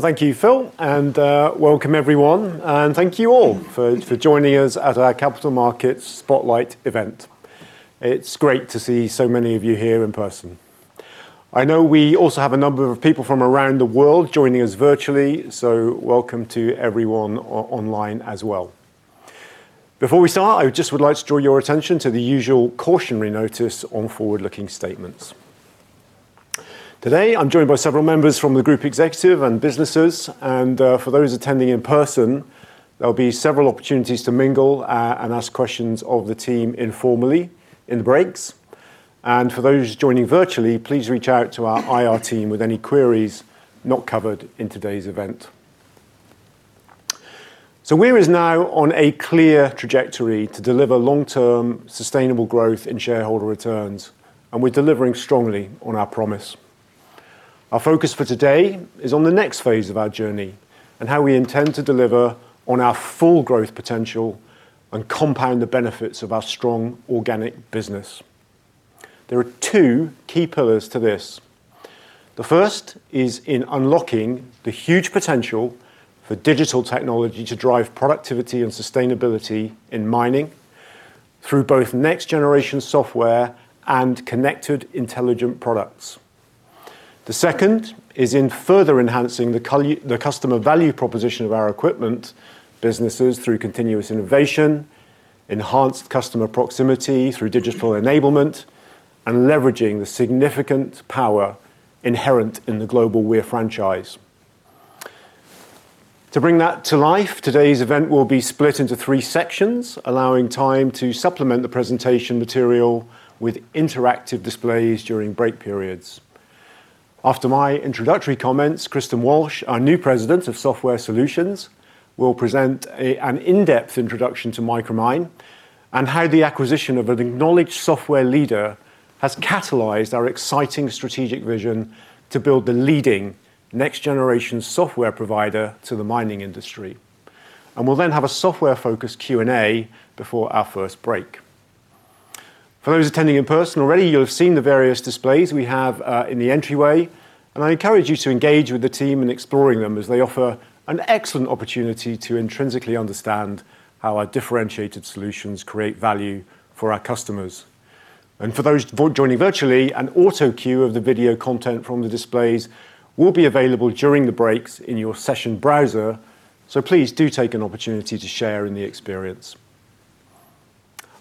Thank you Phil and welcome everyone, and thank you all for joining us at our Capital Markets Spotlight event. It's great to see so many of you here in person. I know we also have a number of people from around the world joining us virtually, so welcome to everyone online as well. Before we start, I just would like to draw your attention to the usual cautionary notice on forward-looking statements. Today, I'm joined by several members from the Group Executive and businesses, and for those attending in person, there'll be several opportunities to mingle and ask questions of the team informally in the breaks. For those joining virtually, please reach out to our IR team with any queries not covered in today's event. Weir is now on a clear trajectory to deliver long-term sustainable growth in shareholder returns, and we're delivering strongly on our promise. Our focus for today is on the next phase of our journey and how we intend to deliver on our full growth potential and compound the benefits of our strong organic business. There are two key pillars to this. The first is in unlocking the huge potential for digital technology to drive productivity and sustainability in mining through both next-generation software and connected intelligent products. The second is in further enhancing the customer value proposition of our equipment businesses through continuous innovation, enhanced customer proximity through digital enablement, and leveraging the significant power inherent in the global Weir franchise. To bring that to life, today's event will be split into three sections, allowing time to supplement the presentation material with interactive displays during break periods. After my introductory comments, Kristen Walsh, our new President of Software Solutions, will present an in-depth introduction to Micromine and how the acquisition of an acknowledged software leader has catalyzed our exciting strategic vision to build the leading next-generation software provider to the mining industry, and we'll then have a software-focused Q&A before our first break. For those attending in person already, you'll have seen the various displays we have in the entryway, and I encourage you to engage with the team in exploring them as they offer an excellent opportunity to intrinsically understand how our differentiated solutions create value for our customers, and for those joining virtually, an autocue of the video content from the displays will be available during the breaks in your session browser, so please do take an opportunity to share in the experience.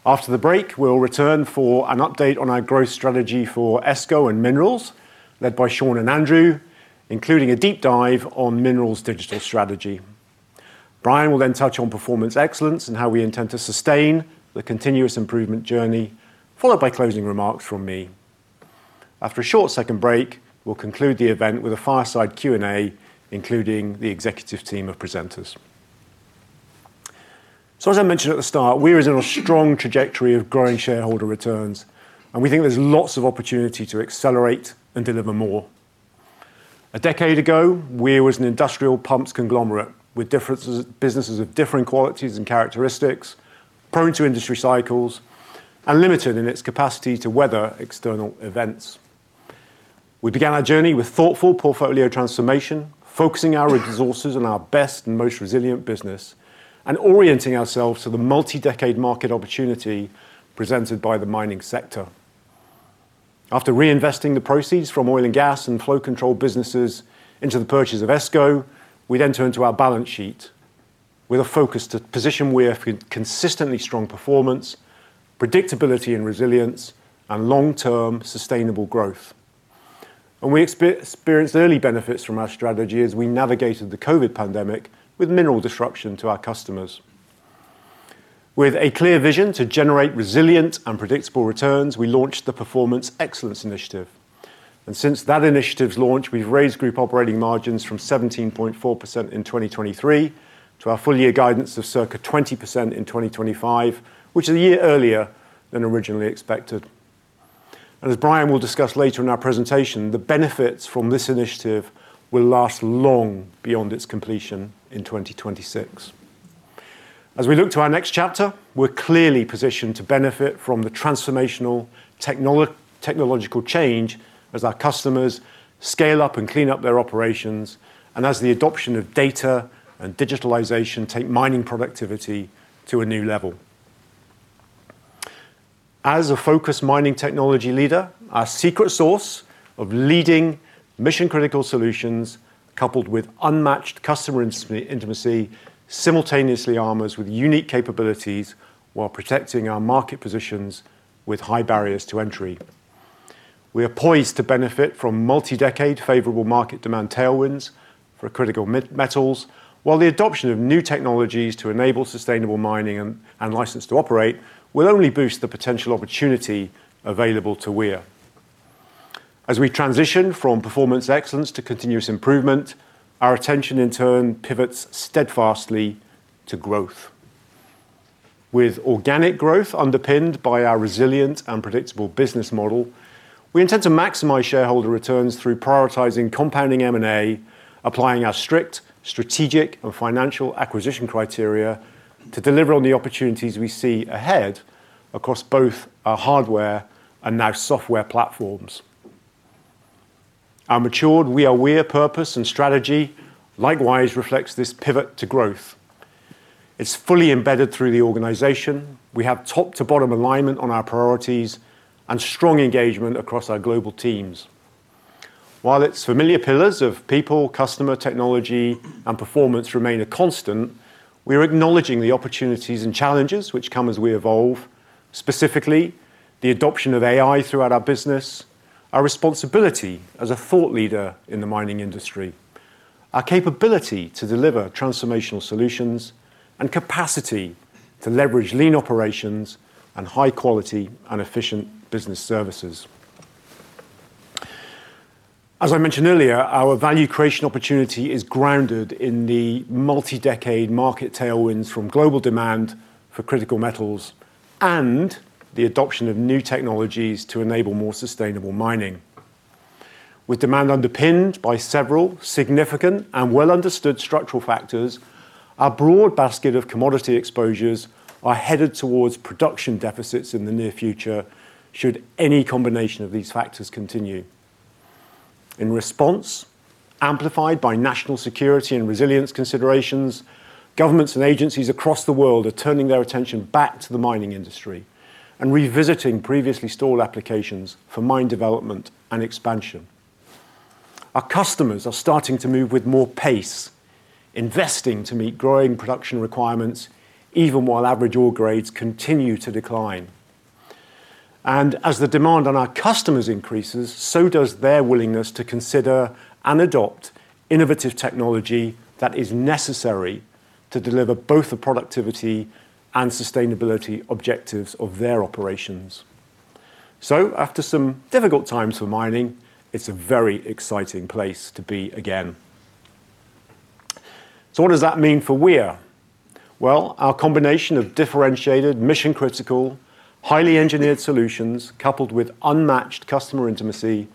After the break, we'll return for an update on our growth strategy for ESCO and Minerals, led by Sean and Andrew, including a deep dive on Minerals' digital strategy. Brian will then touch on Performance Excellence and how we intend to sustain the continuous improvement journey, followed by closing remarks from me. After a short second break, we'll conclude the event with a fireside Q&A, including the executive team of presenters. So, as I mentioned at the start, Weir is on a strong trajectory of growing shareholder returns, and we think there's lots of opportunity to accelerate and deliver more. A decade ago, Weir was an industrial pumps conglomerate with businesses of different qualities and characteristics, prone to industry cycles, and limited in its capacity to weather external events. We began our journey with thoughtful portfolio transformation, focusing our resources on our best and most resilient business and orienting ourselves to the multi-decade market opportunity presented by the mining sector. After reinvesting the proceeds from oil and gas and flow control businesses into the purchase of ESCO, we then turned to our balance sheet with a focus to position Weir for consistently strong performance, predictability and resilience, and long-term sustainable growth. We experienced early benefits from our strategy as we navigated the COVID pandemic with minimal disruption to our customers. With a clear vision to generate resilient and predictable returns, we launched the Performance Excellence Initiative. Since that initiative's launch, we've raised Group operating margins from 17.4% in 2023 to our full-year guidance of circa 20% in 2025, which is a year earlier than originally expected. And as Brian will discuss later in our presentation, the benefits from this initiative will last long beyond its completion in 2026. As we look to our next chapter, we're clearly positioned to benefit from the transformational technological change as our customers scale up and clean up their operations, and as the adoption of data and digitalization take mining productivity to a new level. As a focused mining technology leader, our secret sauce of leading mission-critical solutions, coupled with unmatched customer intimacy, simultaneously arms us with unique capabilities while protecting our market positions with high barriers to entry. We are poised to benefit from multi-decade favorable market demand tailwinds for critical metals, while the adoption of new technologies to enable sustainable mining and license to operate will only boost the potential opportunity available to Weir Group. As we transition from Performance Excellence to Continuous Improvement, our attention in turn pivots steadfastly to growth. With organic growth underpinned by our resilient and predictable business model, we intend to maximize shareholder returns through prioritizing compounding M&A, applying our strict strategic and financial acquisition criteria to deliver on the opportunities we see ahead across both our hardware and now software Precision. Our matured Weir purpose and strategy likewise reflects this pivot to growth. It's fully embedded through the organization. We have top-to-bottom alignment on our priorities and strong engagement across our global teams. While its familiar pillars of people, customer, technology, and performance remain a constant, we are acknowledging the opportunities and challenges which come as we evolve, specifically the adoption of AI throughout our business, our responsibility as a thought leader in the mining industry, our capability to deliver transformational solutions, and capacity to leverage Lean operations and high-quality and efficient business services. As I mentioned earlier, our value creation opportunity is grounded in the multi-decade market tailwinds from global demand for critical metals and the adoption of new technologies to enable more sustainable mining. With demand underpinned by several significant and well-understood structural factors, our broad basket of commodity exposures are headed towards production deficits in the near future should any combination of these factors continue. In response, amplified by national security and resilience considerations, governments and agencies across the world are turning their attention back to the mining industry and revisiting previously stalled applications for mine development and expansion. Our customers are starting to move with more pace, investing to meet growing production requirements even while average ore grades continue to decline. And as the demand on our customers increases, so does their willingness to consider and adopt innovative technology that is necessary to deliver both the productivity and sustainability objectives of their operations. So, after some difficult times for mining, it's a very exciting place to be again. So, what does that mean for Weir? Well, our combination of differentiated, mission-critical, highly engineered solutions coupled with unmatched customer intimacy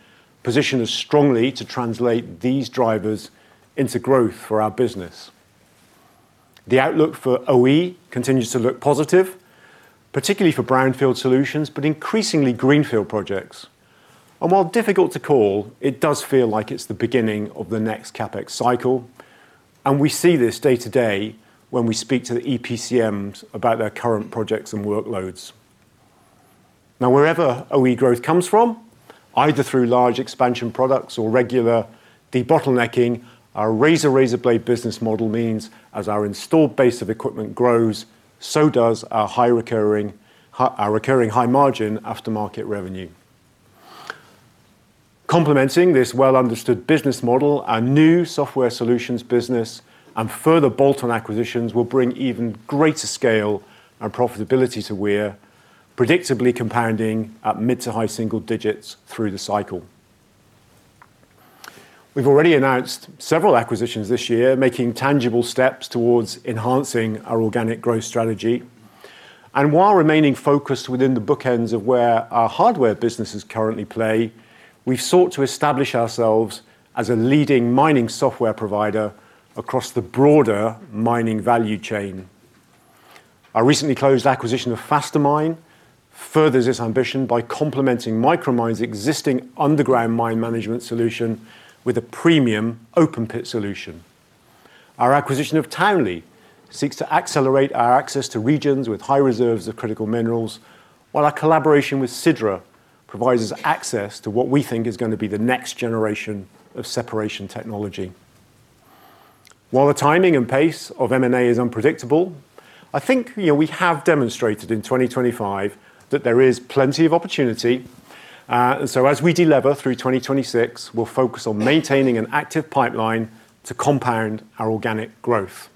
positions us strongly to translate these drivers into growth for our business. The outlook for OE continues to look positive, particularly for brownfield solutions, but increasingly greenfield projects. While difficult to call, it does feel like it's the beginning of the next CapEx cycle, and we see this day to day when we speak to the EPCMs about their current projects and workloads. Now, wherever OE growth comes from, either through large expansion products or regular debottlenecking, our razor-blade business model means as our installed base of equipment grows, so does our high recurring high-margin aftermarket revenue. Complementing this well-understood business model, our new software solutions business and further bolt-on acquisitions will bring even greater scale and profitability to Weir, predictably compounding at mid to high single digits through the cycle. We've already announced several acquisitions this year, making tangible steps towards enhancing our organic growth strategy. While remaining focused within the bookends of where our hardware businesses currently play, we've sought to establish ourselves as a leading mining software provider across the broader mining value chain. Our recently closed acquisition of Precision furthers this ambition by complementing Micromine's existing underground mine management solution with a premium open-pit solution. Our acquisition of Townley seeks to accelerate our access to regions with high reserves of critical Minerals, while our collaboration with CiDRA provides us access to what we think is going to be the next generation of separation technology. While the timing and pace of M&A is unpredictable, I think we have demonstrated in 2025 that there is plenty of opportunity. And so, as we deliver through 2026, we'll focus on maintaining an active pipeline to compound our organic growth.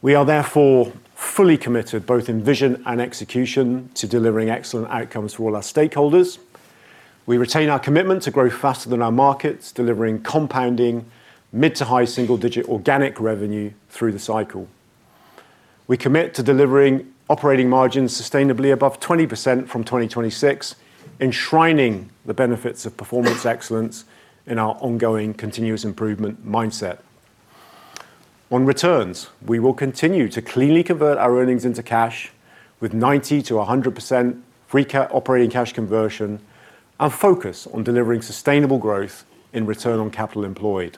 We are therefore fully committed, both in vision and execution, to delivering excellent outcomes for all our stakeholders. We retain our commitment to grow faster than our markets, delivering compounding mid to high single-digit organic revenue through the cycle. We commit to delivering operating margins sustainably above 20% from 2026, enshrining the benefits of Performance Excellence in our ongoing continuous improvement mindset. On returns, we will continue to cleanly convert our earnings into cash with 90% to 100% free operating cash conversion and focus on delivering sustainable growth in return on capital employed.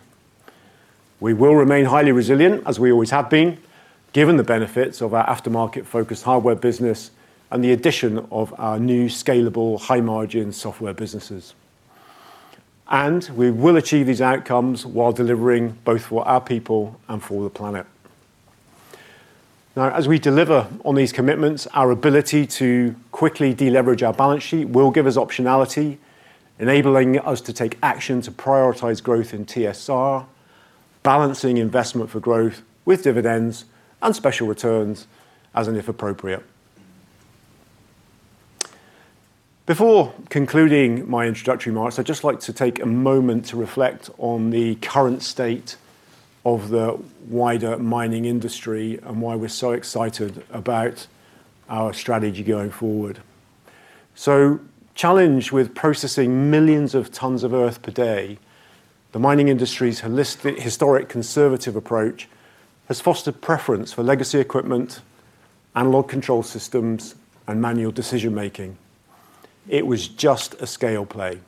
We will remain highly resilient, as we always have been, given the benefits of our aftermarket-focused hardware business and the addition of our new scalable high-margin software businesses. And we will achieve these outcomes while delivering both for our people and for the planet. Now, as we deliver on these commitments, our ability to quickly deleverage our balance sheet will give us optionality, enabling us to take action to prioritize growth in TSR, balancing investment for growth with dividends and special returns as and if appropriate. Before concluding my introductory marks, I'd just like to take a moment to reflect on the current state of the wider mining industry and why we're so excited about our strategy going forward. So, challenged with processing millions of tons of earth per day, the mining industry's historic conservative approach has fostered preference for legacy equipment, analog control systems, and manual decision-making. It was just a scale play.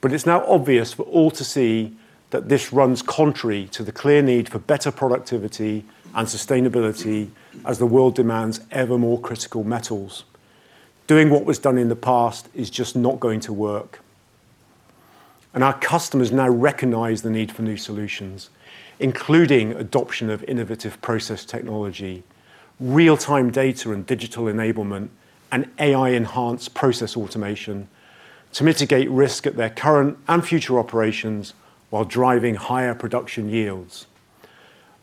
But it's now obvious for all to see that this runs contrary to the clear need for better productivity and sustainability as the world demands ever more critical metals. Doing what was done in the past is just not going to work, and our customers now recognize the need for new solutions, including adoption of innovative process technology, real-time data and digital enablement, and AI-enhanced process automation to mitigate risk at their current and future operations while driving higher production yields,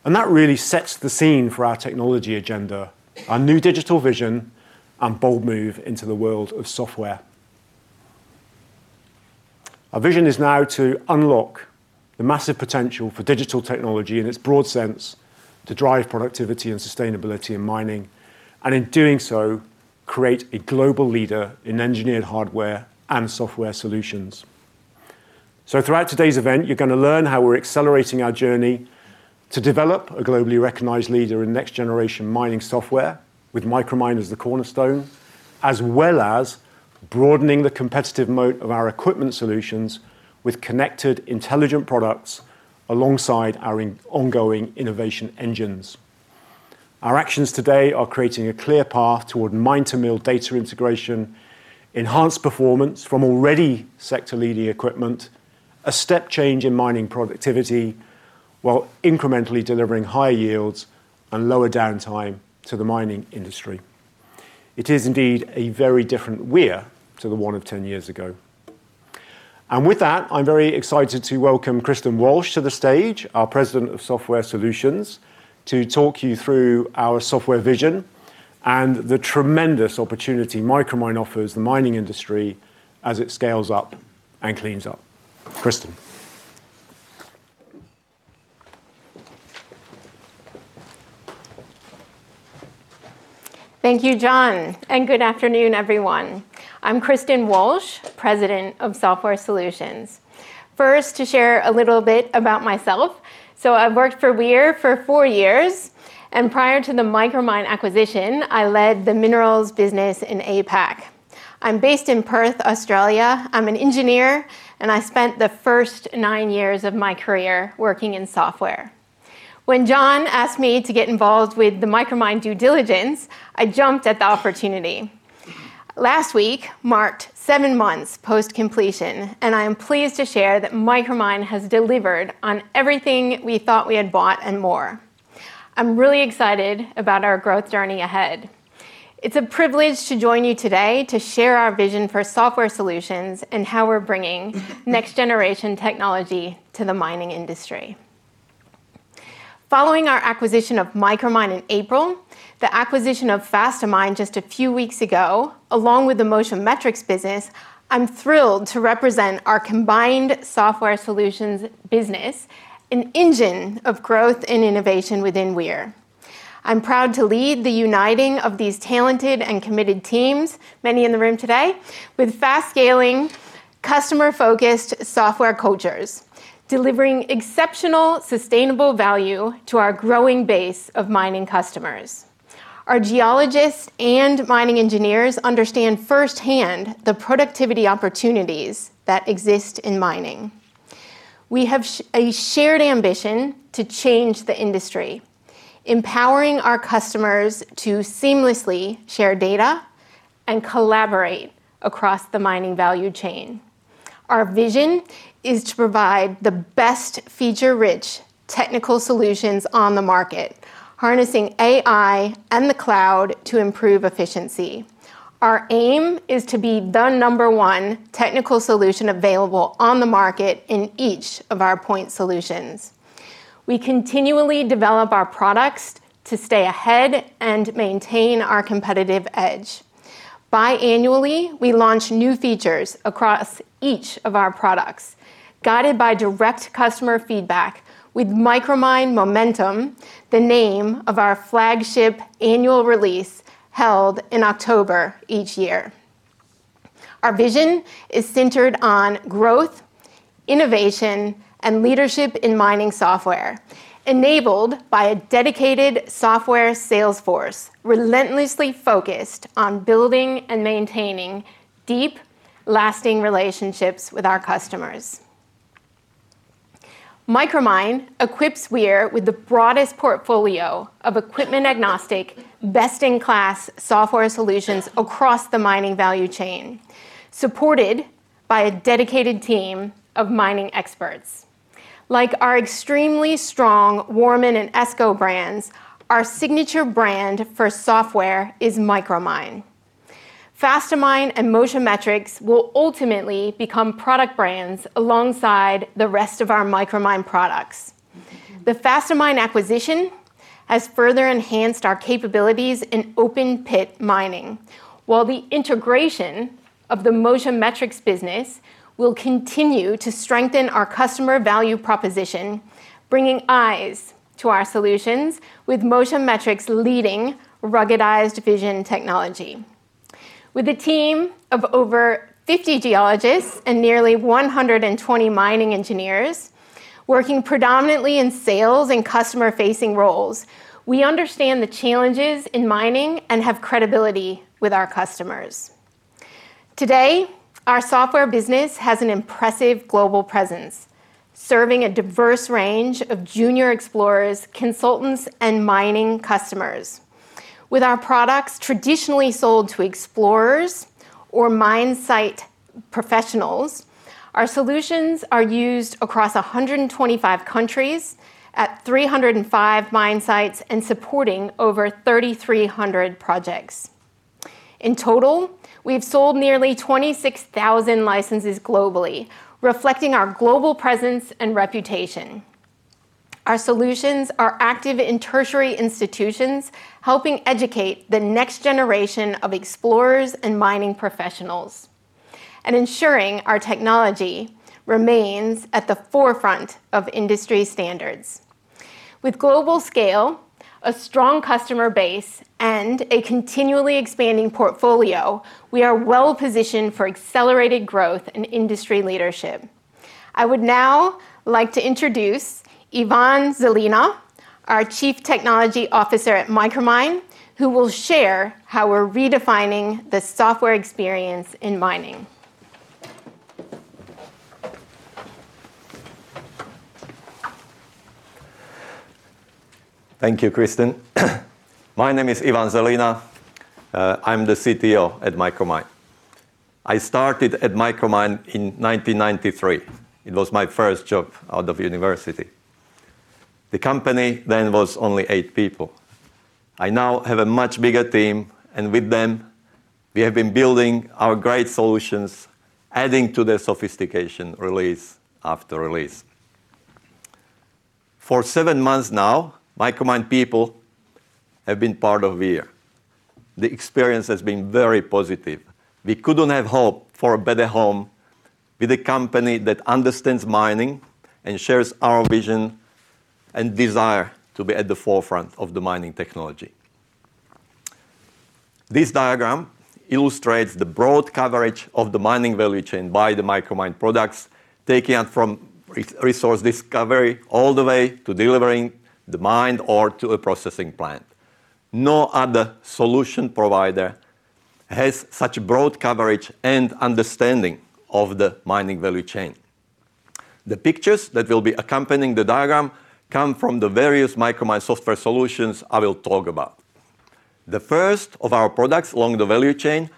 and that really sets the scene for our technology agenda, our new digital vision, and bold move into the world of software. Our vision is now to unlock the massive potential for digital technology in its broad sense to drive productivity and sustainability in mining, and in doing so, create a global leader in engineered hardware and software solutions. So, throughout today's event, you're going to learn how we're accelerating our journey to develop a globally recognized leader in next-generation mining software with Micromine as the cornerstone, as well as broadening the competitive moat of our equipment solutions with connected intelligent products alongside our ongoing innovation engines. Our actions today are creating a clear path toward mine-to-mill data integration, enhanced performance from already sector-leading equipment, a step change in mining productivity while incrementally delivering higher yields and lower downtime to the mining industry. It is indeed a very different Weir to the one of 10 years ago. And with that, I'm very excited to welcome Kristen Walsh to the stage, our President of Software Solutions, to talk you through our software vision and the tremendous opportunity Micromine offers the mining industry as it scales up and cleans up. Kristen. Thank you, Jon. And good afternoon, everyone. I'm Kristen Walsh, President of Software Solutions. First, to share a little bit about myself. So, I've worked for Weir for four years. And prior to the Micromine acquisition, I led the Minerals business in APAC. I'm based in Perth, Australia. I'm an engineer, and I spent the first nine years of my career working in software. When Jon asked me to get involved with the Micromine due diligence, I jumped at the opportunity. Last week marked seven months post-completion, and I am pleased to share that Micromine has delivered on everything we thought we had bought and more. I'm really excited about our growth journey ahead. It's a privilege to join you today to share our vision for software solutions and how we're bringing next-generation technology to the mining industry. Following our acquisition of Micromine in April, the acquisition of Precision just a few weeks ago, along with the Micromine business, I'm thrilled to represent our combined software solutions business, an engine of growth and innovation within Weir Group. I'm proud to lead the uniting of these talented and committed teams, many in the room today, with fast-scaling, customer-focused software cultures, delivering exceptional sustainable value to our growing base of mining customers. Our geologists and mining engineers understand firsthand the productivity opportunities that exist in mining. We have a shared ambition to change the industry, empowering our customers to seamlessly share data and collaborate across the mining value chain. Our vision is to provide the best feature-rich technical solutions on the market, harnessing AI and the cloud to improve efficiency. Our aim is to be the number one technical solution available on the market in each of our point solutions. We continually develop our products to stay ahead and maintain our competitive edge. Biannually, we launch new features across each of our products, guided by direct customer feedback with Micromine Momentum, the name of our flagship annual release held in October each year. Our vision is centered on growth, innovation, and leadership in mining software, enabled by a dedicated software sales force relentlessly focused on building and maintaining deep, lasting relationships with our customers. Micromine equips Weir with the broadest portfolio of equipment-agnostic, best-in-class software solutions across the mining value chain, supported by a dedicated team of mining experts. Like our extremely strong Warman and ESCO brands, our signature brand for software is Micromine. Precision and Micromine will ultimately become product brands alongside the rest of our Micromine products. The Precision acquisition has further enhanced our capabilities in open-pit mining, while the integration of the Micromine business will continue to strengthen our customer value proposition, bringing eyes to our solutions with Micromine leading ruggedized vision technology. With a team of over 50 geologists and nearly 120 mining engineers working predominantly in sales and customer-facing roles, we understand the challenges in mining and have credibility with our customers. Today, our software business has an impressive global presence, serving a diverse range of junior explorers, consultants, and mining customers. With our products traditionally sold to explorers or mine site professionals, our solutions are used across 125 countries at 305 mine sites and supporting over 3,300 projects. In total, we've sold nearly 26,000 licenses globally, reflecting our global presence and reputation. Our solutions are active in tertiary institutions, helping educate the next generation of explorers and mining professionals, and ensuring our technology remains at the forefront of industry standards. With global scale, a strong customer base, and a continually expanding portfolio, we are well-positioned for accelerated growth and industry leadership. I would now like to introduce Ivan Zelina, our Chief Technology Officer at Micromine, who will share how we're redefining the software experience in mining. Thank you, Kristen. My name is Ivan Zelina. I'm the CTO at Micromine. I started at Micromine in 1993. It was my first job out of university. The company then was only eight people. I now have a much bigger team, and with them, we have been building our great solutions, adding to the sophistication release after release. For seven months now, Micromine people have been part of Weir. The experience has been very positive. We couldn't have hoped for a better home with a company that understands mining and shares our vision and desire to be at the forefront of the mining technology. This diagram illustrates the broad coverage of the mining value chain by the Micromine products, taking it from resource discovery all the way to delivering the mine or to a processing plant. No other solution provider has such broad coverage and understanding of the mining value chain. The pictures that will be accompanying the diagram come from the various Micromine software solutions I will talk about. The first of our products along the value chain,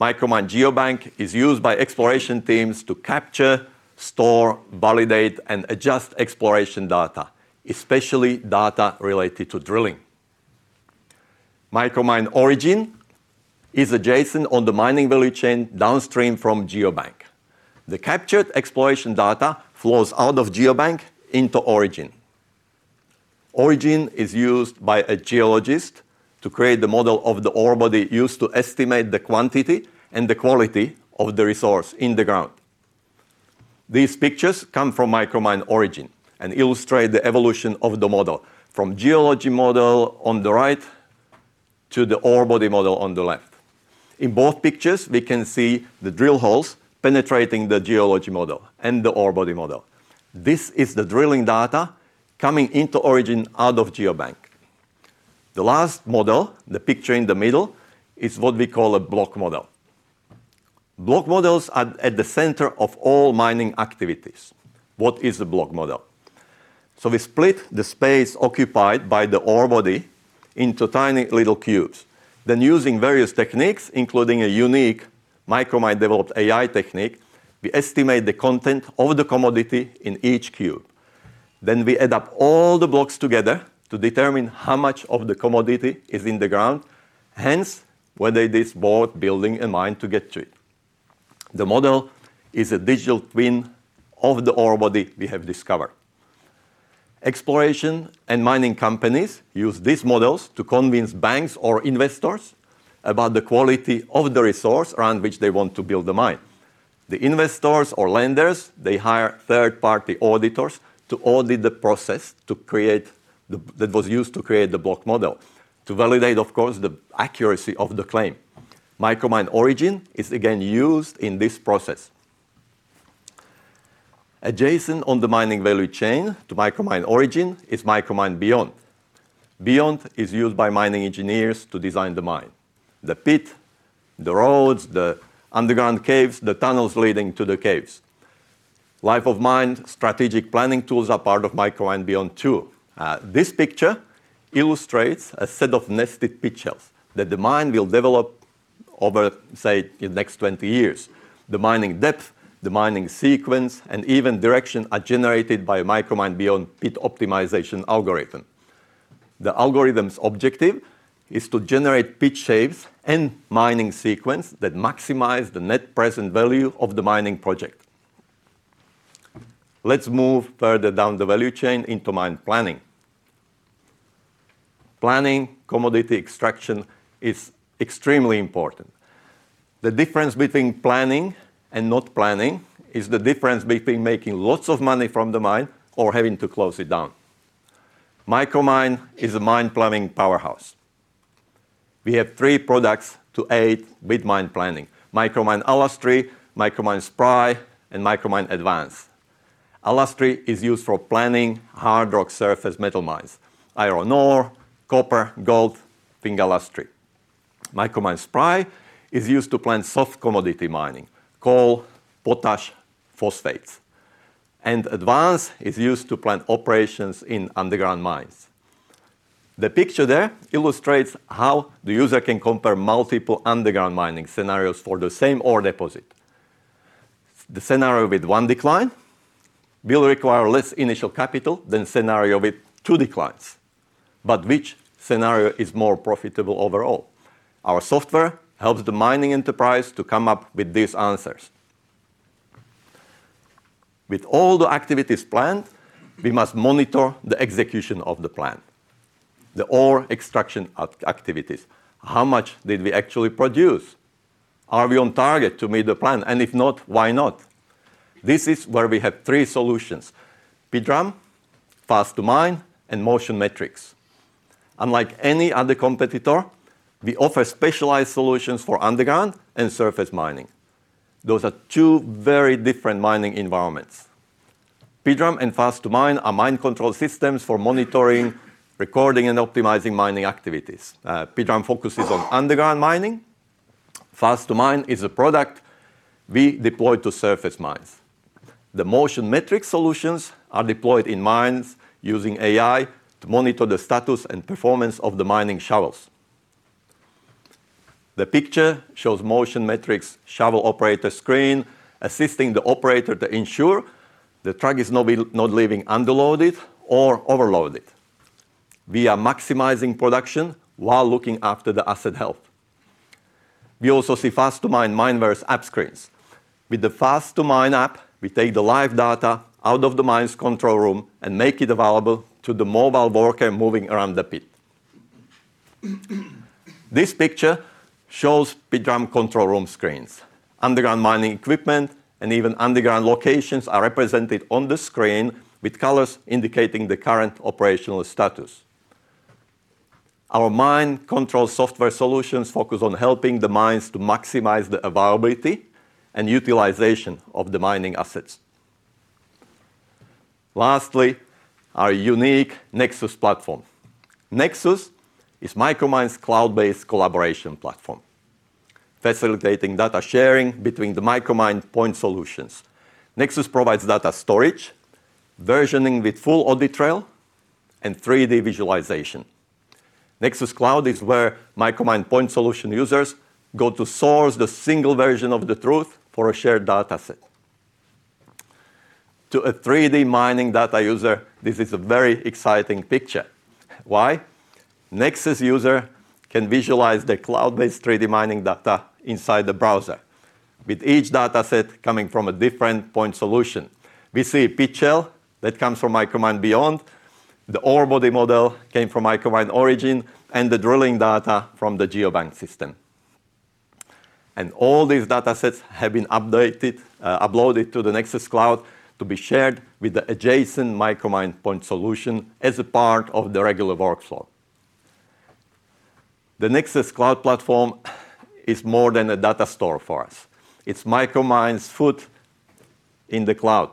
Micromine Geobank, is used by exploration teams to capture, store, validate, and adjust exploration data, especially data related to drilling. Micromine Origin is adjacent on the mining value chain downstream from Geobank. The captured exploration data flows out of Geobank into Origin. Origin is used by a geologist to create the model of the ore body used to estimate the quantity and the quality of the resource in the ground. These pictures come from Micromine Origin and illustrate the evolution of the model from geology model on the right to the ore body model on the left. In both pictures, we can see the drill holes penetrating the geology model and the ore body model. This is the drilling data coming into Origin out of Geobank. The last model, the picture in the middle, is what we call a block model. Block models are at the center of all mining activities. What is a block model? So we split the space occupied by the ore body into tiny little cubes. Then, using various techniques, including a unique Micromine-developed AI technique, we estimate the content of the commodity in each cube. Then we add up all the blocks together to determine how much of the commodity is in the ground, hence whether it is bought, built, and mined to get to it. The model is a Digital Twin of the ore body we have discovered. Exploration and mining companies use these models to convince banks or investors about the quality of the resource around which they want to build the mine. The investors or lenders, they hire third-party auditors to audit the process that was used to create the Block Model to validate, of course, the accuracy of the claim. Micromine Origin is again used in this process. Adjacent on the mining value chain to Micromine Origin is Micromine Beyond. Beyond is used by mining engineers to design the mine: the pit, the roads, the underground caves, the tunnels leading to the caves. Life of mine strategic planning tools are part of Micromine Beyond too. This picture illustrates a set of nested pits that the mine will develop over, say, the next 20 years. The mining depth, the mining sequence, and even direction are generated by Micromine Beyond pit optimization algorithm. The algorithm's objective is to generate pit shapes and mining sequence that maximize the net present value of the mining project. Let's move further down the value chain into mine planning. Planning commodity extraction is extremely important. The difference between planning and not planning is the difference between making lots of money from the mine or having to close it down. Micromine is a mine planning powerhouse. We have three products to aid with mine planning: Micromine Alastri, Micromine Spry, and Micromine Alastri. Alastri is used for planning hard rock surface metal mines: iron ore, copper, gold. Micromine Spry is used to plan soft commodity mining: coal, potash, phosphates. And Advance is used to plan operations in underground mines. The picture there illustrates how the user can compare multiple underground mining scenarios for the same ore deposit. The scenario with one decline will require less initial capital than the scenario with two declines. But which scenario is more profitable overall? Our software helps the mining enterprise to come up with these answers. With all the activities planned, we must monitor the execution of the plan, the ore extraction activities. How much did we actually produce? Are we on target to meet the plan? And if not, why not? This is where we have three solutions: Pitram, Precision, and Micromine. Unlike any other competitor, we offer specialized solutions for underground and surface mining. Those are two very different mining environments. Micromine Pitram and Precision are mine control systems for monitoring, recording, and optimizing mining activities. Micromine Pitram focuses on underground mining. Precision is a product we deploy to surface mines. The Micromine solutions are deployed in mines using AI to monitor the status and performance of the mining shovels. The picture shows Micromine shovel operator screen assisting the operator to ensure the truck is not leaving underloaded or overloaded. We are maximizing production while looking after the asset health. We also see Precision Mineverse app screens. With the Precision app, we take the live data out of the mine's control room and make it available to the mobile worker moving around the pit. This picture shows Micromine Pitram control room screens. Underground mining equipment and even underground locations are represented on the screen with colors indicating the current operational status. Our mine control software solutions focus on helping the mines to maximize the availability and utilization of the mining assets. Lastly, our unique Micromine Nexsys platform. Micromine Nexsys is Micromine's cloud-based collaboration platform, facilitating data sharing between the Micromine point solutions. Micromine Nexsys provides data storage, versioning with full audit trail, and 3D visualization. Micromine Nexsys Cloud is where Micromine point solution users go to source the single version of the truth for a shared data set. To a 3D mining data user, this is a very exciting picture. Why? Micromine Nexsys user can visualize the cloud-based 3D mining data inside the browser, with each data set coming from a different point solution. We see a pit shell that comes from Micromine Beyond, the ore body model came from Micromine Origin, and the drilling data from the Geobank system. And all these data sets have been uploaded to the Nexsys Cloud to be shared with the adjacent Micromine point solution as a part of the regular workflow. The Nexsys Cloud platform is more than a data store for us. It's Micromine's foot in the cloud.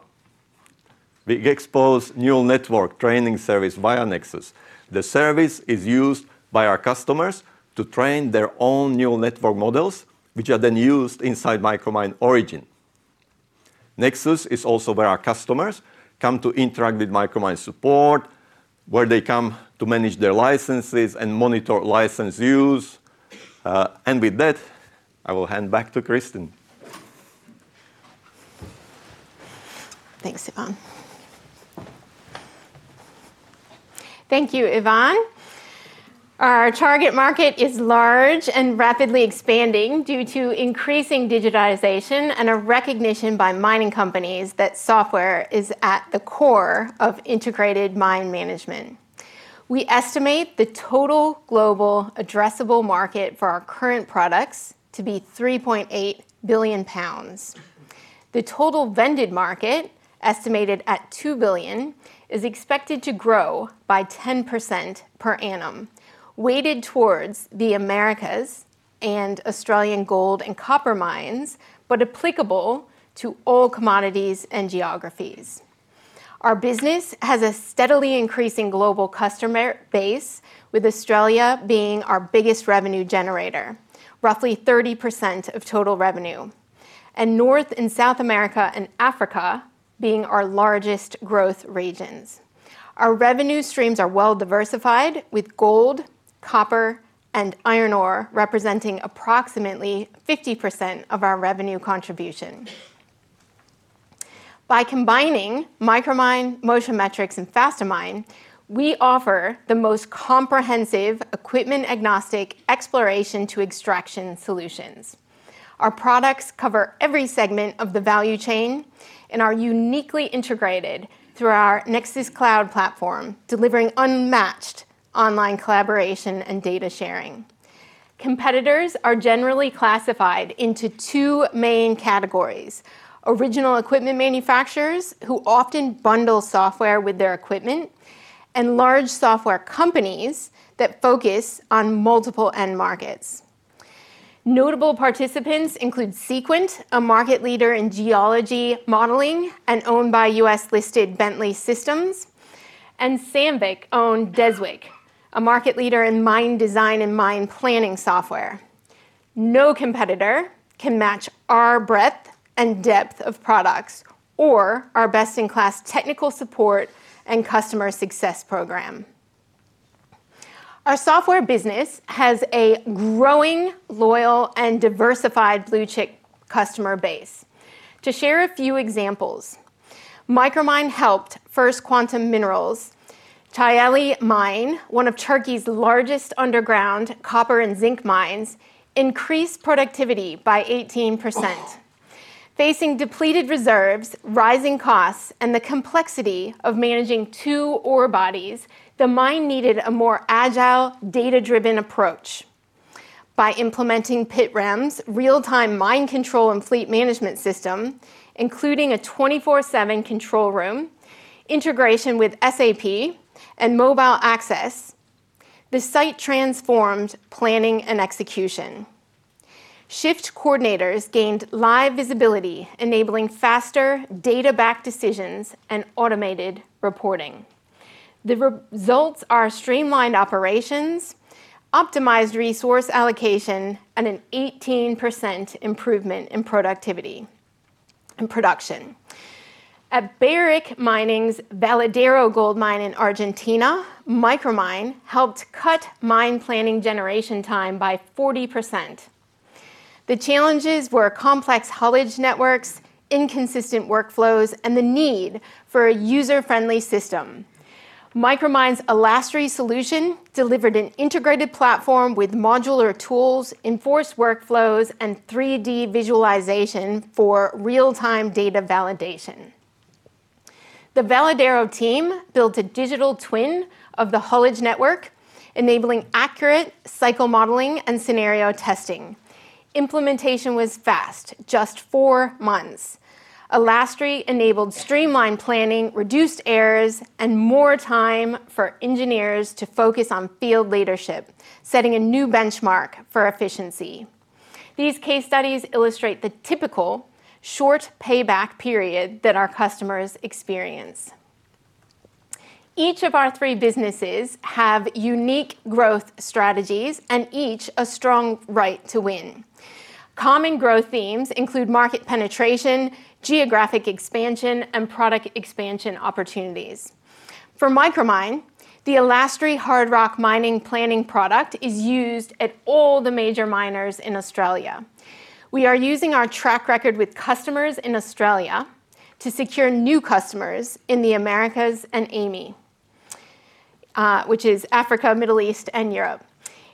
We expose neural network training service via Nexsys. The service is used by our customers to train their own neural network models, which are then used inside Micromine Origin. Nexsys is also where our customers come to interact with Micromine support, where they come to manage their licenses and monitor license use. And with that, I will hand back to Kristen. Thanks, Ivan Zelina. Thank you, Ivan Zelina. Our target market is large and rapidly expanding due to increasing digitization and a recognition by mining companies that software is at the core of integrated mine management. We estimate the total global addressable market for our current products to be 3.8 billion pounds. The total vended market, estimated at 2 billion, is expected to grow by 10% per annum, weighted towards the Americas and Australian gold and copper mines, but applicable to all commodities and geographies. Our business has a steadily increasing global customer base, with Australia being our biggest revenue generator, roughly 30% of total revenue, and North and South America and Africa being our largest growth regions. Our revenue streams are well diversified, with gold, copper, and iron ore representing approximately 50% of our revenue contribution. By combining Micromine, Micromine, and Precision, we offer the most comprehensive equipment-agnostic exploration to extraction solutions. Our products cover every segment of the value chain and are uniquely integrated through our Nexsys Cloud platform, delivering unmatched online collaboration and data sharing. Competitors are generally classified into two main categories: original equipment manufacturers, who often bundle software with their equipment, and large software companies that focus on multiple end markets. Notable participants include Seequent, a market leader in geology modeling and owned by U.S.-listed Bentley Systems, and Sandvik, owner of Deswik, a market leader in mine design and mine planning software. No competitor can match our breadth and depth of products or our best-in-class technical support and customer success program. Our software business has a growing, loyal, and diversified blue-chip customer base. To share a few examples, Micromine helped First Quantum Minerals, Çayeli Mine, one of Turkey's largest underground copper and zinc mines, increase productivity by 18%. Facing depleted reserves, rising costs, and the complexity of managing two ore bodies, the mine needed a more agile, data-driven approach. By implementing Micromine Pitram's real-time mine control and fleet management system, including a 24/7 control room, integration with SAP, and mobile access, the site transformed planning and execution. Shift coordinators gained live visibility, enabling faster data-backed decisions and automated reporting. The results are streamlined operations, optimized resource allocation, and an 18% improvement in productivity and production. At Barrick Gold Veladero Gold Mine in Argentina, Micromine helped cut mine planning generation time by 40%. The challenges were complex haulage networks, inconsistent workflows, and the need for a user-friendly system. Micromine's Alastri solution delivered an integrated platform with modular tools, enforced workflows, and 3D visualization for real-time data validation. The Veladero team built a digital twin of the haulage network, enabling accurate cycle modeling and scenario testing. Implementation was fast, just four months. Alastri enabled streamlined planning, reduced errors, and more time for engineers to focus on field leadership, setting a new benchmark for efficiency. These case studies illustrate the typical short payback period that our customers experience. Each of our three businesses has unique growth strategies and each a strong right to win. Common growth themes include market penetration, geographic expansion, and product expansion opportunities. For Micromine, the Alastri Hard Rock Mining Planning product is used at all the major miners in Australia. We are using our track record with customers in Australia to secure new customers in the Americas and EMEA, which is Africa, Middle East, and Europe.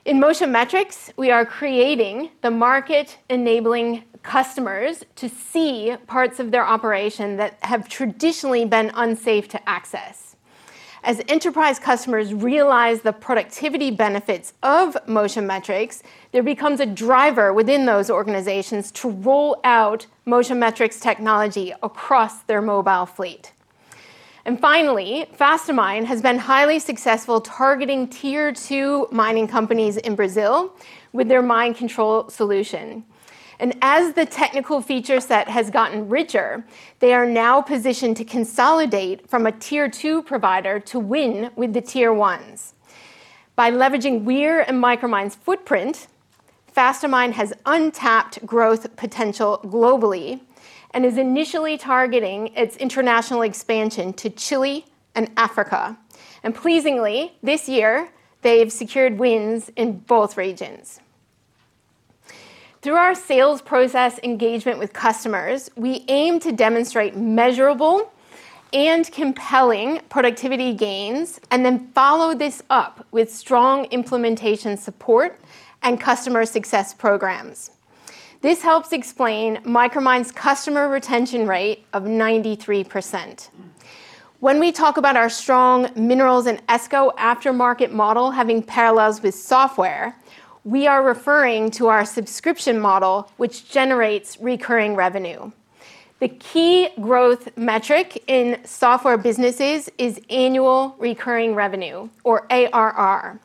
In Micromine, we are creating the market-enabling customers to see parts of their operation that have traditionally been unsafe to access. As enterprise customers realize the productivity benefits of Micromine, there becomes a driver within those organizations to roll out Micromine technology across their mobile fleet. Finally, Precision has been highly successful targeting tier two mining companies in Brazil with their mine control solution. As the technical feature set has gotten richer, they are now positioned to consolidate from a tier two provider to win with the Tier 1s. By leveraging Weir and Micromine's footprint, Precision has untapped growth potential globally and is initially targeting its international expansion to Chile and Africa. Pleasingly, this year, they've secured WINS in both regions. Through our sales process engagement with customers, we aim to demonstrate measurable and compelling productivity gains and then follow this up with strong implementation support and customer success programs. This helps explain Micromine's customer retention rate of 93%. When we talk about our strong Minerals and ESCO aftermarket model having parallels with software, we are referring to our subscription model, which generates recurring revenue. The key growth metric in software businesses is annual recurring revenue, or ARR.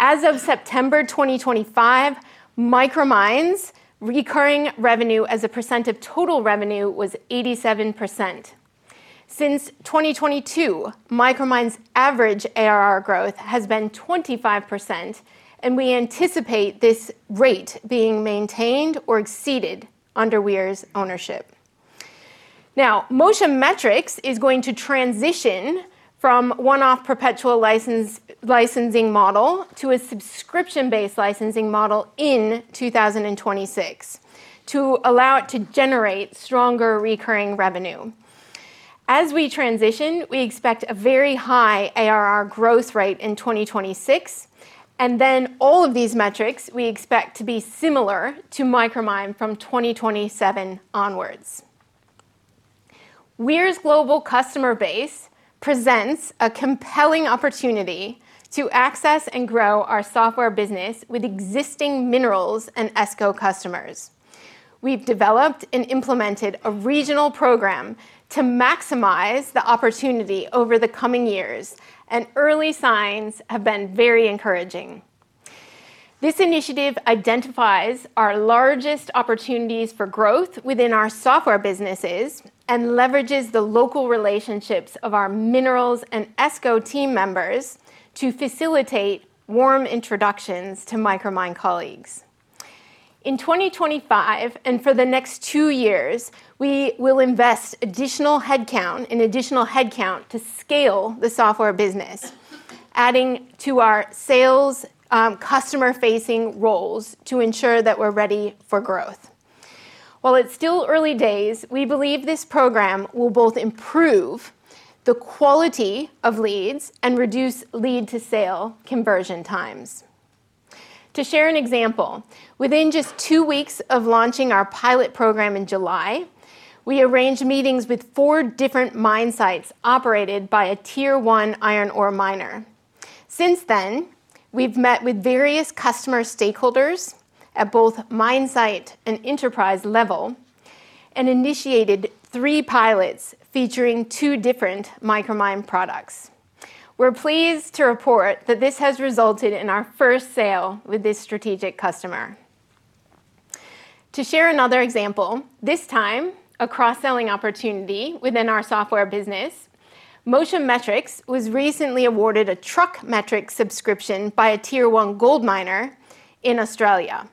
As of September 2025, Micromine's recurring revenue as a percent of total revenue was 87%. Since 2022, Micromine's average ARR growth has been 25%, and we anticipate this rate being maintained or exceeded under Weir's ownership. Now, Micromine is going to transition from one-off perpetual licensing model to a subscription-based licensing model in 2026 to allow it to generate stronger recurring revenue. As we transition, we expect a very high ARR growth rate in 2026, and then all of these metrics we expect to be similar to Micromine from 2027 onwards. Weir's global customer base presents a compelling opportunity to access and grow our software business with existing Minerals and ESCO customers. We've developed and implemented a regional program to maximize the opportunity over the coming years, and early signs have been very encouraging. This initiative identifies our largest opportunities for growth within our software businesses and leverages the local relationships of our Minerals and ESCO team members to facilitate warm introductions to Micromine colleagues. In 2025 and for the next two years, we will invest additional headcount to scale the software business, adding to our sales customer-facing roles to ensure that we're ready for growth. While it's still early days, we believe this program will both improve the quality of leads and reduce lead-to-sale conversion times. To share an example, within just two weeks of launching our pilot program in July, we arranged meetings with four different mine sites operated by a Tier 1 iron ore miner. Since then, we've met with various customer stakeholders at both mine site and enterprise level and initiated three pilots featuring two different Micromine products. We're pleased to report that this has resulted in our first sale with this strategic customer. To share another example, this time a cross-selling opportunity within our software business, Micromine was recently awarded a TruckMetrics subscription by a Tier 1 gold miner in Australia,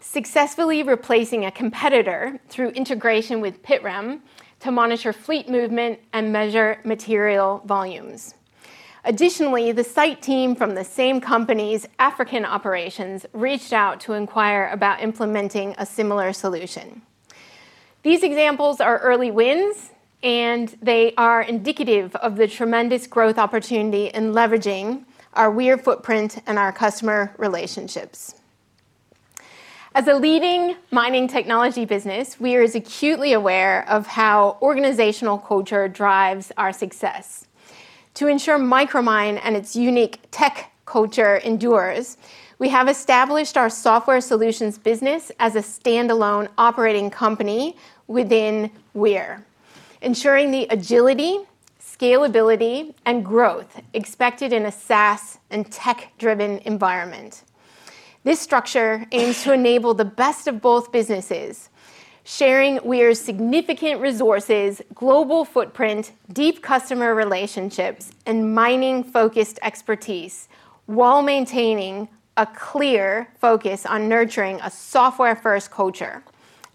successfully replacing a competitor through integration with Micromine Pitram to monitor fleet movement and measure material volumes. Additionally, the site team from the same company's African operations reached out to inquire about implementing a similar solution. These examples are early WINS, and they are indicative of the tremendous growth opportunity in leveraging our Weir Group footprint and our customer relationships. As a leading mining technology business, Weir Group is acutely aware of how organizational culture drives our success. To ensure Micromine and its unique tech culture endures, we have established our software solutions business as a standalone operating company within Weir Group, ensuring the agility, scalability, and growth expected in a SaaS and tech-driven environment. This structure aims to enable the best of both businesses, sharing Weir's significant resources, global footprint, deep customer relationships, and mining-focused expertise while maintaining a clear focus on nurturing a software-first culture,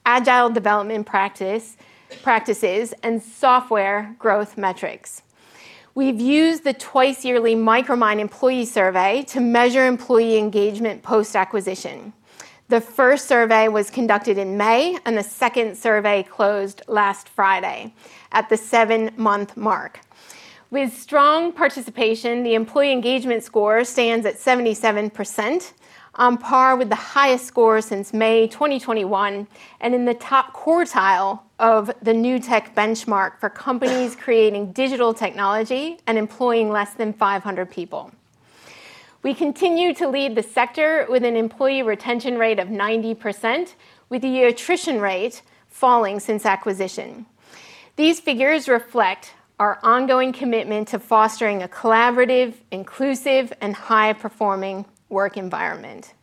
agile development practices, and software growth metrics. We've used the twice-yearly Micromine employee survey to measure employee engagement post-acquisition. The first survey was conducted in May, and the second survey closed last Friday at the seven-month mark. With strong participation, the employee engagement score stands at 77%, on par with the highest score since May 2021 and in the top quartile of the new tech benchmark for companies creating digital technology and employing less than 500 people. We continue to lead the sector with an employee retention rate of 90%, with the attrition rate falling since acquisition. These figures reflect our ongoing commitment to fostering a collaborative, inclusive, and high-performing work environment.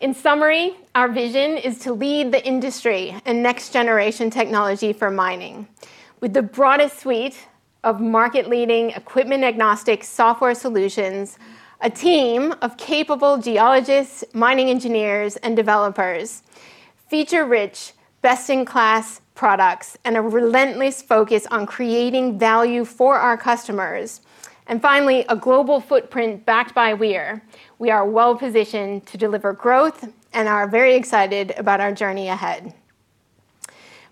In summary, our vision is to lead the industry in next-generation technology for mining. With the broadest suite of market-leading equipment-agnostic software solutions, a team of capable geologists, mining engineers, and developers, feature-rich, best-in-class products, and a relentless focus on creating value for our customers, and finally, a global footprint backed by Weir, we are well-positioned to deliver growth and are very excited about our journey ahead.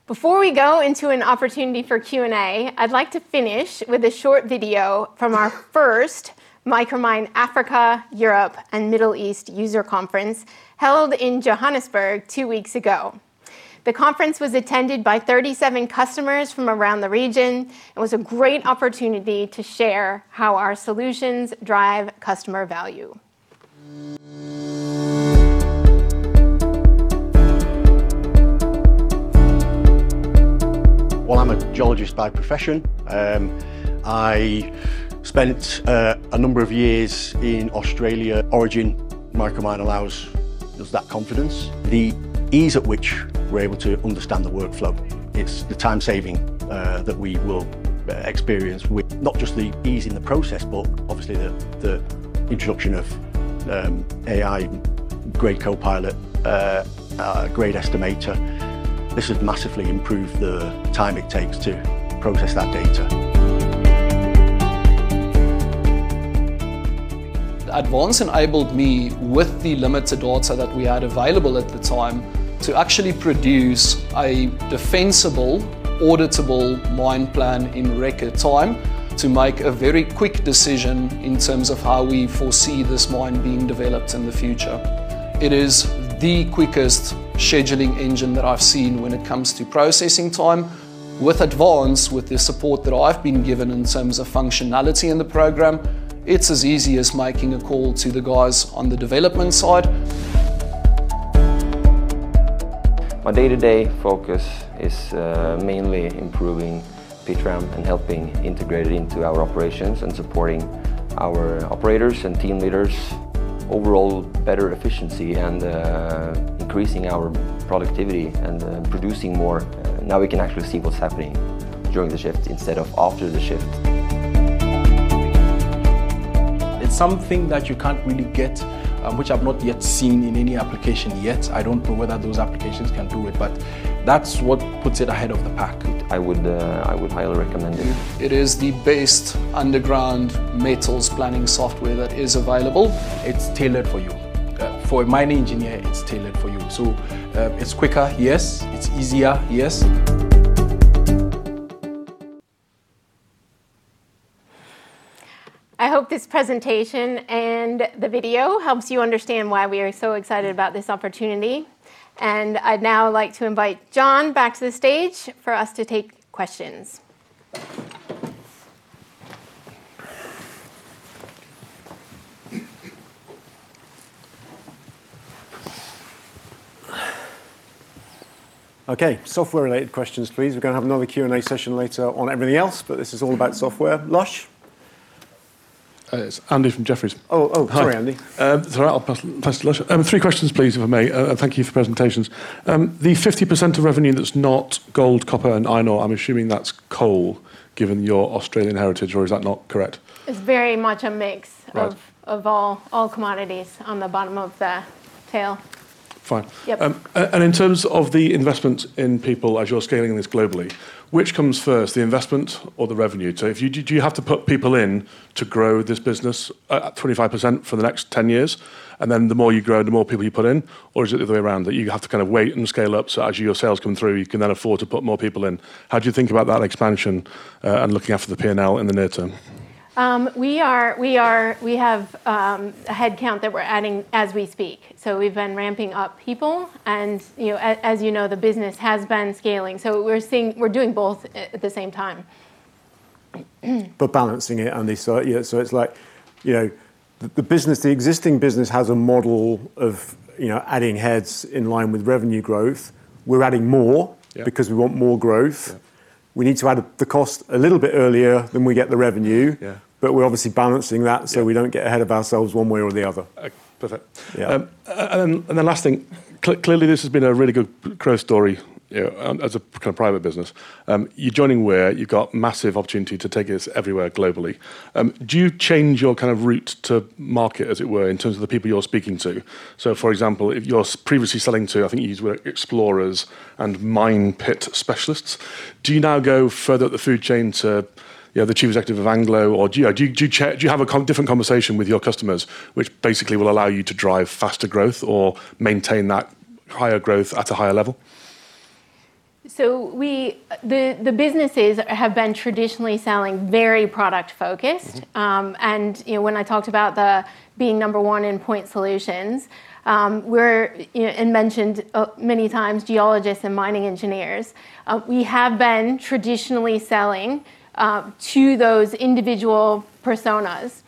Before we go into an opportunity for Q&A, I'd like to finish with a short video from our first Micromine Africa, Europe, and Middle East user conference held in Johannesburg two weeks ago. The conference was attended by 37 customers from around the region and was a great opportunity to share how our solutions drive customer value. Well, I'm a geologist by profession. I spent a number of years in Australia. Micromine Origin allows us that confidence, the ease at which we're able to understand the workflow. It's the time saving that we will experience with not just the ease in the process, but obviously the introduction of AI Grade Copilot, Grade Estimator. This has massively improved the time it takes to process that data. Advance enabled me, with the limited data that we had available at the time, to actually produce a defensible, auditable mine plan in record time to make a very quick decision in terms of how we foresee this mine being developed in the future. It is the quickest scheduling engine that I've seen when it comes to processing time. With Advance, with the support that I've been given in terms of functionality in the program, it's as easy as making a call to the guys on the development side. My day-to-day focus is mainly improving Micromine Pitram and helping integrate it into our operations and supporting our operators and team leaders. Overall, better efficiency and increasing our productivity and producing more. Now we can actually see what's happening during the shift instead of after the shift. It's something that you can't really get, which I've not yet seen in any application yet. I don't know whether those applications can do it, but that's what puts it ahead of the pack. I would highly recommend it. It is the best underground metals planning software that is available. It's tailored for you. For a mining engineer, it's tailored for you, so it's quicker, yes. It's easier, yes. I hope this presentation and the video helps you understand why we are so excited about this opportunity, and I'd now like to invite Jon back to the stage for us to take questions. Okay, software-related questions, please. We're going to have another Q&A session later on everything else, but this is all about software. Lushan? It's Andy from Jefferies. Oh, sorry, Andy. Sorry, I'll pass to Lushan. Three questions, please, if I may. Thank you for presentations. The 50% of revenue that's not gold, copper, and iron ore, I'm assuming that's coal, given your Australian heritage, or is that not correct? It's very much a mix of all commodities on the bottom of the tail. Fine. And in terms of the investment in people as you're scaling this globally, which comes first, the investment or the revenue? So do you have to put people in to grow this business at 25% for the next 10 years? And then the more you grow, the more people you put in? Or is it the other way around that you have to kind of wait and scale up so as your sales come through, you can then afford to put more people in? How do you think about that expansion and looking after the P&L in the near term? We have a headcount that we're adding as we speak. So we've been ramping up people. And as you know, the business has been scaling. So we're doing both at the same time. But balancing it, Andy. So it's like the existing business has a model of adding heads in line with revenue growth. We're adding more because we want more growth. We need to add the cost a little bit earlier than we get the revenue, but we're obviously balancing that so we don't get ahead of ourselves one way or the other. Perfect. And then last thing. Clearly, this has been a really good growth story as a kind of private business. You're joining Weir Group. You've got massive opportunity to take this everywhere globally. Do you change your kind of route to market, as it were, in terms of the people you're speaking to? So for example, if you're previously selling to, I think you used the word explorers and mine pit specialists, do you now go further up the food chain to the Chief Executive of Anglo American? Or do you have a different conversation with your customers, which basically will allow you to drive faster growth or maintain that higher growth at a higher level? The businesses have been traditionally selling very product-focused. When I talked about being number one in point solutions and mentioned many times geologists and mining engineers, we have been traditionally selling to those individual personas.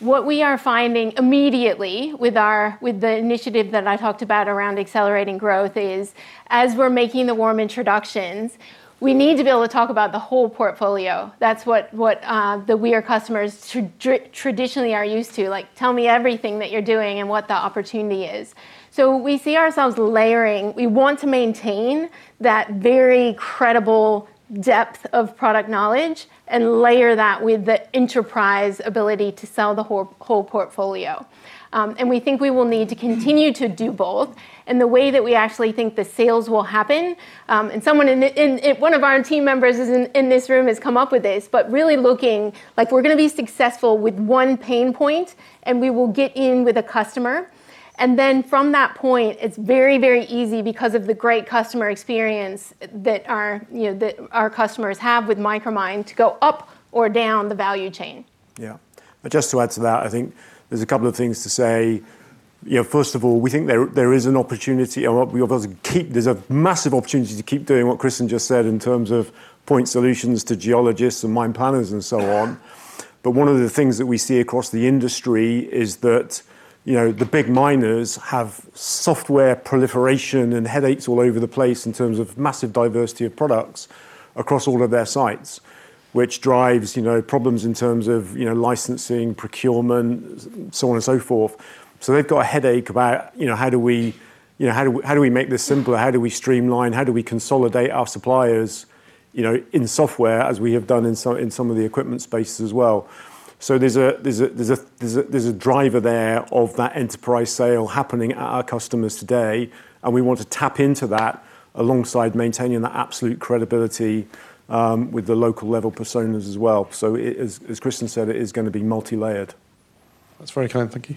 What we are finding immediately with the initiative that I talked about around accelerating growth is, as we're making the warm introductions, we need to be able to talk about the whole portfolio. That's what the Weir Group customers traditionally are used to, like tell me everything that you're doing and what the opportunity is. So we see ourselves layering. We want to maintain that very credible depth of product knowledge and layer that with the enterprise ability to sell the whole portfolio. And we think we will need to continue to do both. And the way that we actually think the sales will happen, and someone in one of our team members in this room has come up with this, but really looking like we're going to be successful with one pain point and we will get in with a customer. And then from that point, it's very, very easy because of the great customer experience that our customers have with Micromine to go up or down the value chain. Yeah. But just to add to that, I think there's a couple of things to say. First of all, we think there is a massive opportunity to keep doing what Kristen just said in terms of point solutions to geologists and mine planners and so on. But one of the things that we see across the industry is that the big miners have software proliferation and headaches all over the place in terms of massive diversity of products across all of their sites, which drives problems in terms of licensing, procurement, so on and so forth. So they've got a headache about how do we make this simpler? How do we streamline? How do we consolidate our suppliers in software, as we have done in some of the equipment spaces as well? So there's a driver there of that enterprise sale happening at our customers today. And we want to tap into that alongside maintaining that absolute credibility with the local level personas as well. So as Kristen said, it is going to be multi-layered. That's very kind. Thank you.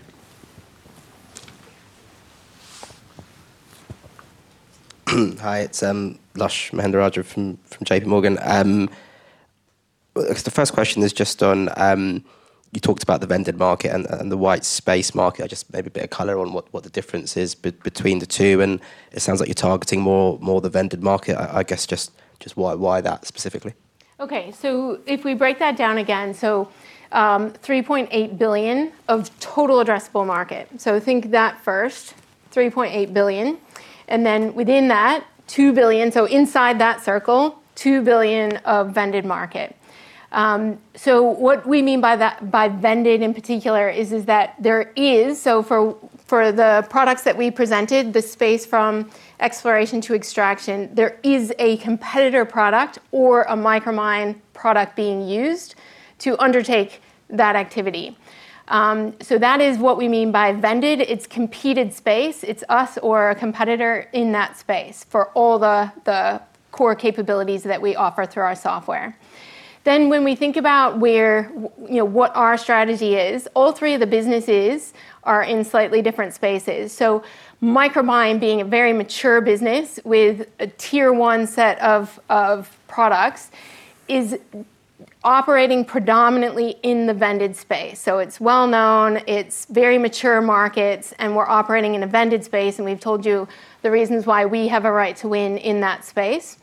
Hi, it's Lushan Weththasinghe from J.P. Morgan. The first question is just on, you talked about the vendor market and the white space market. Just maybe a bit of color on what the difference is between the two. And it sounds like you're targeting more the vendor market. I guess just why that specifically? Okay. So if we break that down again, so 3.8 billion of total addressable market. So think of that first, 3.8 billion. And then within that, two billion. So inside that circle, two billion of vendor market. So what we mean by vendor in particular is that there is, so for the products that we presented, the space from exploration to extraction, there is a competitor product or a Micromine product being used to undertake that activity. So that is what we mean by vendor. It's competitive space. It's us or a competitor in that space for all the core capabilities that we offer through our software. Then when we think about what our strategy is, all three of the businesses are in slightly different spaces. So Micromine, being a very mature business with a Tier 1 set of products, is operating predominantly in the vendor space. So it's well-known, it's very mature markets, and we're operating in a vendor space. And we've told you the reasons why we have a right to win in that space.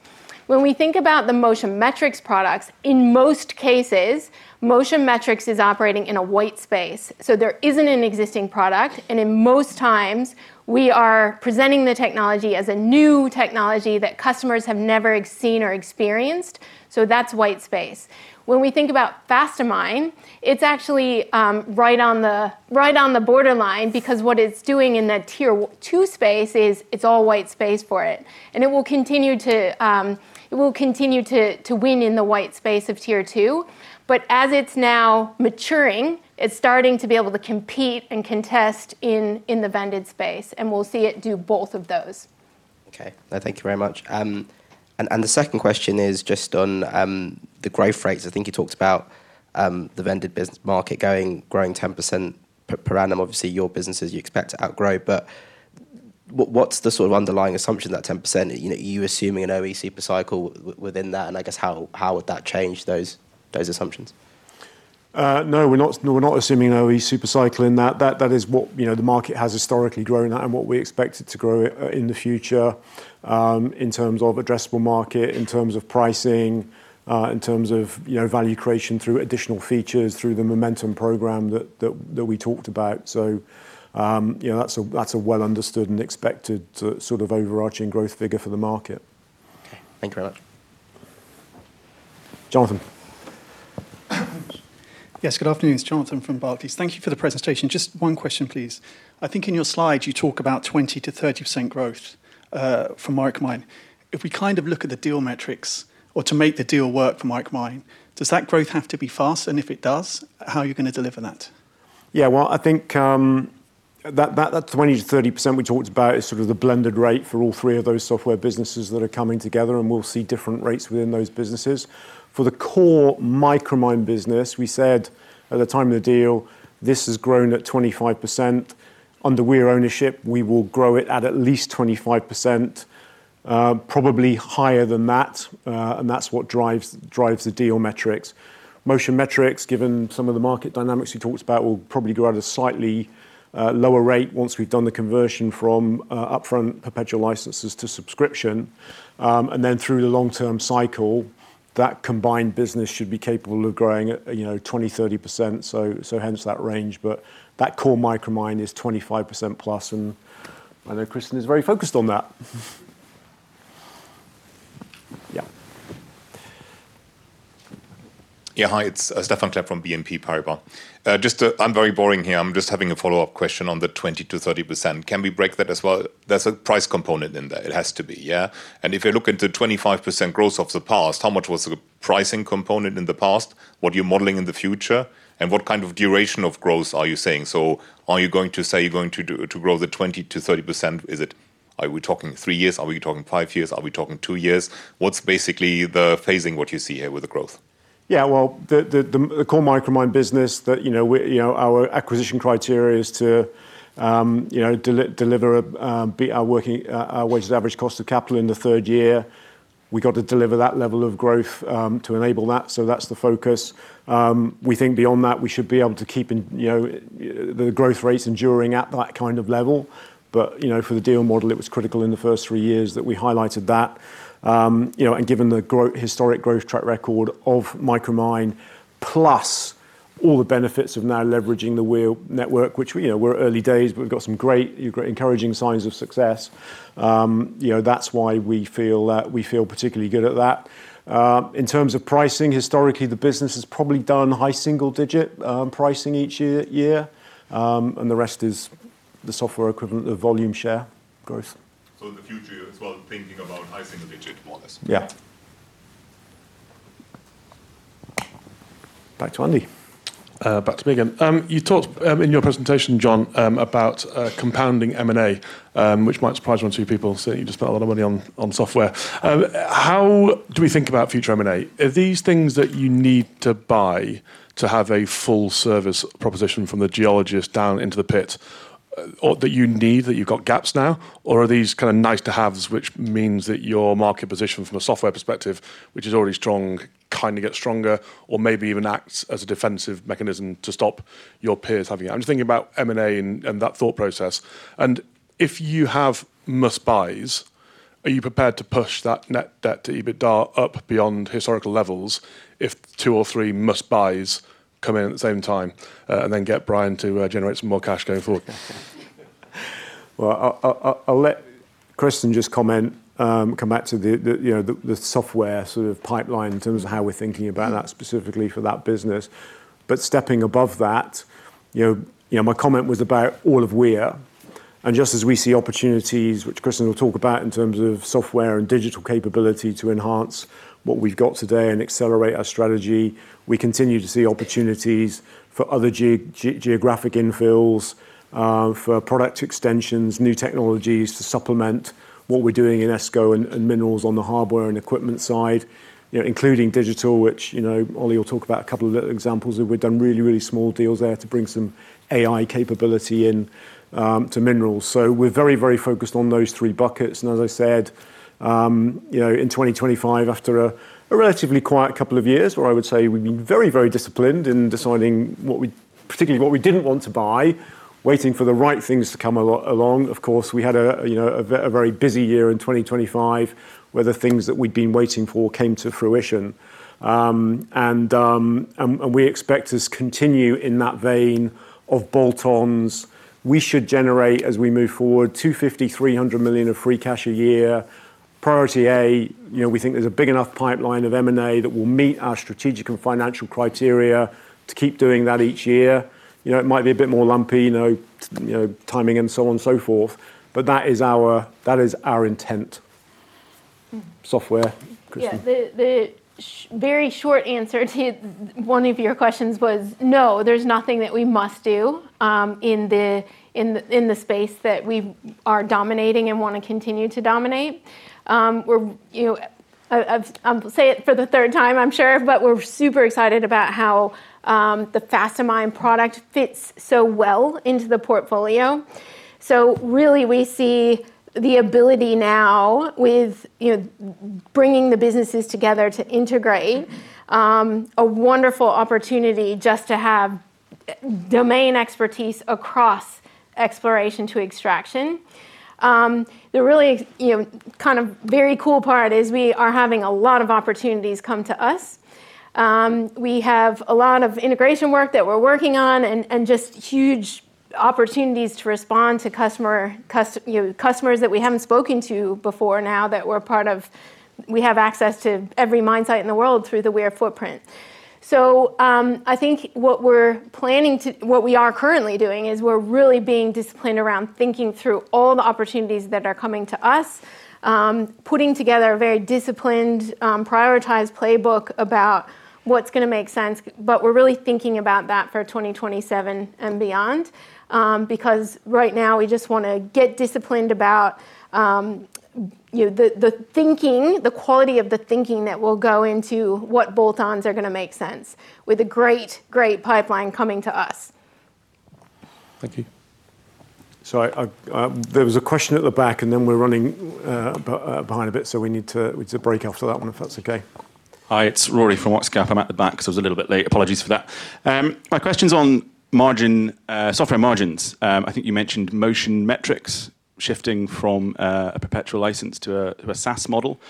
When we think about the Micromine products, in most cases, Micromine is operating in a white space. So there isn't an existing product. And in most times, we are presenting the technology as a new technology that customers have never seen or experienced. So that's white space. When we think about Precision, it's actually right on the borderline because what it's doing in that tier two space is it's all white space for it. And it will continue to win in the white space of tier two. But as it's now maturing, it's starting to be able to compete and contest in the vendor space. And we'll see it do both of those. Okay. Thank you very much. And the second question is just on the growth rates. I think you talked about the vendor market growing 10% per annum. Obviously, your businesses, you expect to outgrow, but what's the sort of underlying assumption that 10%? Are you assuming an OE supercycle within that? And I guess how would that change those assumptions? No, we're not assuming an OE supercycle in that. That is what the market has historically grown at and what we expected to grow in the future in terms of addressable market, in terms of pricing, in terms of value creation through additional features, through the momentum program that we talked about. So that's a well-understood and expected sort of overarching growth figure for the market. Okay. Thank you very much. Jonathan. Yes, good afternoon. It's Jonathan from Barclays. Thank you for the presentation. Just one question, please. I think in your slide, you talk about 20% to 30% growth for Micromine. If we kind of look at the deal metrics or to make the deal work for Micromine, does that growth have to be fast? And if it does, how are you going to deliver that? Yeah, well, I think that 20% to 30% we talked about is sort of the blended rate for all three of those software businesses that are coming together. And we'll see different rates within those businesses. For the core Micromine business, we said at the time of the deal, this has grown at 25%. Under Weir ownership, we will grow it at least 25%, probably higher than that. And that's what drives the deal metrics. Micromines, given some of the market dynamics we talked about, will probably grow at a slightly lower rate once we've done the conversion from upfront perpetual licenses to subscription. And then through the long-term cycle, that combined business should be capable of growing at 20%-30%. So hence that range. But that core Micromine is 25%+. And I know Kristen is very focused on that. Yeah, hi. It's Stefan Klepp from BNP Paribas. I'm very boring here. I'm just having a follow-up question on the 20% to 30%. Can we break that as well? There's a price component in there. It has to be, yeah? And if you look into 25% growth of the past, how much was the pricing component in the past? What are you modeling in the future? And what kind of duration of growth are you saying? So are you going to say you're going to grow the 20% to 30%? Are we talking three years? Are we talking five years? Are we talking two years? What's basically the phasing what you see here with the growth? Yeah, well, the core Micromine business, our acquisition criteria is to deliver our weighted average cost of capital in the third year. We got to deliver that level of growth to enable that. So that's the focus. We think beyond that, we should be able to keep the growth rates enduring at that kind of level. But for the deal model, it was critical in the first three years that we highlighted that. And given the historic growth track record of Micromine, plus all the benefits of now leveraging the Weir network, which we're early days, but we've got some great, encouraging signs of success, that's why we feel particularly good at that. In terms of pricing, historically, the business has probably done high single-digit pricing each year. And the rest is the software equivalent of volume share growth. In the future, it's worthwhile thinking about high single-digit models. Yeah. Back to Andy. Back to me again. You talked in your presentation, Jon, about compounding M&A, which might surprise one or two people saying you just spent a lot of money on software. How do we think about future M&A? Are these things that you need to buy to have a full service proposition from the geologist down into the pit that you need, that you've got gaps now? Or are these kind of nice-to-haves, which means that your market position from a software perspective, which is already strong, kind of gets stronger, or maybe even acts as a defensive mechanism to stop your peers having it? I'm just thinking about M&A and that thought process. If you have must-buys, are you prepared to push that net debt to EBITDA up beyond historical levels if two or three must-buys come in at the same time and then get Brian to generate some more cash going forward? I'll let Kristen just comment, come back to the software sort of pipeline in terms of how we're thinking about that specifically for that business. Stepping above that, my comment was about all of Weir. Just as we see opportunities, which Kristen will talk about in terms of software and digital capability to enhance what we've got today and accelerate our strategy, we continue to see opportunities for other geographic infills, for product extensions, new technologies to supplement what we're doing in ESCO and Minerals on the hardware and equipment side, including digital, which Ole will talk about a couple of examples of. We've done really, really small deals there to bring some AI capability to Minerals. So we're very, very focused on those three buckets. And as I said, in 2025, after a relatively quiet couple of years, where I would say we've been very, very disciplined in deciding particularly what we didn't want to buy, waiting for the right things to come along, of course, we had a very busy year in 2025 where the things that we'd been waiting for came to fruition. And we expect to continue in that vein of bolt-ons. We should generate, as we move forward, 250 million to 300 million of free cash a year. Priority A, we think there's a big enough pipeline of M&A that will meet our strategic and financial criteria to keep doing that each year. It might be a bit more lumpy, timing and so on and so forth. But that is our intent. Software, Kristen. Yeah, the very short answer to one of your questions was, no, there's nothing that we must do in the space that we are dominating and want to continue to dominate. I'll say it for the third time, I'm sure, but we're super excited about how the Precision product fits so well into the portfolio. So really, we see the ability now with bringing the businesses together to integrate a wonderful opportunity just to have domain expertise across exploration to extraction. The really kind of very cool part is we are having a lot of opportunities come to us. We have a lot of integration work that we're working on and just huge opportunities to respond to customers that we haven't spoken to before now that we're part of. We have access to every mine site in the world through the Weir footprint. I think what we're planning to, what we are currently doing is we're really being disciplined around thinking through all the opportunities that are coming to us, putting together a very disciplined, prioritized playbook about what's going to make sense. But we're really thinking about that for 2027 and beyond because right now, we just want to get disciplined about the thinking, the quality of the thinking that will go into what bolt-ons are going to make sense with a great, great pipeline coming to us. Thank you. There was a question at the back, and then we're running behind a bit. We need to break after that one, if that's okay. Hi, it's Rory from Ox Capital. I'm at the back because I was a little bit late. Apologies for that. My question's on software margins. I think you mentioned Micromine shifting from a perpetual license to a SaaS model.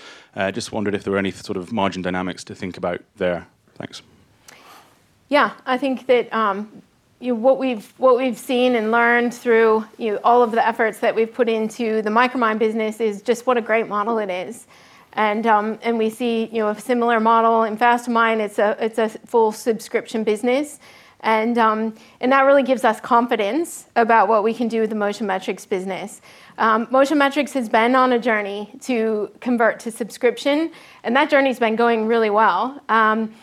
Just wondered if there were any sort of margin dynamics to think about there. Thanks. Yeah, I think that what we've seen and learned through all of the efforts that we've put into the Micromine business is just what a great model it is. And we see a similar model in Precision. It's a full subscription business. And that really gives us confidence about what we can do with the Micromine business. Micromine has been on a journey to convert to subscription. And that journey has been going really well. And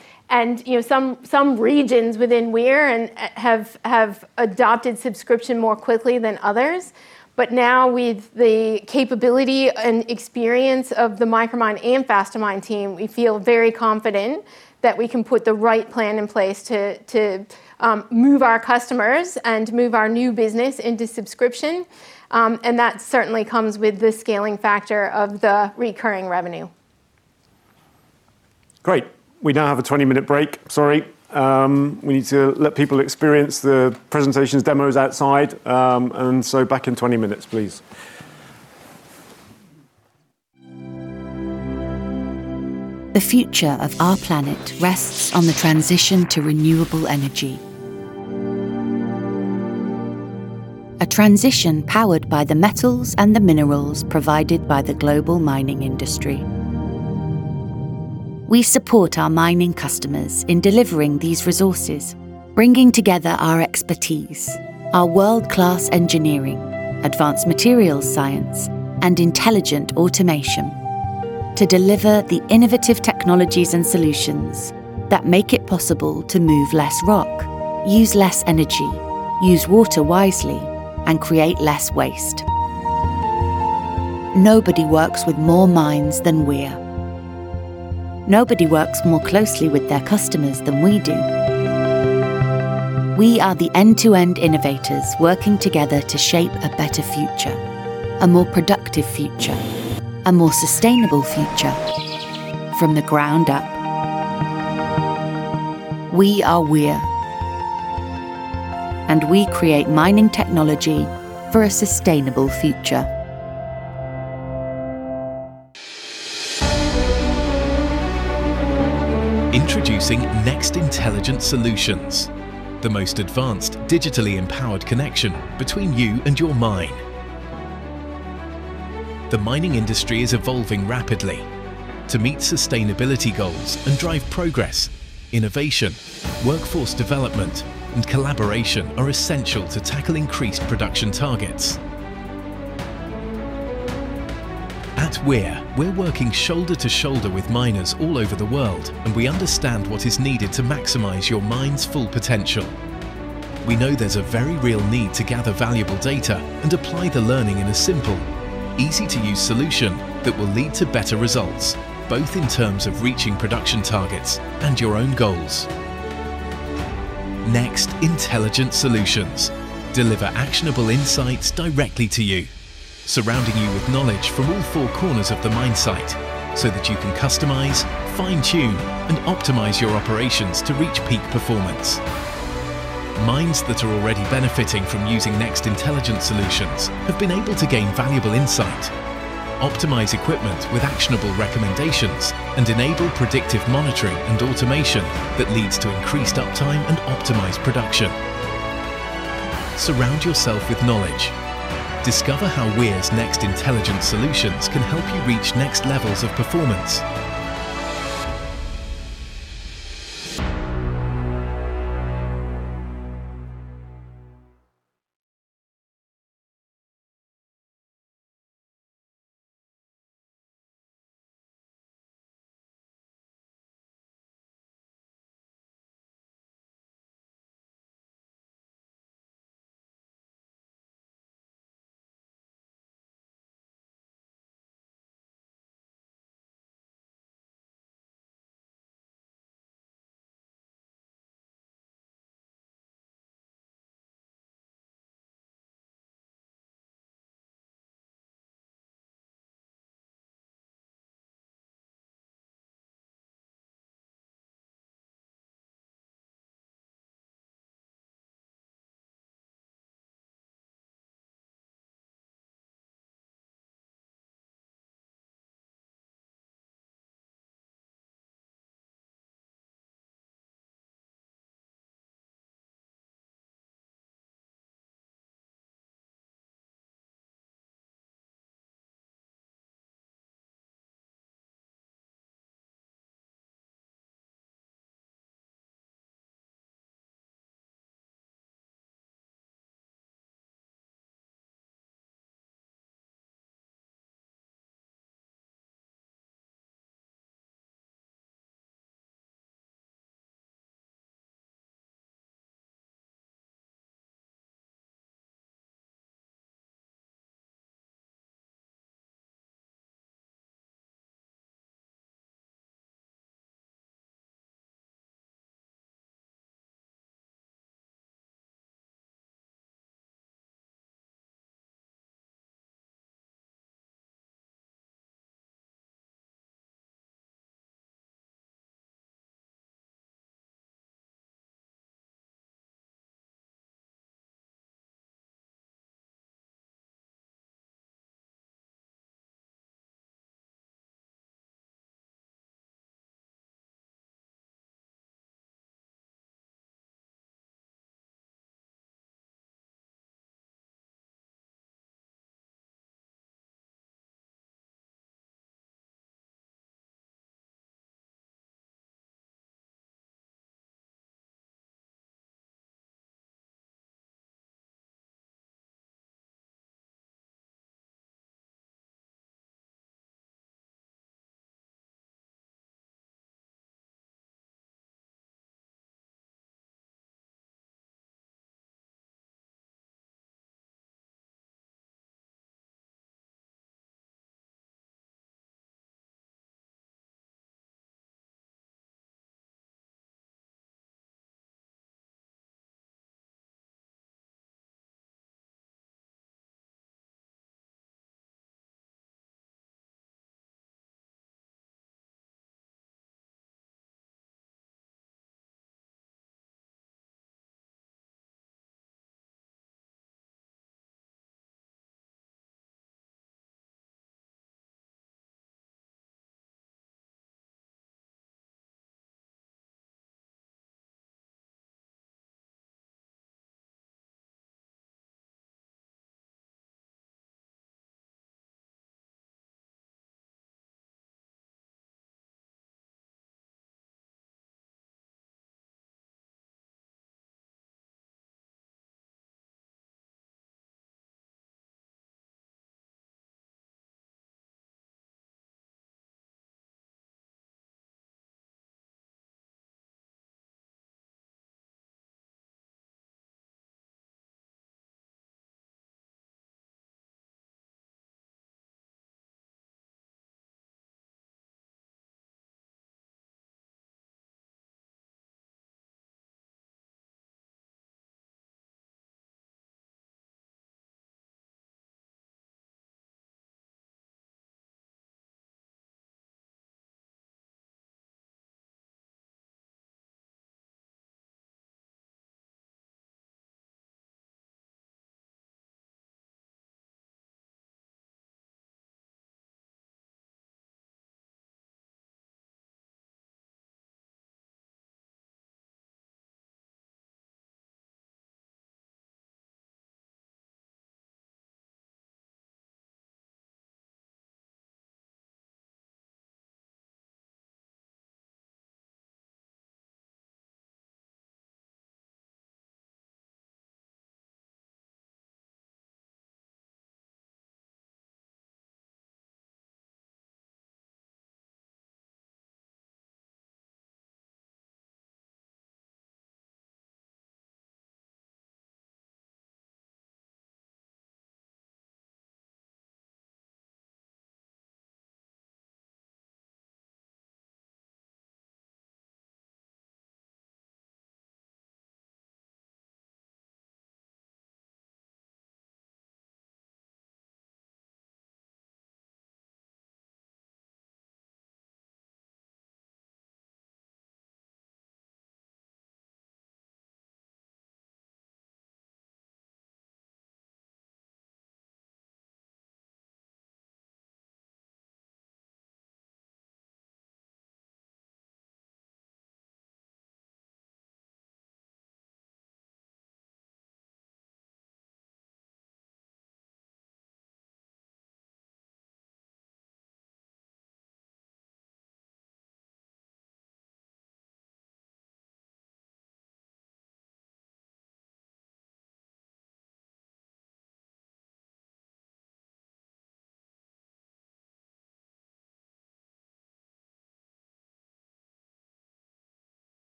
some regions within Weir have adopted subscription more quickly than others. But now, with the capability and experience of the Micromine and Precision team, we feel very confident that we can put the right plan in place to move our customers and move our new business into subscription. And that certainly comes with the scaling factor of the recurring revenue. Great. We now have a 20-minute break. Sorry. We need to let people experience the presentations, demos outside. And so back in 20 minutes, please. The future of our planet rests on the transition to renewable energy. A transition powered by the metals and the Minerals provided by the global mining industry. We support our mining customers in delivering these resources, bringing together our expertise, our world-class engineering, advanced materials science, and intelligent automation to deliver the innovative technologies and solutions that make it possible to move less rock, use less energy, use water wisely, and create less waste. Nobody works with more mines than Weir. Nobody works more closely with their customers than we do. We are the end-to-end innovators working together to shape a better future, a more productive future, a more sustainable future from the ground up. We are Weir, and we create mining technology for a sustainable future. Introducing NEXT Intelligent Solutions, the most advanced digitally empowered connection between you and your mine. The mining industry is evolving rapidly. To meet sustainability goals and drive progress, innovation, workforce development, and collaboration are essential to tackle increased production targets. At Weir, we're working shoulder to shoulder with miners all over the world, and we understand what is needed to maximize your mine's full potential. We know there's a very real need to gather valuable data and apply the learning in a simple, easy-to-use solution that will lead to better results, both in terms of reaching production targets and your own goals. NEXT Intelligent Solutions deliver actionable insights directly to you, surrounding you with knowledge from all four corners of the mine site so that you can customize, fine-tune, and optimize your operations to reach peak performance. Mines that are already benefiting from using NEXT Intelligent Solutions have been able to gain valuable insight, optimize equipment with actionable recommendations, and enable predictive monitoring and automation that leads to increased uptime and optimized production. Surround yourself with knowledge. Discover how Weir's NEXT Intelligent Solutions can help you reach next levels of performance.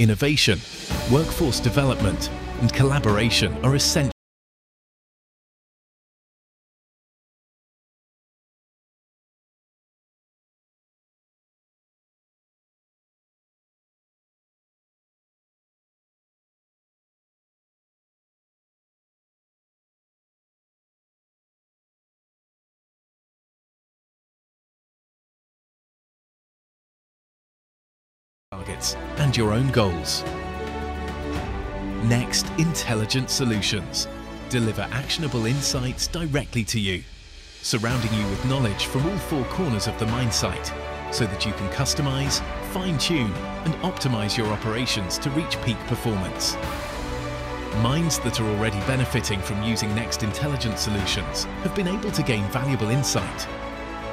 Innovation, workforce development, and collaboration are essential. Targets and your own goals. NEXT Intelligent Solutions deliver actionable insights directly to you, surrounding you with knowledge from all four corners of the mine site so that you can customize, fine-tune, and optimize your operations to reach peak performance. Mines that are already benefiting from using NEXT Intelligent Solutions have been able to gain valuable insight,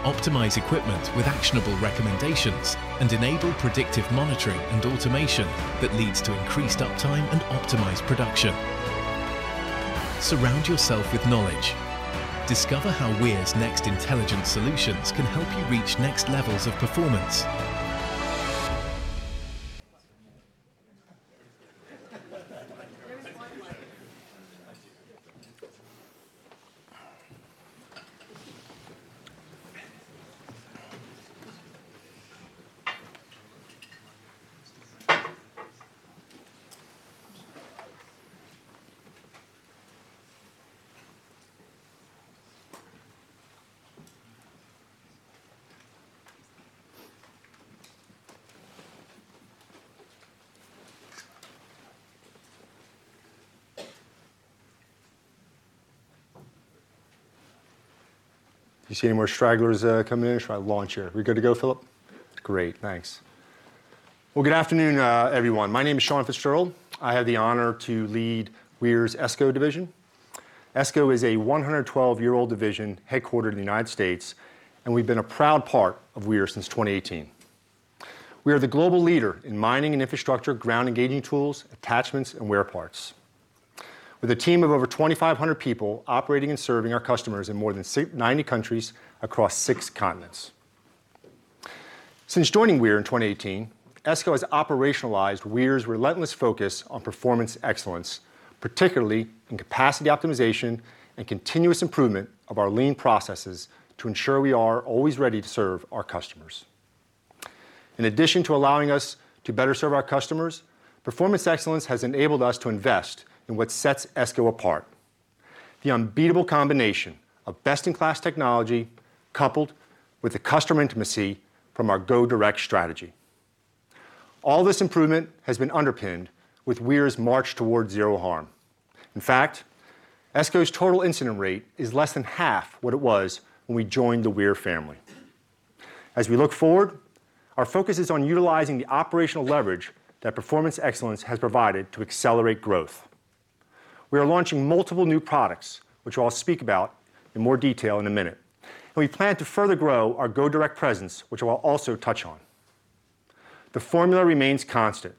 optimize equipment with actionable recommendations, and enable predictive monitoring and automation that leads to increased uptime and optimized production. Surround yourself with knowledge. Discover how Weir's NEXT Intelligent Solutions can help you reach next levels of performance. Do you see any more stragglers coming in? Should I launch here? We're good to go, Sean? Great. Thanks. Well, good afternoon, everyone. My name is Sean Fitzgerald. I have the honor to lead Weir's ESCO division. ESCO is a 112-year-old division headquartered in the United States, and we've been a proud part of Weir since 2018. We are the global leader in mining and infrastructure, ground engaging tools, attachments, and wear parts. With a team of over 2,500 people operating and serving our customers in more than 90 countries across six continents. Since joining Weir in 2018, ESCO has operationalized Weir's relentless focus on Performance Excellence, particularly in capacity optimization and continuous improvement of our Lean processes to ensure we are always ready to serve our customers. In addition to allowing us to better serve our customers, Performance Excellence has enabled us to invest in what sets ESCO apart: the unbeatable combination of best-in-class technology coupled with the customer intimacy from our Go Direct strategy. All this improvement has been underpinned with Weir's march toward Zero Harm. In fact, ESCO's total incident rate is less than half what it was when we joined the Weir family. As we look forward, our focus is on utilizing the operational leverage that Performance Excellence has provided to accelerate growth. We are launching multiple new products, which I'll speak about in more detail in a minute. We plan to further grow our Go Direct presence, which I'll also touch on. The formula remains constant: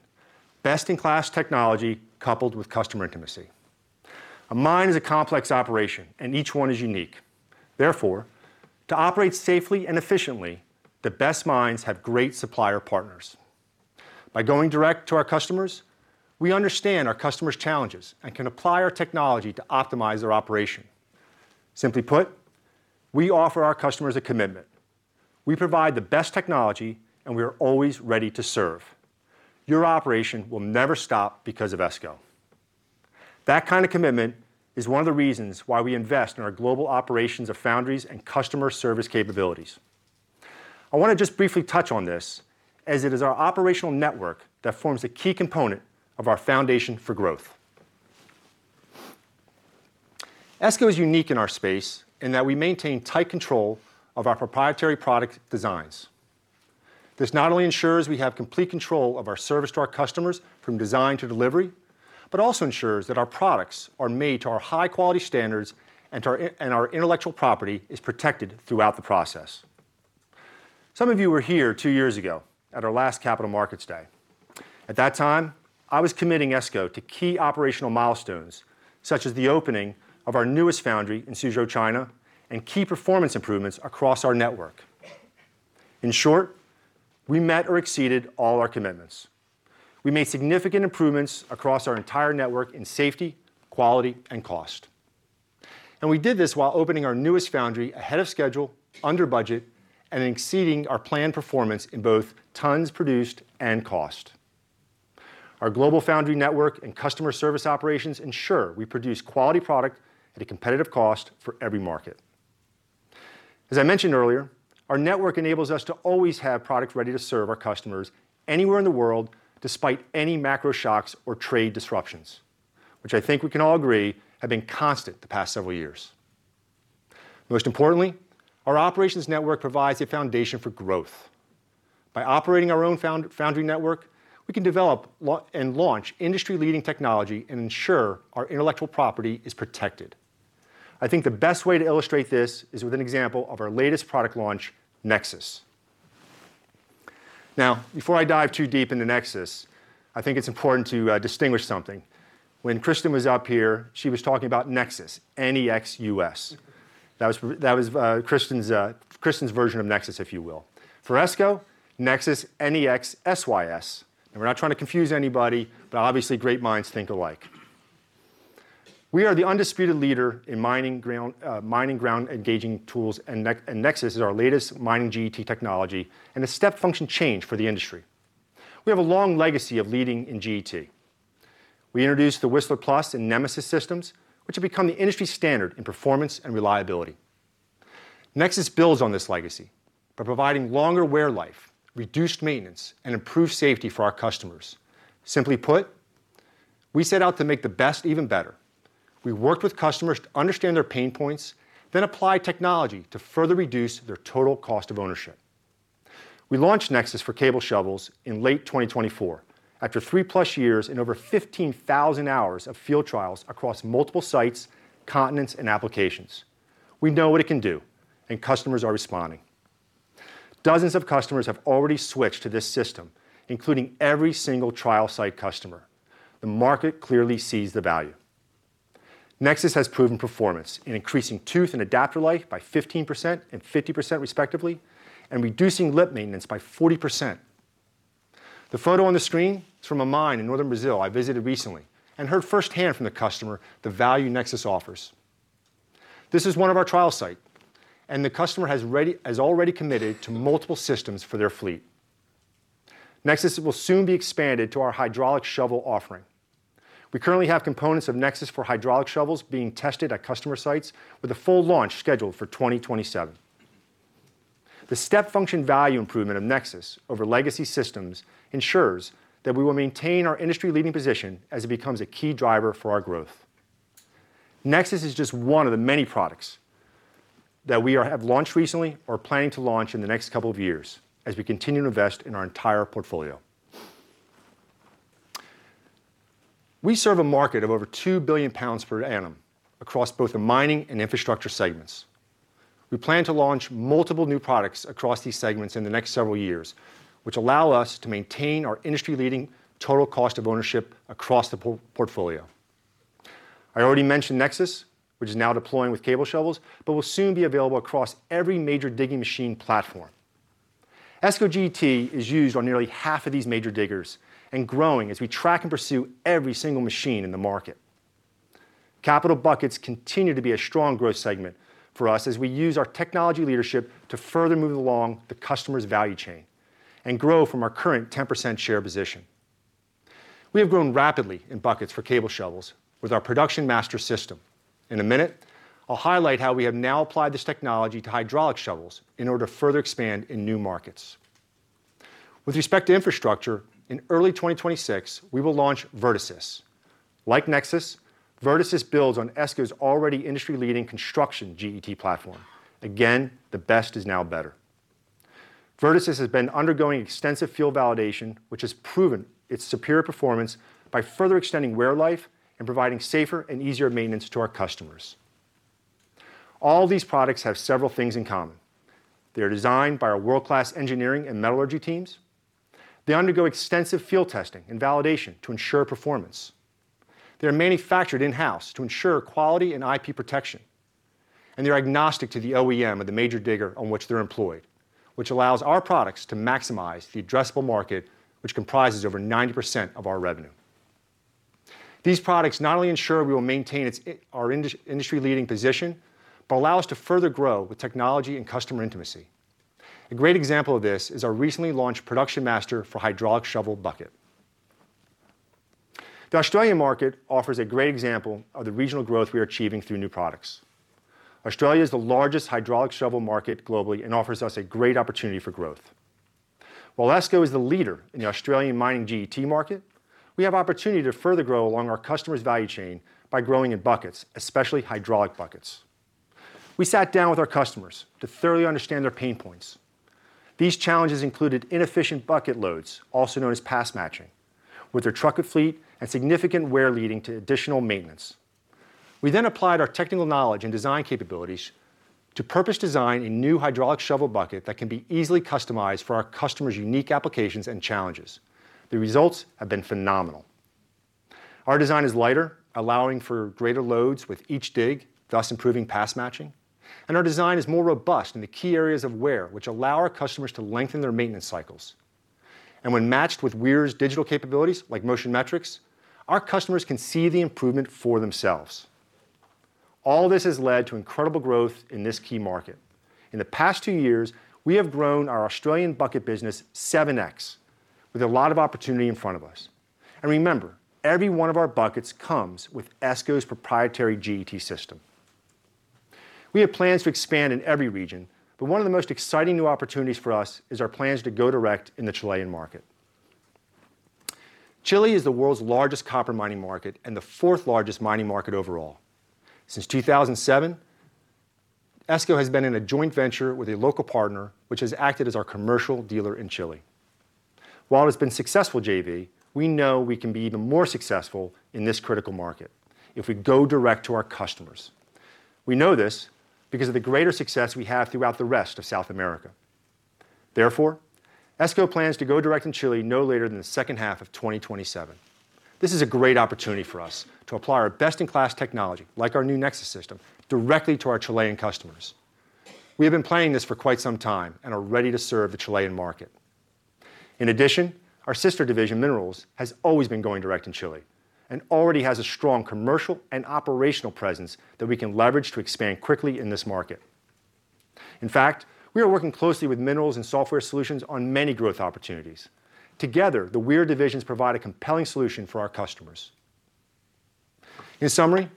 best-in-class technology coupled with customer intimacy. A mine is a complex operation, and each one is unique. Therefore, to operate safely and efficiently, the best mines have great supplier partners. By going direct to our customers, we understand our customers' challenges and can apply our technology to optimize their operation. Simply put, we offer our customers a commitment. We provide the best technology, and we are always ready to serve. Your operation will never stop because of ESCO. That kind of commitment is one of the reasons why we invest in our global operations of foundries and customer service capabilities. I want to just briefly touch on this, as it is our operational network that forms a key component of our foundation for growth. ESCO is unique in our space in that we maintain tight control of our proprietary product designs. This not only ensures we have complete control of our service to our customers from design to delivery, but also ensures that our products are made to our high-quality standards and our intellectual property is protected throughout the process. Some of you were here two years ago at our last Capital Markets Day. At that time, I was committing ESCO to key operational milestones such as the opening of our newest foundry in Suzhou, China, and key performance improvements across our network. In short, we met or exceeded all our commitments. We made significant improvements across our entire network in safety, quality, and cost. We did this while opening our newest foundry ahead of schedule, under budget, and exceeding our planned performance in both tons produced and cost. Our global foundry network and customer service operations ensure we produce quality product at a competitive cost for every market. As I mentioned earlier, our network enables us to always have product ready to serve our customers anywhere in the world, despite any macro shocks or trade disruptions, which I think we can all agree have been constant the past several years. Most importantly, our operations network provides a foundation for growth. By operating our own foundry network, we can develop and launch industry-leading technology and ensure our intellectual property is protected. I think the best way to illustrate this is with an example of our latest product launch, Nexsys. Now, before I dive too deep into Nexsys, I think it's important to distinguish something. When Kristen was up here, she was talking about Nexus, N-E-X-U-S. That was Kristen's version of Nexsys, if you will. For ESCO, Nexsys, N-E-X-S-Y-S, and we're not trying to confuse anybody, but obviously, great minds think alike. We are the undisputed leader in mining ground engaging tools, and Nexsys is our latest mining G.E.T. technology and a step function change for the industry. We have a long legacy of leading in G.E.T. We introduced the Whistler Plus and Nemisys systems, which have become the industry standard in performance and reliability. Nexsys builds on this legacy by providing longer wear life, reduced maintenance, and improved safety for our customers. Simply put, we set out to make the best even better. We worked with customers to understand their pain points, then apply technology to further reduce their total cost of ownership. We launched Nexsys for cable shovels in late 2024, after 3+ years and over 15,000 hours of field trials across multiple sites, continents, and applications. We know what it can do, and customers are responding. Dozens of customers have already switched to this system, including every single trial site customer. The market clearly sees the value. Nexsys has proven performance in increasing tooth and adapter life by 15% and 50%, respectively, and reducing lip maintenance by 40%. The photo on the screen is from a mine in northern Brazil I visited recently and heard firsthand from the customer the value Nexsys offers. This is one of our trial sites, and the customer has already committed to multiple systems for their fleet. Nexsys will soon be expanded to our hydraulic shovel offering. We currently have components of Nexsys for hydraulic shovels being tested at customer sites, with a full launch scheduled for 2027. The step function value improvement of Nexsys over legacy systems ensures that we will maintain our industry-leading position as it becomes a key driver for our growth. Nexsys is just one of the many products that we have launched recently or are planning to launch in the next couple of years as we continue to invest in our entire portfolio. We serve a market of over 2 billion pounds per annum across both the mining and infrastructure segments. We plan to launch multiple new products across these segments in the next several years, which allow us to maintain our industry-leading total cost of ownership across the portfolio. I already mentioned Nexsys, which is now deploying with cable shovels, but will soon be available across every major digging machine platform. ESCO G.E.T. is used on nearly half of these major diggers and growing as we track and pursue every single machine in the market, capital buckets continue to be a strong growth segment for us as we use our technology leadership to further move along the customer's value chain and grow from our current 10% share position. We have grown rapidly in buckets for cable shovels with our Production Master system. In a minute, I'll highlight how we have now applied this technology to hydraulic shovels in order to further expand in new markets. With respect to infrastructure, in early 2026, we will launch Vertisys. Like Nexsys, Vertisys builds on ESCO's already industry-leading construction G.E.T. platform. Again, the best is now better. Vertisys has been undergoing extensive field validation, which has proven its superior performance by further extending wear life and providing safer and easier maintenance to our customers. All these products have several things in common. They are designed by our world-class engineering and metallurgy teams. They undergo extensive field testing and validation to ensure performance. They are manufactured in-house to ensure quality and IP protection, and they are agnostic to the OEM of the major digger on which they're employed, which allows our products to maximize the addressable market, which comprises over 90% of our revenue. These products not only ensure we will maintain our industry-leading position, but allow us to further grow with technology and customer intimacy. A great example of this is our recently launched Production Master for hydraulic shovel bucket. The Australian market offers a great example of the regional growth we are achieving through new products. Australia is the largest hydraulic shovel market globally and offers us a great opportunity for growth. While ESCO is the leader in the Australian mining G.E.T. market, we have the opportunity to further grow along our customer's value chain by growing in buckets, especially hydraulic buckets. We sat down with our customers to thoroughly understand their pain points. These challenges included inefficient bucket loads, also known as pass matching, with their trucker fleet and significant wear leading to additional maintenance. We then applied our technical knowledge and design capabilities to purpose design a new hydraulic shovel bucket that can be easily customized for our customers' unique applications and challenges. The results have been phenomenal. Our design is lighter, allowing for greater loads with each dig, thus improving pass matching, and our design is more robust in the key areas of wear, which allow our customers to lengthen their maintenance cycles. And when matched with Weir's digital capabilities like Micromine, our customers can see the improvement for themselves. All this has led to incredible growth in this key market. In the past two years, we have grown our Australian bucket business 7X, with a lot of opportunity in front of us. And remember, every one of our buckets comes with ESCO's proprietary G.E.T. system. We have plans to expand in every region, but one of the most exciting new opportunities for us is our plans to Go Direct in the Chilean market. Chile is the world's largest copper mining market and the fourth largest mining market overall. Since 2007, ESCO has been in a joint venture with a local partner, which has acted as our commercial dealer in Chile. While it has been a successful JV, we know we can be even more successful in this critical market if we Go Direct to our customers. We know this because of the greater success we have throughout the rest of South America. Therefore, ESCO plans to Go Direct in Chile no later than the second half of 2027. This is a great opportunity for us to apply our best-in-class technology, like our new Nexsys system, directly to our Chilean customers. We have been planning this for quite some time and are ready to serve the Chilean market. In addition, our sister division, Minerals, has always been going direct in Chile and already has a strong commercial and operational presence that we can leverage to expand quickly in this market. In fact, we are working closely with Minerals and Software Solutions on many growth opportunities. Together, the Weir divisions provide a compelling solution for our customers. In summary,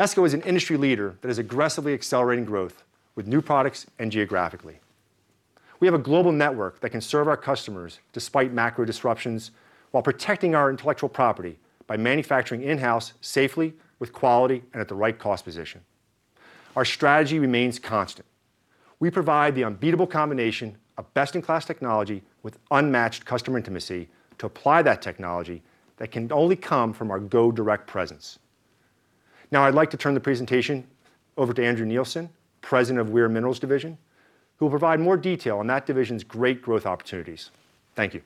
ESCO is an industry leader that is aggressively accelerating growth with new products and geographically. We have a global network that can serve our customers despite macro disruptions while protecting our intellectual property by manufacturing in-house, safely, with quality, and at the right cost position. Our strategy remains constant. We provide the unbeatable combination of best-in-class technology with unmatched customer intimacy to apply that technology that can only come from our Go Direct presence. Now, I'd like to turn the presentation over to Andrew Neilson, President of Weir Minerals Division, who will provide more detail on that division's great growth opportunities. Thank you.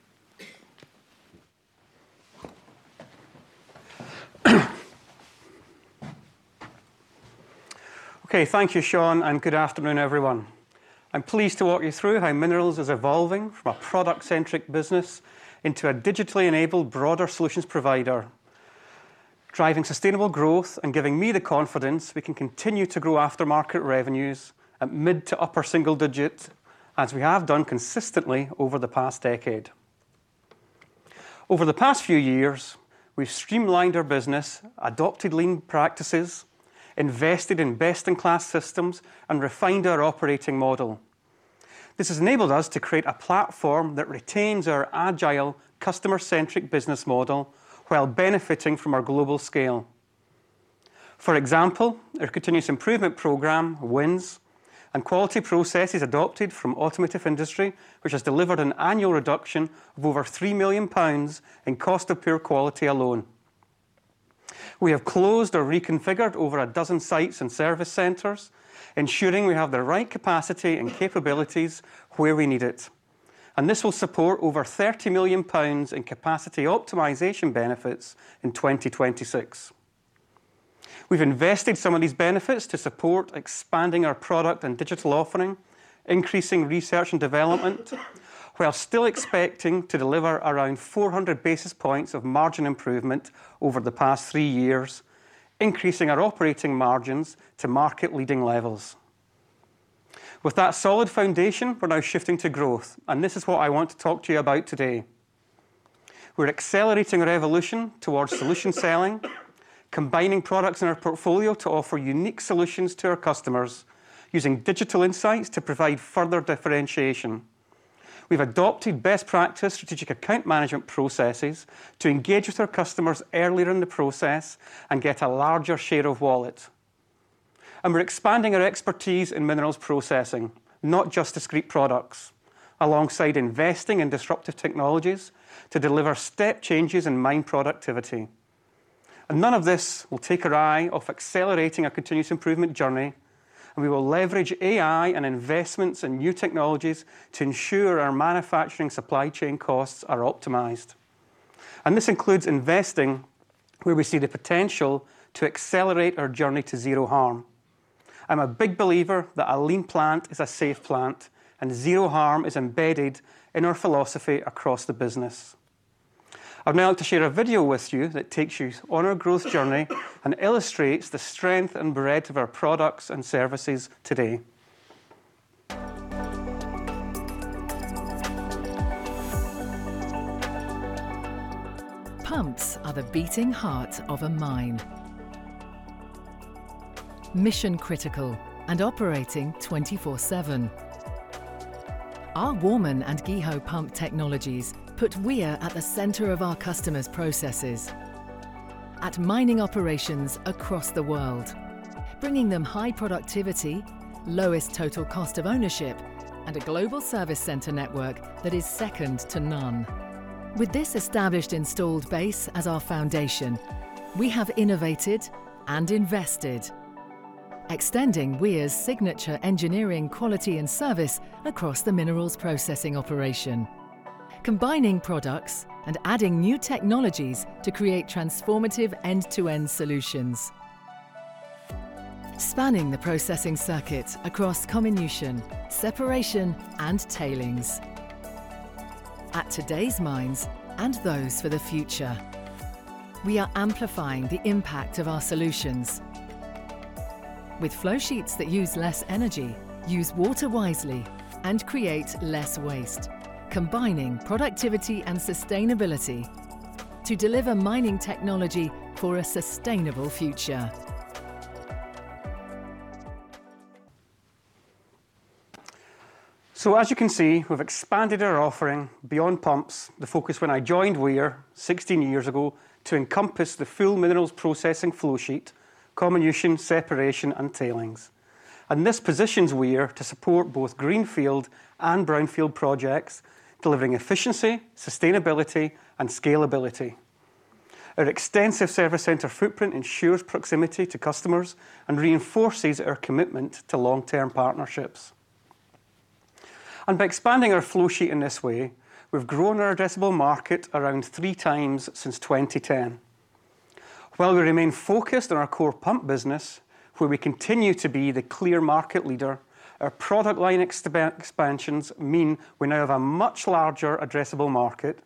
Okay, thank you, Sean, and good afternoon, everyone. I'm pleased to walk you through how Minerals is evolving from a product-centric business into a digitally-enabled broader solutions provider, driving sustainable growth and giving me the confidence we can continue to grow after-market revenues at mid to upper single digits, as we have done consistently over the past decade. Over the past few years, we've streamlined our business, adopted Lean practices, invested in best-in-class systems, and refined our operating model. This has enabled us to create a platform that retains our agile, customer-centric business model while benefiting from our global scale. For example, our continuous improvement program WINS, and quality process is adopted from automotive industry, which has delivered an annual reduction of over 3 million pounds in cost of poor quality alone. We have closed or reconfigured over a dozen sites and service centers, ensuring we have the right capacity and capabilities where we need it. And this will support over 30 million pounds in capacity optimization benefits in 2026. We've invested some of these benefits to support expanding our product and digital offering, increasing research and development, while still expecting to deliver around 400 bps of margin improvement over the past three years, increasing our operating margins to market-leading levels. With that solid foundation, we're now shifting to growth, and this is what I want to talk to you about today. We're accelerating our evolution towards solution selling, combining products in our portfolio to offer unique solutions to our customers, using digital insights to provide further differentiation. We've adopted best practice strategic account management processes to engage with our customers earlier in the process and get a larger share of wallet. We're expanding our expertise in Minerals processing, not just discrete products, alongside investing in disruptive technologies to deliver step changes in mine productivity. None of this will detract from accelerating our Continuous Improvement journey, and we will leverage AI and investments in new technologies to ensure our manufacturing supply chain costs are optimized. This includes investing where we see the potential to accelerate our journey to Zero Harm. I'm a big believer that a Lean plant is a safe plant, and Zero Harm is embedded in our philosophy across the business. I'd now like to share a video with you that takes you on our growth journey and illustrates the strength and breadth of our products and services today. Pumps are the beating heart of a mine. Mission critical and operating 24/7. Our Warman and GEHO pump technologies put Weir at the center of our customers' processes at mining operations across the world, bringing them high productivity, lowest total cost of ownership, and a global service center network that is second to none. With this established installed base as our foundation, we have innovated and invested, extending Weir's signature engineering quality and service across the Minerals processing operation, combining products and adding new technologies to create transformative end-to-end solutions, spanning the processing circuits across comminution, separation, and tailings. At today's mines and those for the future, we are amplifying the impact of our solutions with flow sheets that use less energy, use water wisely, and create less waste, combining productivity and sustainability to deliver mining technology for a sustainable future, so as you can see, we've expanded our offering beyond pumps. The focus when I joined Weir 16 years ago was to encompass the full Minerals processing flow sheet, comminution, separation, and tailings. And this positions Weir to support both greenfield and brownfield projects, delivering efficiency, sustainability, and scalability. Our extensive service center footprint ensures proximity to customers and reinforces our commitment to long-term partnerships. And by expanding our flow sheet in this way, we've grown our addressable market around three times since 2010. While we remain focused on our core pump business, where we continue to be the clear market leader, our product line expansions mean we now have a much larger addressable market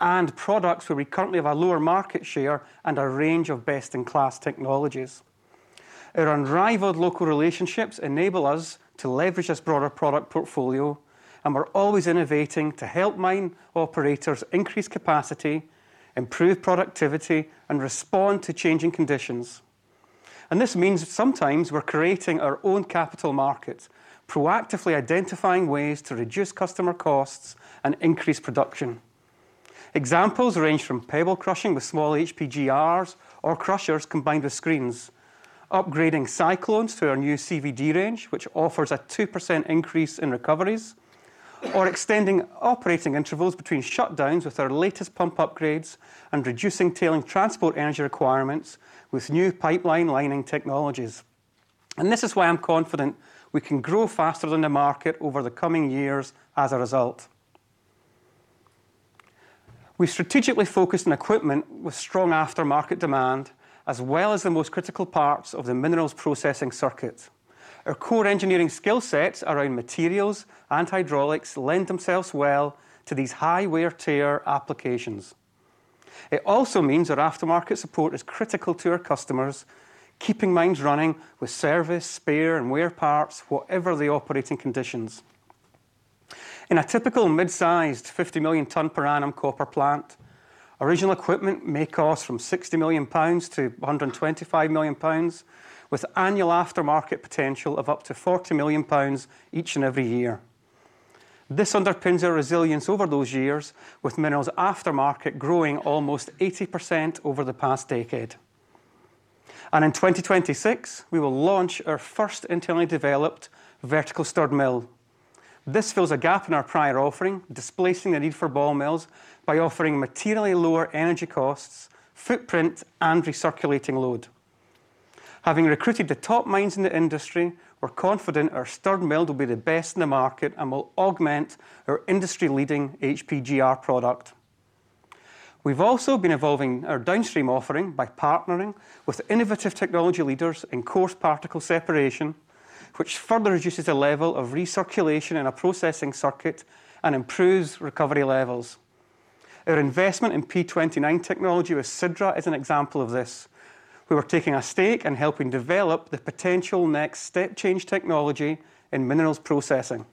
and products where we currently have a lower market share and a range of best-in-class technologies. Our unrivaled local relationships enable us to leverage this broader product portfolio, and we're always innovating to help mine operators increase capacity, improve productivity, and respond to changing conditions. And this means sometimes we're creating our own capital market, proactively identifying ways to reduce customer costs and increase production. Examples range from pebble crushing with small HPGRs or crushers combined with screens, upgrading cyclones to our new Cavex range, which offers a 2% increase in recoveries, or extending operating intervals between shutdowns with our latest pump upgrades and reducing tailings transport energy requirements with new pipeline lining technologies. And this is why I'm confident we can grow faster than the market over the coming years as a result. We strategically focus on equipment with strong after-market demand, as well as the most critical parts of the Minerals processing circuit. Our core engineering skill sets around materials and hydraulics lend themselves well to these high wear-and-tear applications. It also means our after-market support is critical to our customers, keeping mines running with service, spare, and wear parts, whatever the operating conditions. In a typical mid-sized 50 million ton per annum copper plant, original equipment may cost from 60 million pounds to 125 million pounds, with annual after-market potential of up to 40 million pounds each and every year. This underpins our resilience over those years, with Minerals after-market growing almost 80% over the past decade. And in 2026, we will launch our first internally developed vertical stirred mill. This fills a gap in our prior offering, displacing the need for ball mills by offering materially lower energy costs, footprint, and recirculating load. Having recruited the top minds in the industry, we're confident our stirred mill will be the best in the market and will augment our industry-leading HPGR product. We've also been evolving our downstream offering by partnering with innovative technology leaders in coarse particle separation, which further reduces the level of recirculation in a processing circuit and improves recovery levels. Our investment in P29 technology with CiDRA is an example of this. We were taking a stake in helping develop the potential NEXT step change technology in Minerals processing.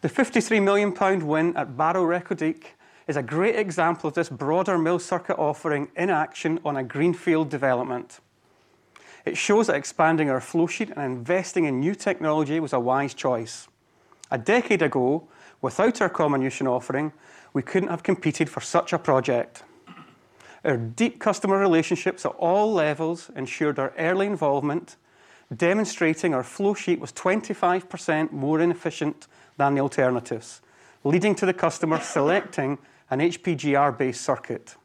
The 53 million pound win at Reko Diq is a great example of this broader mill circuit offering in action on a greenfield development. It shows that expanding our flow sheet and investing in new technology was a wise choice. A decade ago, without our comminution offering, we couldn't have competed for such a project. Our deep customer relationships at all levels ensured our early involvement, demonstrating our flow sheet was 25% more inefficient than the alternatives, leading to the customer selecting an HPGR-based circuit.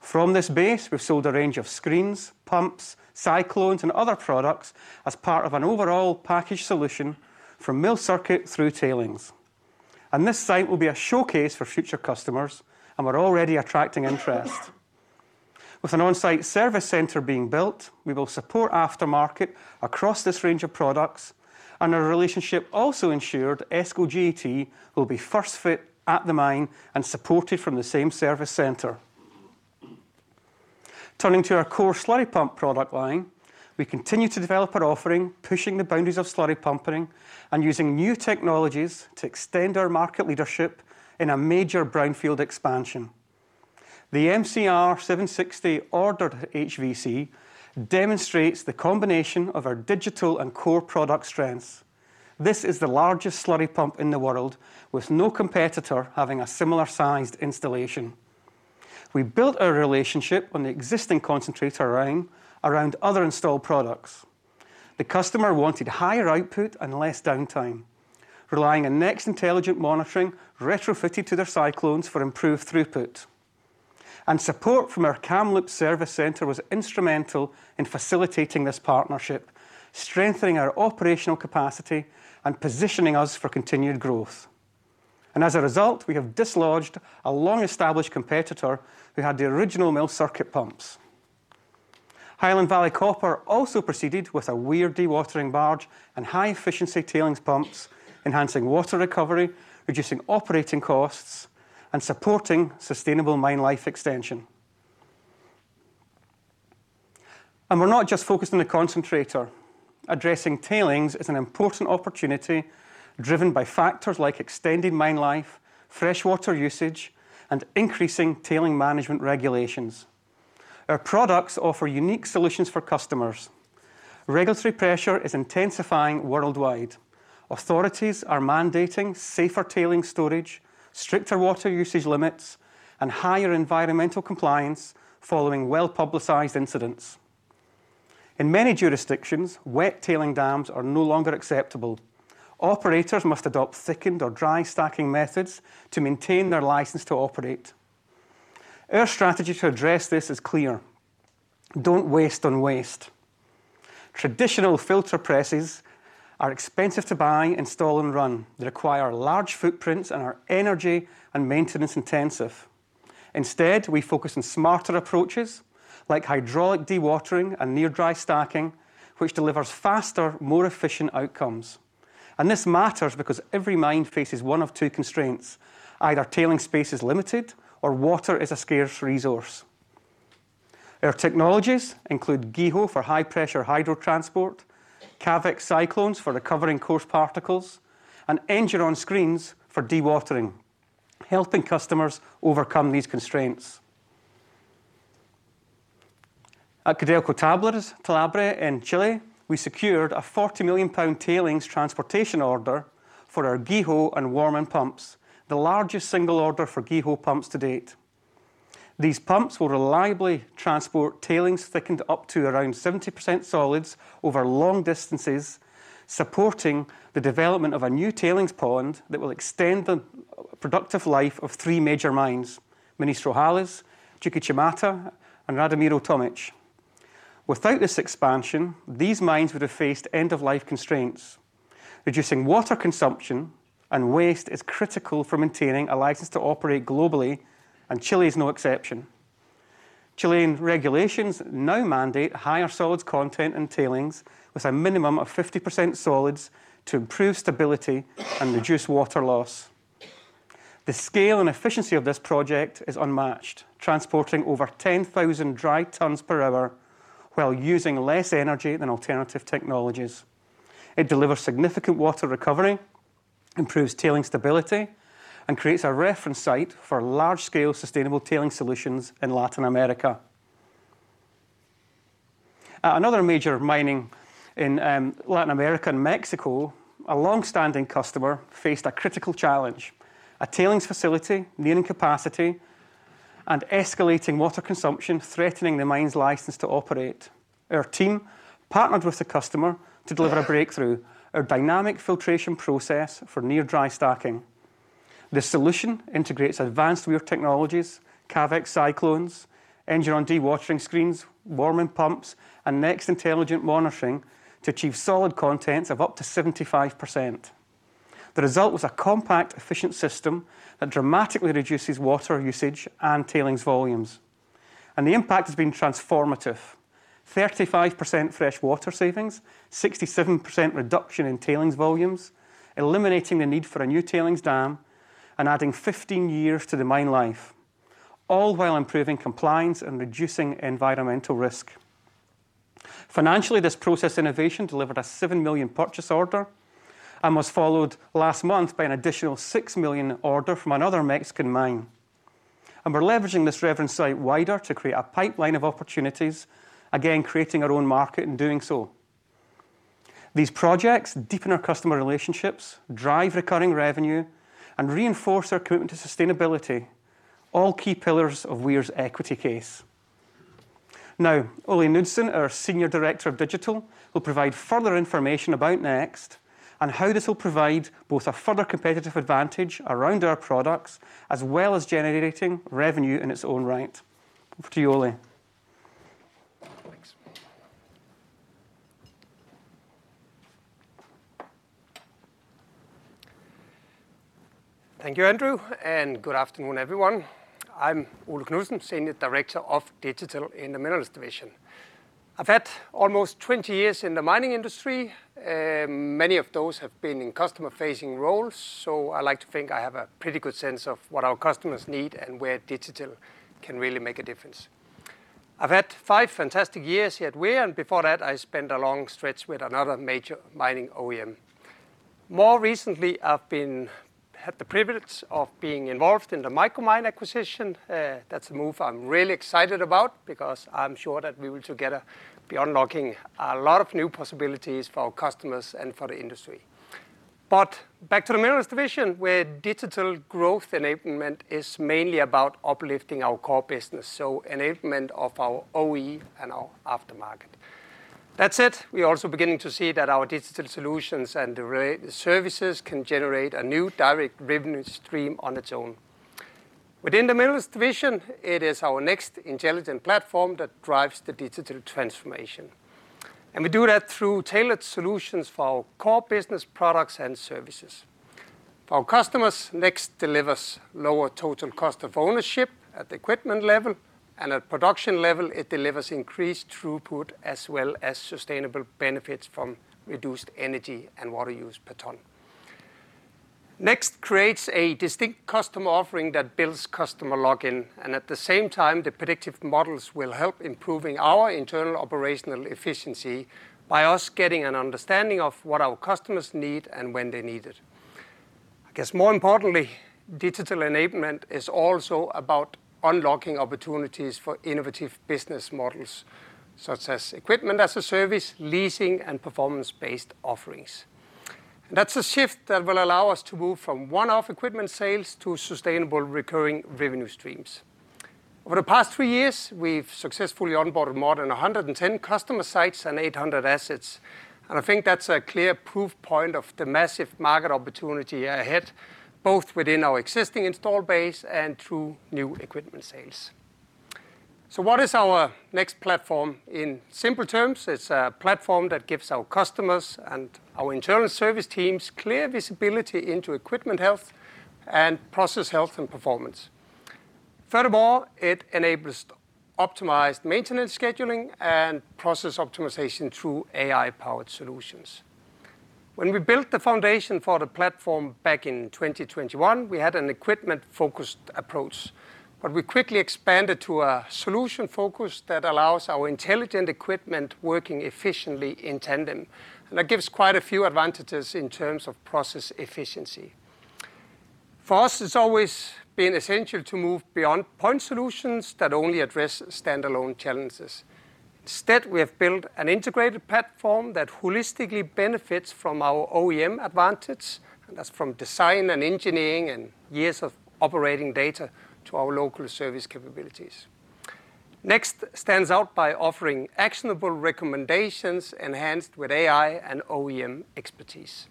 From this base, we've sold a range of screens, pumps, cyclones, and other products as part of an overall package solution from mill circuit through tailings, and this site will be a showcase for future customers, and we're already attracting interest. With an on-site service center being built, we will support after-market across this range of products, and our relationship also ensured ESCO G.E.T. will be first fit at the mine and supported from the same service center. Turning to our core slurry pump product line, we continue to develop our offering, pushing the boundaries of slurry pumping and using new technologies to extend our market leadership in a major brownfield expansion. The MCR 760 ordered HVC demonstrates the combination of our digital and core product strengths. This is the largest slurry pump in the world, with no competitor having a similar-sized installation. We built our relationship on the existing concentrator ring around other installed products. The customer wanted higher output and less downtime, relying on NEXT Intelligent Solutions retrofitted to their cyclones for improved throughput, and support from our Kamloops service center was instrumental in facilitating this partnership, strengthening our operational capacity, and positioning us for continued growth, and as a result, we have dislodged a long-established competitor who had the original mill circuit pumps. Highland Valley Copper also proceeded with a Weir dewatering barge and high-efficiency tailings pumps, enhancing water recovery, reducing operating costs, and supporting sustainable mine life extension, and we're not just focused on the concentrator. Addressing tailings is an important opportunity driven by factors like extending mine life, freshwater usage, and increasing tailings management regulations. Our products offer unique solutions for customers. Regulatory pressure is intensifying worldwide. Authorities are mandating safer tailings storage, stricter water usage limits, and higher environmental compliance following well-publicized incidents. In many jurisdictions, wet tailings dams are no longer acceptable. Operators must adopt thickened or dry stacking methods to maintain their license to operate. Our strategy to address this is clear: don't waste on waste. Traditional filter presses are expensive to buy, install, and run. They require large footprints and are energy and maintenance intensive. Instead, we focus on smarter approaches like hydraulic dewatering and near-dry stacking, which delivers faster, more efficient outcomes, and this matters because every mine faces one of two constraints: either tailings space is limited or water is a scarce resource. Our technologies include GEHO for high-pressure hydro transport, Cavex cyclones for recovering coarse particles, and Enduron screens for dewatering, helping customers overcome these constraints. At Codelco Talabre in Chile, we secured a 40 million pound tailings transportation order for our GEHO and Warman pumps, the largest single order for GEHO pumps to date. These pumps will reliably transport tailings thickened up to around 70% solids over long distances, supporting the development of a new tailings pond that will extend the productive life of three major mines: Ministro Hales, Chuquicamata, and Radomiro Tomic. Without this expansion, these mines would have faced end-of-life constraints. Reducing water consumption and waste is critical for maintaining a license to operate globally, and Chile is no exception. Chilean regulations now mandate higher solids content and tailings with a minimum of 50% solids to improve stability and reduce water loss. The scale and efficiency of this project is unmatched, transporting over 10,000 dry tons per hour while using less energy than alternative technologies. It delivers significant water recovery, improves tailings stability, and creates a reference site for large-scale sustainable tailings solutions in Latin America. At another major mine in Latin America and Mexico, a long-standing customer faced a critical challenge: a tailings facility needing capacity and escalating water consumption threatening the mine's license to operate. Our team partnered with the customer to deliver a breakthrough: our dynamic filtration process for near-dry stacking. The solution integrates advanced Weir technologies, Cavex hydrocyclones, Enduron dewatering screens, Warman pumps, and NEXT Intelligent Solutions to achieve solid contents of up to 75%. The result was a compact, efficient system that dramatically reduces water usage and tailings volumes, and the impact has been transformative: 35% freshwater savings, 67% reduction in tailings volumes, eliminating the need for a new tailings dam, and adding 15 years to the mine life, all while improving compliance and reducing environmental risk. Financially, this process innovation delivered a 7 million purchase order and was followed last month by an additional 6 million order from another Mexican mine. We're leveraging this reference site-wide to create a pipeline of opportunities, again creating our own market and doing so. These projects deepen our customer relationships, drive recurring revenue, and reinforce our commitment to sustainability, all key pillars of Weir's equity case. Now, Ole Knudsen, our Senior Director of Digital, will provide further information about NEXT and how this will provide both a further competitive advantage around our products as well as generating revenue in its own right. Over to you, Ole. Thank you, Andrew, and good afternoon, everyone. I'm Ole Knudsen, Senior Director of Digital in the Minerals Division. I've had almost 20 years in the mining industry. Many of those have been in customer-facing roles, so I like to think I have a pretty good sense of what our customers need and where digital can really make a difference. I've had five fantastic years here at Weir, and before that, I spent a long stretch with another major mining OEM. More recently, I've had the privilege of being involved in the Micromine acquisition. That's a move I'm really excited about because I'm sure that we will together be unlocking a lot of new possibilities for our customers and for the industry, but back to the Minerals Division, where digital growth enablement is mainly about uplifting our core business, so enablement of our OE and our aftermarket. That said, we are also beginning to see that our digital solutions and the services can generate a new direct revenue stream on its own. Within the Minerals Division, it is our NEXT Intelligent Solutions that drives the digital transformation, and we do that through tailored solutions for our core business products and services. For our customers, NEXT delivers lower total cost of ownership at the equipment level, and at production level, it delivers increased throughput as well as sustainable benefits from reduced energy and water use per ton. NEXT creates a distinct customer offering that builds customer lock-in, and at the same time, the predictive models will help improving our internal operational efficiency by us getting an understanding of what our customers need and when they need it. I guess more importantly, digital enablement is also about unlocking opportunities for innovative business models such as equipment as a service, leasing, and performance-based offerings, and that's a shift that will allow us to move from one-off equipment sales to sustainable recurring revenue streams. Over the past three years, we've successfully onboarded more than 110 customer sites and 800 assets, and I think that's a clear proof point of the massive market opportunity ahead, both within our existing install base and through new equipment sales. So what is our NEXT Platform? In simple terms, it's a platform that gives our customers and our internal service teams clear visibility into equipment health and process health and performance. Furthermore, it enables optimized maintenance scheduling and process optimization through AI-powered solutions. When we built the foundation for the platform back in 2021, we had an equipment-focused approach, but we quickly expanded to a solution-focused that allows our intelligent equipment working efficiently in tandem. And that gives quite a few advantages in terms of process efficiency. For us, it's always been essential to move beyond point solutions that only address standalone challenges. Instead, we have built an integrated platform that holistically benefits from our OEM advantage, and that's from design and engineering and years of operating data to our local service capabilities. NEXT stands out by offering actionable recommendations enhanced with AI and OEM expertise.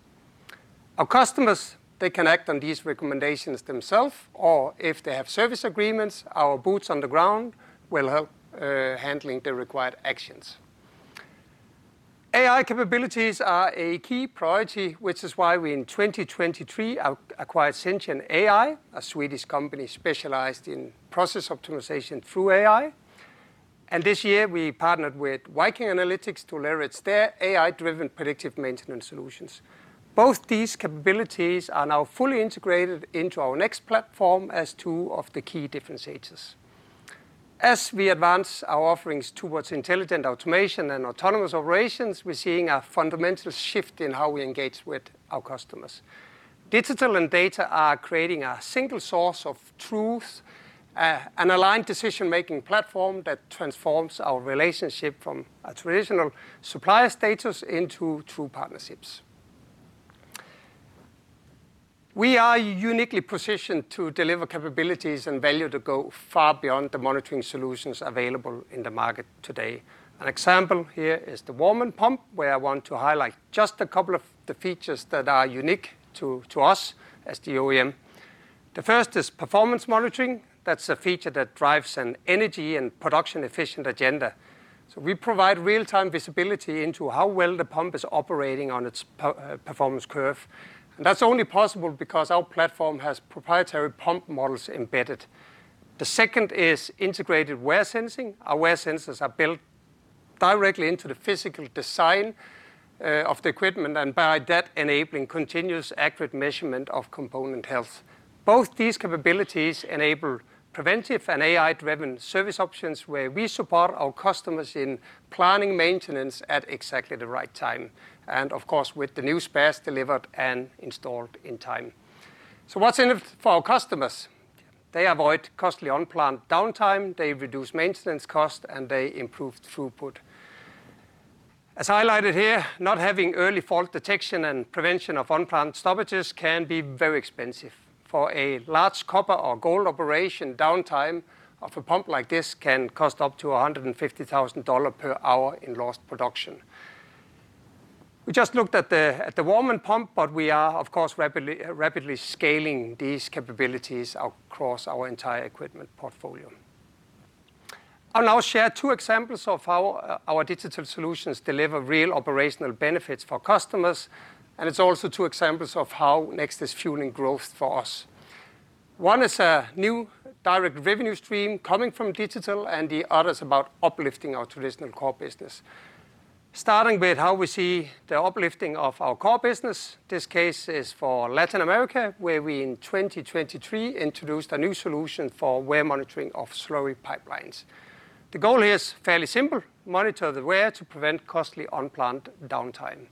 Our customers, they can act on these recommendations themselves, or if they have service agreements, our boots on the ground will help handling the required actions. AI capabilities are a key priority, which is why we in 2023 acquired Sentian.ai, a Swedish company specialized in process optimization through AI. And this year, we partnered with Viking Analytics to leverage their AI-driven predictive maintenance solutions. Both these capabilities are now fully integrated into our NEXT Platform as two of the key differentiators. As we advance our offerings towards intelligent automation and autonomous operations, we're seeing a fundamental shift in how we engage with our customers. Digital and data are creating a single source of truth, an aligned decision-making platform that transforms our relationship from a traditional supplier status into true partnerships. We are uniquely positioned to deliver capabilities and value that go far beyond the monitoring solutions available in the market today. An example here is the Warman pump, where I want to highlight just a couple of the features that are unique to us as the OEM. The first is performance monitoring. That's a feature that drives an energy and production-efficient agenda. So we provide real-time visibility into how well the pump is operating on its performance curve. And that's only possible because our platform has proprietary pump models embedded. The second is integrated wear sensing. Our wear sensors are built directly into the physical design of the equipment, and by that, enabling continuous accurate measurement of component health. Both these capabilities enable preventive and AI-driven service options, where we support our customers in planning maintenance at exactly the right time. And of course, with the new spares delivered and installed in time. So what's in it for our customers? They avoid costly unplanned downtime, they reduce maintenance costs, and they improve throughput. As highlighted here, not having early fault detection and prevention of unplanned stoppages can be very expensive. For a large copper or gold operation, downtime of a pump like this can cost up to $150,000 per hour in lost production. We just looked at the Warman pump, but we are, of course, rapidly scaling these capabilities across our entire equipment portfolio. I'll now share two examples of how our digital solutions deliver real operational benefits for customers, and it's also two examples of how NEXT is fueling growth for us. One is a new direct revenue stream coming from digital, and the other is about uplifting our traditional core business. Starting with how we see the uplifting of our core business, this case is for Latin America, where we in 2023 introduced a new solution for wear monitoring of slurry pipelines. The goal here is fairly simple: monitor the wear to prevent costly unplanned downtime.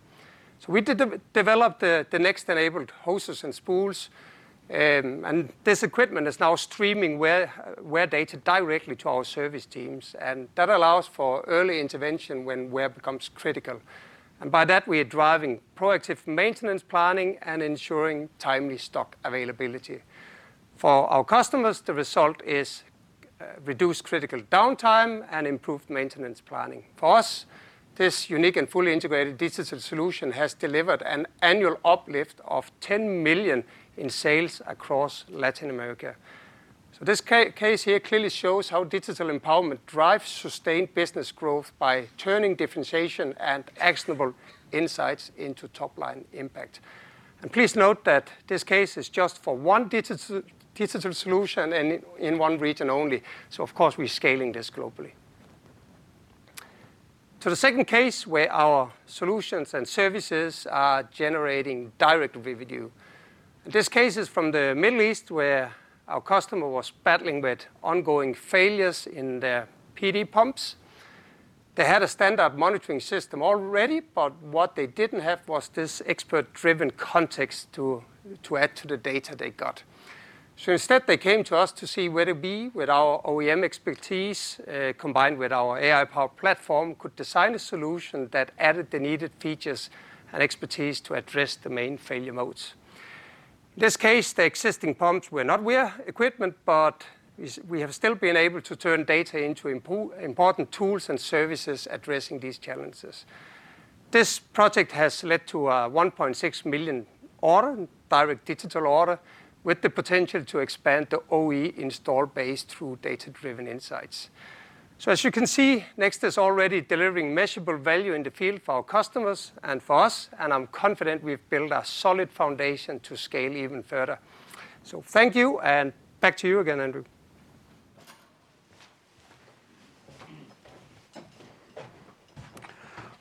So we developed the NEXT-enabled hoses and spools, and this equipment is now streaming wear data directly to our service teams, and that allows for early intervention when wear becomes critical. And by that, we are driving proactive maintenance planning and ensuring timely stock availability. For our customers, the result is reduced critical downtime and improved maintenance planning. For us, this unique and fully integrated digital solution has delivered an annual uplift of 10 million in sales across Latin America. This case here clearly shows how digital empowerment drives sustained business growth by turning differentiation and actionable insights into top-line impact. Please note that this case is just for one digital solution and in one region only. Of course, we're scaling this globally. The second case where our solutions and services are generating direct revenue is from the Middle East, where our customer was battling with ongoing failures in their PD pumps. They had a standard monitoring system already, but what they didn't have was this expert-driven context to add to the data they got. Instead, they came to us to see whether we, with our OEM expertise combined with our AI-powered platform, could design a solution that added the needed features and expertise to address the main failure modes. In this case, the existing pumps were not wear equipment, but we have still been able to turn data into important tools and services addressing these challenges. This project has led to a 1.6 million order, direct digital order, with the potential to expand the OE install base through data-driven insights. So as you can see, NEXT is already delivering measurable value in the field for our customers and for us, and I'm confident we've built a solid foundation to scale even further. So thank you, and back to you again, Andrew.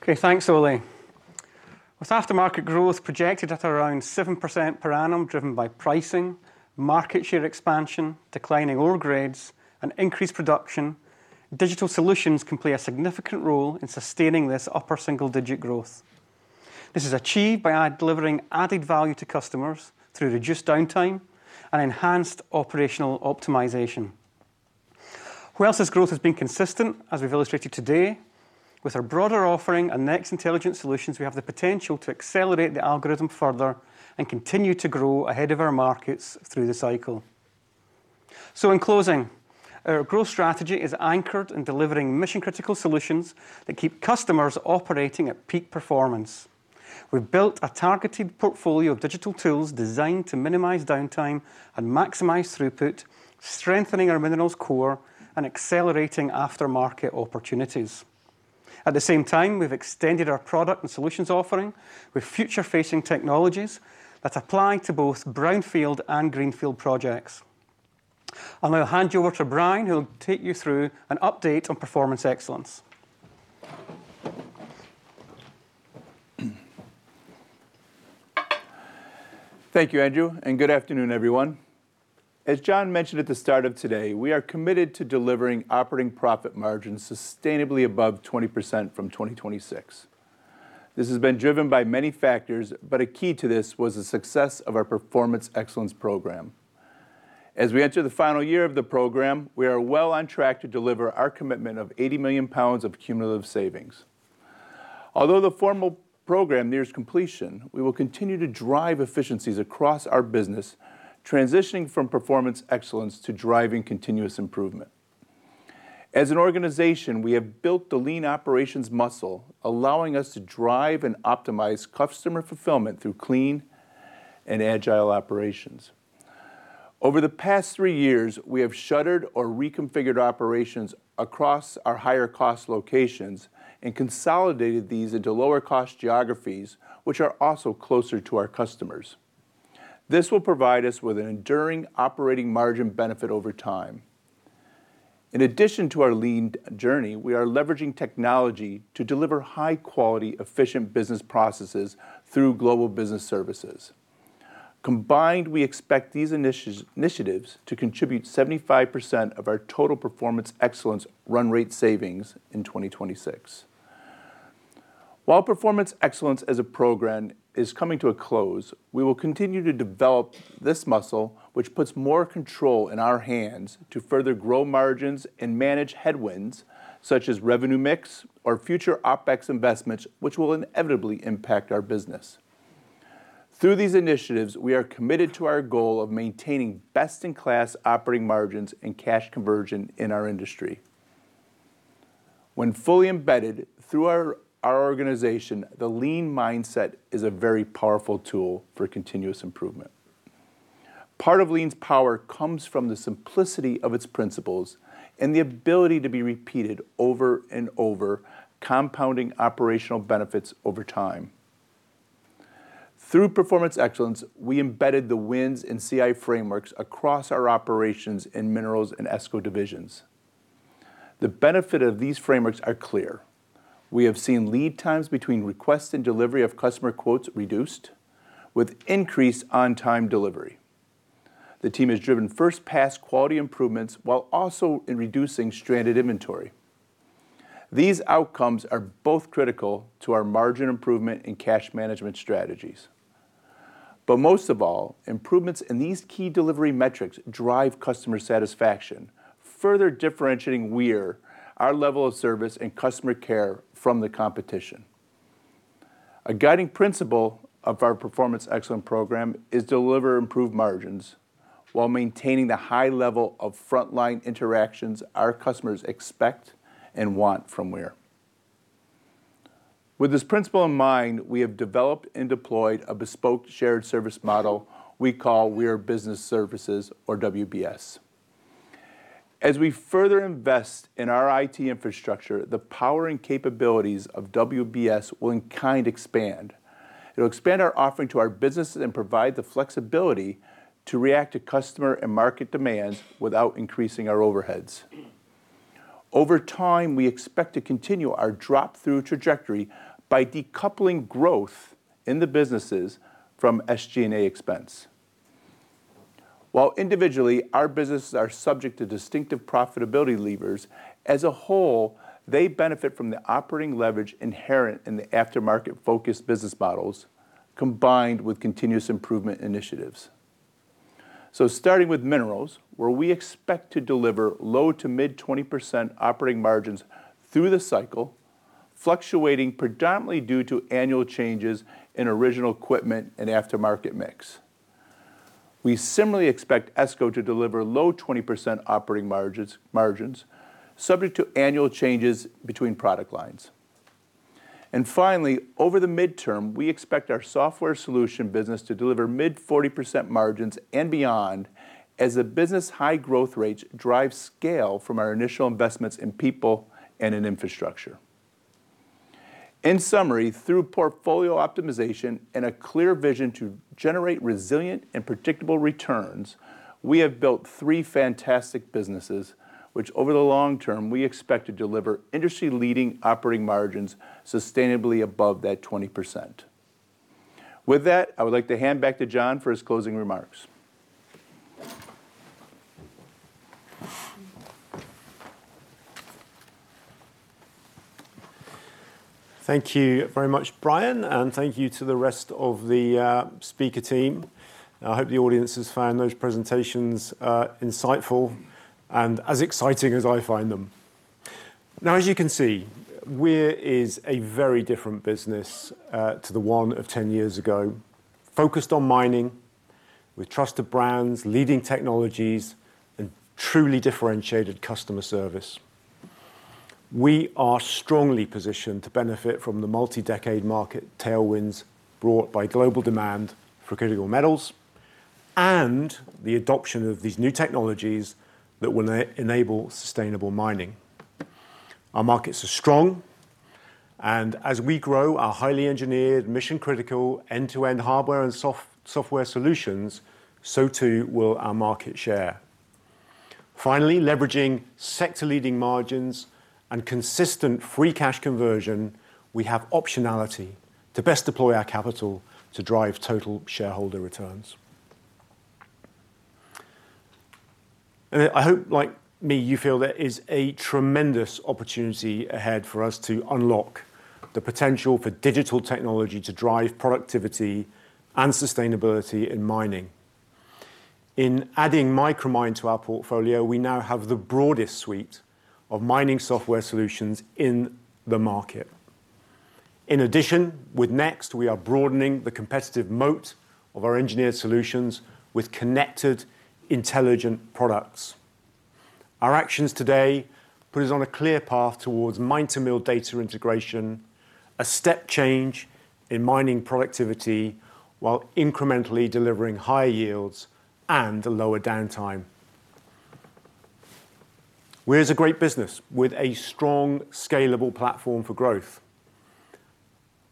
Okay, thanks, Ole. With aftermarket growth projected at around 7% per annum driven by pricing, market share expansion, declining ore grades, and increased production, digital solutions can play a significant role in sustaining this upper single-digit growth. This is achieved by delivering added value to customers through reduced downtime and enhanced operational optimization. While this growth has been consistent, as we've illustrated today, with our broader offering and NEXT Intelligent Solutions, we have the potential to accelerate the algorithm further and continue to grow ahead of our markets through the cycle. So in closing, our growth strategy is anchored in delivering mission-critical solutions that keep customers operating at peak performance. We've built a targeted portfolio of digital tools designed to minimize downtime and maximize throughput, strengthening our Minerals core and accelerating aftermarket opportunities. At the same time, we've extended our product and solutions offering with future-facing technologies that apply to both brownfield and greenfield projects. I'll now hand you over to Brian, who'll take you through an update on Performance Excellence. Thank you, Andrew, and good afternoon, everyone. As Jon mentioned at the start of today, we are committed to delivering operating profit margins sustainably above 20% from 2026. This has been driven by many factors, but a key to this was the success of our Performance Excellence program. As we enter the final year of the program, we are well on track to deliver our commitment of 80 million pounds of cumulative savings. Although the formal program nears completion, we will continue to drive efficiencies across our business, transitioning from Performance Excellence to driving continuous improvement. As an organization, we have built the Lean operations muscle, allowing us to drive and optimize customer fulfillment through clean and agile operations. Over the past three years, we have shuttered or reconfigured operations across our higher-cost locations and consolidated these into lower-cost geographies, which are also closer to our customers. This will provide us with an enduring operating margin benefit over time. In addition to our Lean journey, we are leveraging technology to deliver high-quality, efficient business processes through global business services. Combined, we expect these initiatives to contribute 75% of our total Performance Excellence run-rate savings in 2026. While Performance Excellence as a program is coming to a close, we will continue to develop this muscle, which puts more control in our hands to further grow margins and manage headwinds such as revenue mix or future OpEx investments, which will inevitably impact our business. Through these initiatives, we are committed to our goal of maintaining best-in-class operating margins and cash conversion in our industry. When fully embedded through our organization, the Lean mindset is a very powerful tool for continuous improvement. Part of Lean's power comes from the simplicity of its principles and the ability to be repeated over and over, compounding operational benefits over time. Through Performance Excellence, we embedded the WINS and CI frameworks across our operations in Minerals and ESCO divisions. The benefit of these frameworks is clear. We have seen lead times between request and delivery of customer quotes reduced, with increased on-time delivery. The team has driven first-pass quality improvements while also reducing stranded inventory. These outcomes are both critical to our margin improvement and cash management strategies. Most of all, improvements in these key delivery metrics drive customer satisfaction, further differentiating Weir, our level of service and customer care from the competition. A guiding principle of our Performance Excellence program is to deliver improved margins while maintaining the high level of frontline interactions our customers expect and want from Weir. With this principle in mind, we have developed and deployed a bespoke shared service model we call Weir Business Services, or WBS. As we further invest in our IT infrastructure, the power and capabilities of WBS will in kind expand. It will expand our offering to our businesses and provide the flexibility to react to customer and market demands without increasing our overheads. Over time, we expect to continue our drop-through trajectory by decoupling growth in the businesses from SG&A expense. While individually, our businesses are subject to distinctive profitability levers, as a whole, they benefit from the operating leverage inherent in the aftermarket-focused business models, combined with continuous improvement initiatives. So starting with Minerals, where we expect to deliver low to mid-20% operating margins through the cycle, fluctuating predominantly due to annual changes in original equipment and aftermarket mix. We similarly expect ESCO to deliver low 20% operating margins, subject to annual changes between product lines. Finally, over the midterm, we expect our software solution business to deliver mid-40% margins and beyond, as the business high growth rates drive scale from our initial investments in people and in infrastructure. In summary, through portfolio optimization and a clear vision to generate resilient and predictable returns, we have built three fantastic businesses, which over the long term, we expect to deliver industry-leading operating margins sustainably above that 20%. With that, I would like to hand back to Jon for his closing remarks. Thank you very much, Brian, and thank you to the rest of the speaker team. I hope the audience has found those presentations insightful and as exciting as I find them. Now, as you can see, Weir is a very different business to the one of 10 years ago, focused on mining, with trusted brands, leading technologies, and truly differentiated customer service. We are strongly positioned to benefit from the multi-decade market tailwinds brought by global demand for critical metals and the adoption of these new technologies that will enable sustainable mining. Our markets are strong, and as we grow our highly engineered, mission-critical end-to-end hardware and software solutions, so too will our market share. Finally, leveraging sector-leading margins and consistent free cash conversion, we have optionality to best deploy our capital to drive total shareholder returns, and I hope, like me, you feel there is a tremendous opportunity ahead for us to unlock the potential for digital technology to drive productivity and sustainability in mining. In adding Micromine to our portfolio, we now have the broadest suite of mining software solutions in the market. In addition, with NEXT, we are broadening the competitive moat of our engineered solutions with connected, intelligent products. Our actions today put us on a clear path towards Mine-to-Mill data integration, a step change in mining productivity while incrementally delivering higher yields and lower downtime. Weir is a great business with a strong, scalable platform for growth.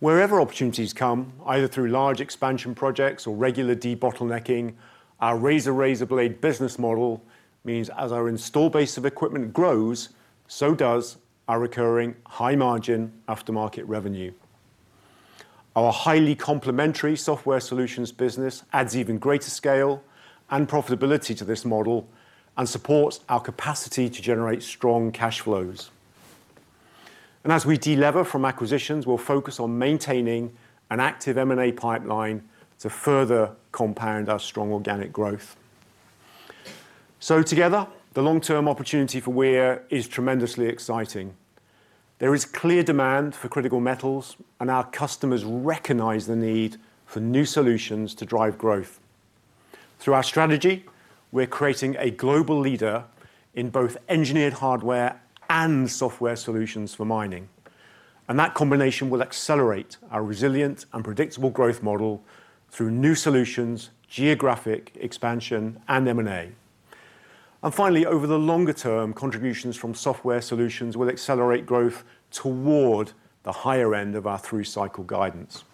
Wherever opportunities come, either through large expansion projects or regular de-bottlenecking, our razor-razorblade business model means as our install base of equipment grows, so does our recurring high-margin aftermarket revenue. Our highly complementary software solutions business adds even greater scale and profitability to this model and supports our capacity to generate strong cash flows. As we delever from acquisitions, we'll focus on maintaining an active M&A pipeline to further compound our strong organic growth. Together, the long-term opportunity for Weir is tremendously exciting. There is clear demand for critical metals, and our customers recognize the need for new solutions to drive growth. Through our strategy, we're creating a global leader in both engineered hardware and software solutions for mining. And that combination will accelerate our resilient and predictable growth model through new solutions, geographic expansion, and M&A. And finally, over the longer term, contributions from software solutions will accelerate growth toward the higher end of our through-cycle guidance.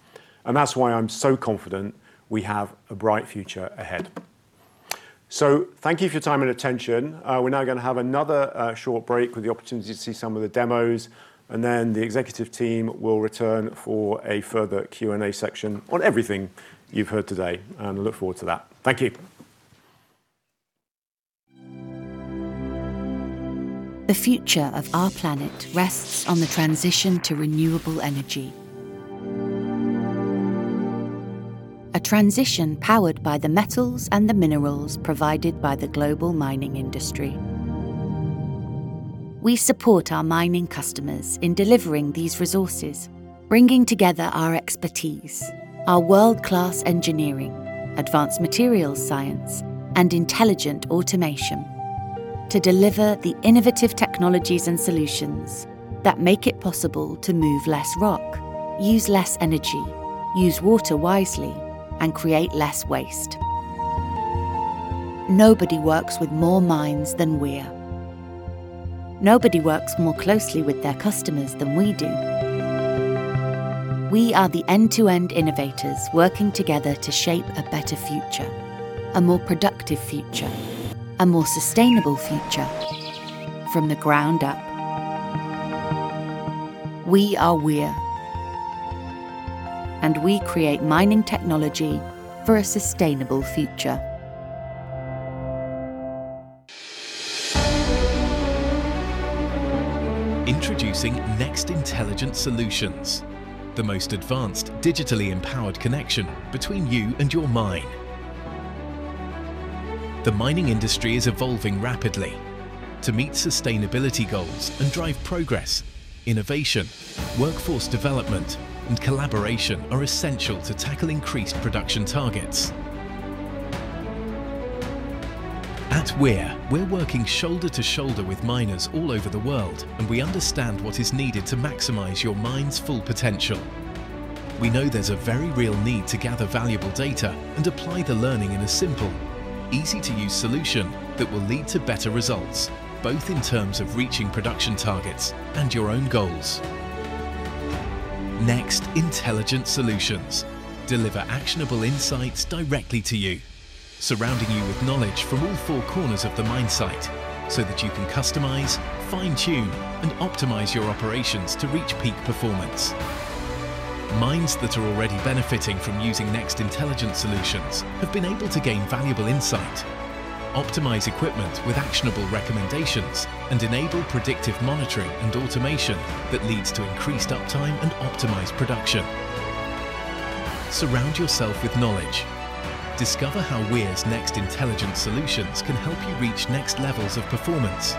And that's why I'm so confident we have a bright future ahead. So thank you for your time and attention. We're now going to have another short break with the opportunity to see some of the demos, and then the executive team will return for a further Q&A section on everything you've heard today, and I look forward to that. Thank you. The future of our planet rests on the transition to renewable energy. A transition powered by the metals and the Minerals provided by the global mining industry. We support our mining customers in delivering these resources, bringing together our expertise, our world-class engineering, advanced materials science, and intelligent automation to deliver the innovative technologies and solutions that make it possible to move less rock, use less energy, use water wisely, and create less waste. Nobody works with more mines than Weir. Nobody works more closely with their customers than we do. We are the end-to-end innovators working together to shape a better future, a more productive future, a more sustainable future from the ground up. We are Weir, and we create mining technology for a sustainable future. Introducing NEXT Intelligent Solutions, the most advanced digitally empowered connection between you and your mine. The mining industry is evolving rapidly. To meet sustainability goals and drive progress, innovation, workforce development, and collaboration are essential to tackle increased production targets. At Weir, we're working shoulder to shoulder with miners all over the world, and we understand what is needed to maximize your mine's full potential. We know there's a very real need to gather valuable data and apply the learning in a simple, easy-to-use solution that will lead to better results, both in terms of reaching production targets and your own goals. NEXT Intelligent Solutions deliver actionable insights directly to you, surrounding you with knowledge from all four corners of the mine site so that you can customize, fine-tune, and optimize your operations to reach peak performance. Mines that are already benefiting from using NEXT Intelligent Solutions have been able to gain valuable insight, optimize equipment with actionable recommendations, and enable predictive monitoring and automation that leads to increased uptime and optimized production. Surround yourself with knowledge. Discover how Weir's NEXT Intelligent Solutions can help you reach next levels of performance.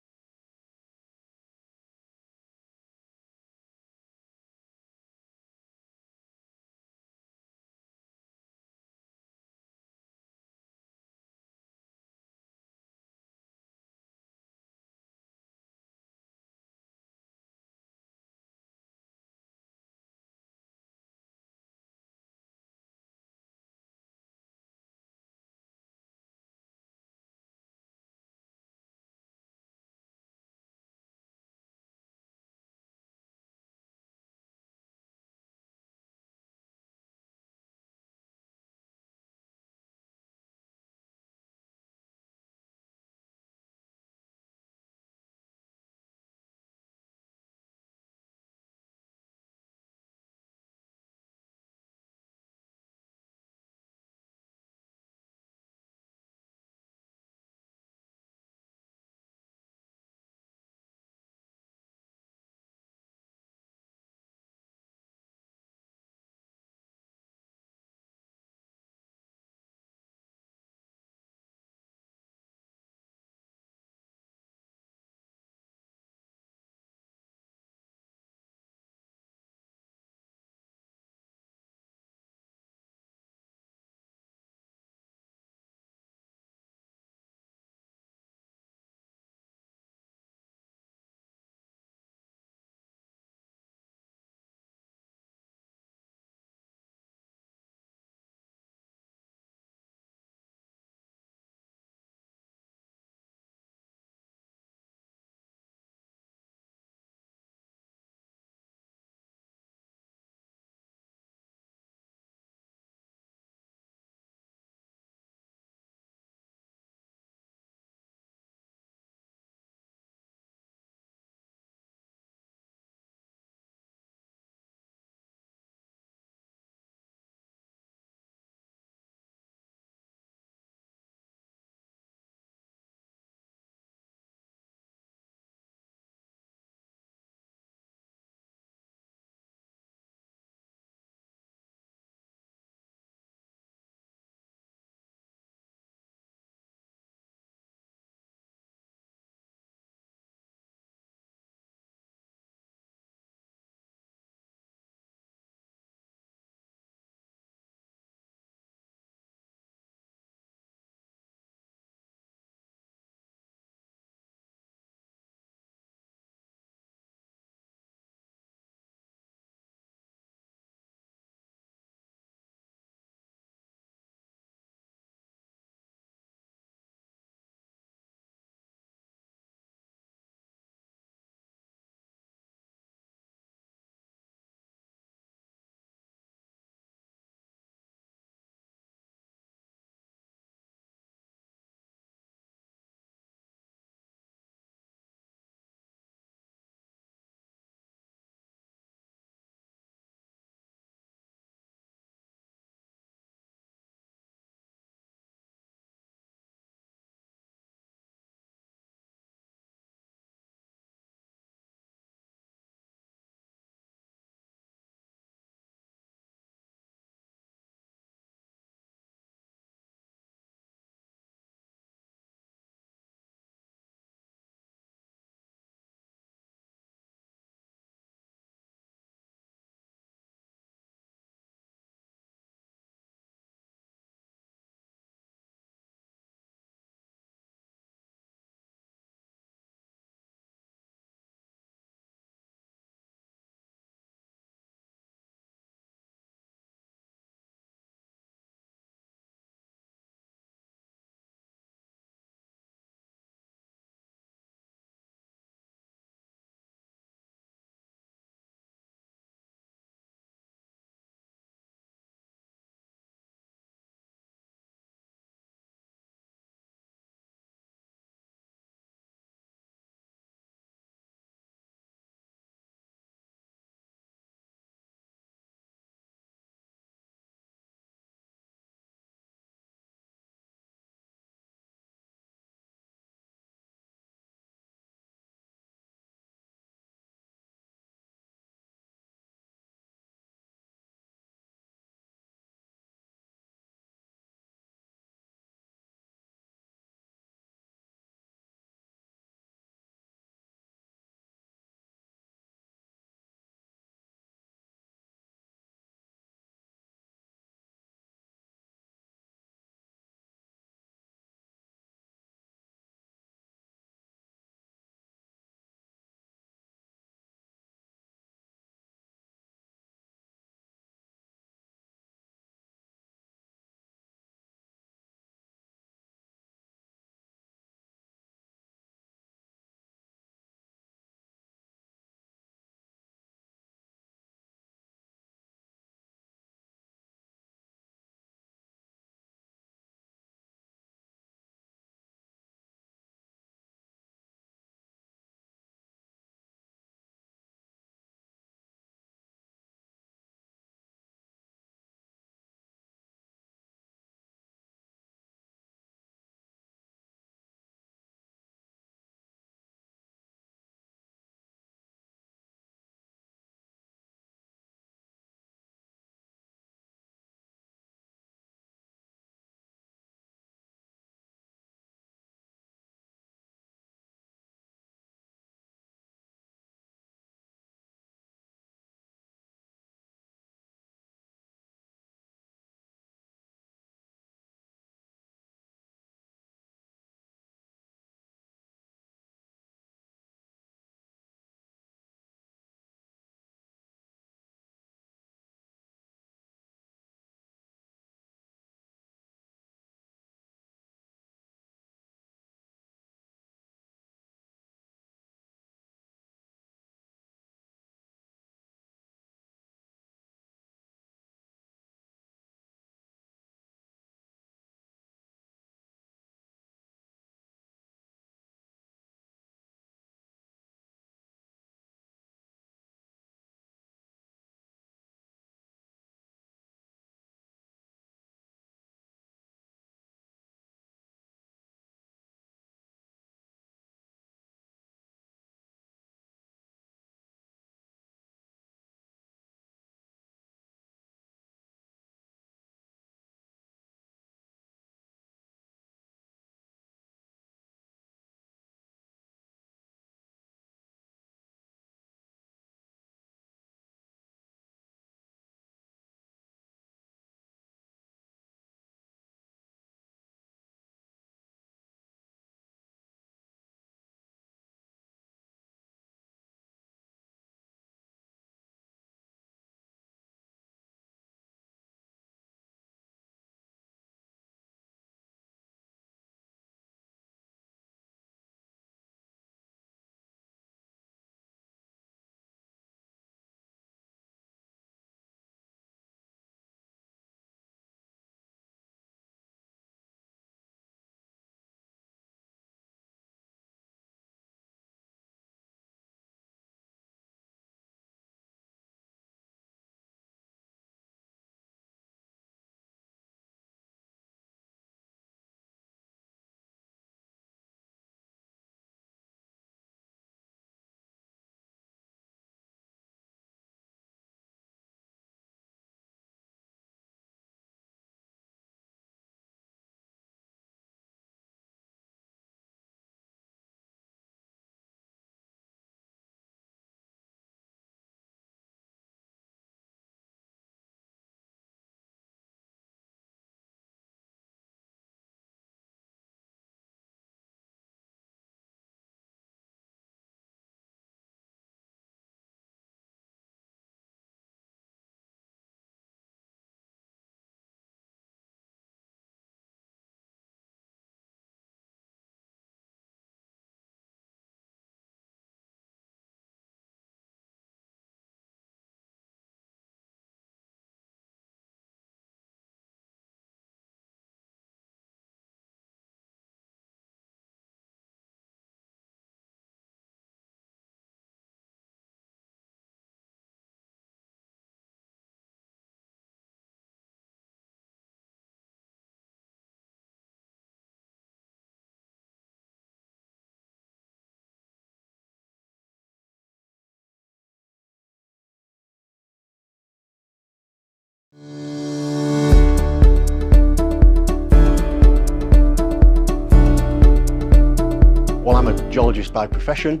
I'm a geologist by profession.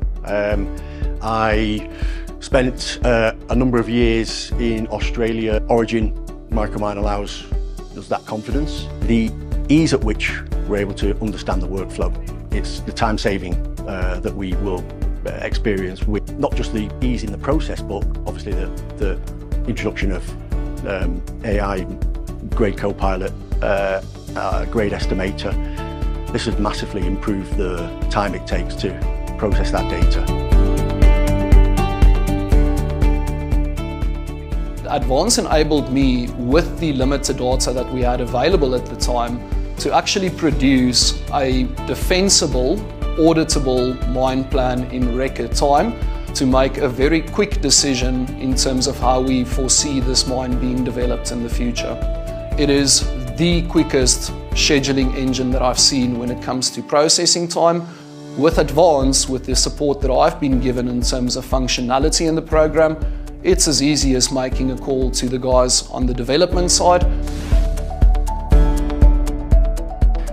I spent a number of years in Australia. Micromine Origin allows us that confidence. The ease at which we're able to understand the workflow is the time saving that we will experience with not just the ease in the process, but obviously the introduction of AI Grade Copilot, a Grade Estimator. This has massively improved the time it takes to process that data. Micromine Advance enabled me, with the limited data that we had available at the time, to actually produce a defensible, auditable mine plan in record time to make a very quick decision in terms of how we foresee this mine being developed in the future. It is the quickest scheduling engine that I've seen when it comes to processing time. With Advance, with the support that I've been given in terms of functionality in the program, it's as easy as making a call to the guys on the development side.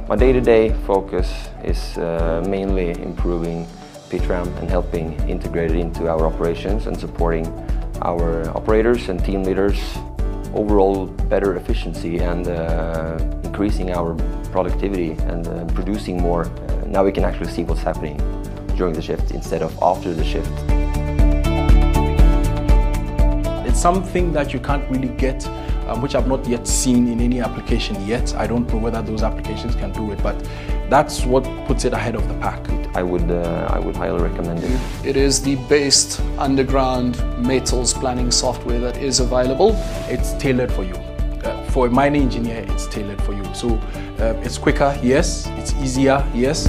My day-to-day focus is mainly improving Micromine Pitram and helping integrate it into our operations and supporting our operators and team leaders. Overall, better efficiency and increasing our productivity and producing more. Now we can actually see what's happening during the shift instead of after the shift. It's something that you can't really get, which I've not yet seen in any application yet. I don't know whether those applications can do it, but that's what puts it ahead of the pack. I would highly recommend it. It is the best underground metals planning software that is available. It's tailored for you. For a mining engineer, it's tailored for you. So it's quicker, yes. It's easier, yes.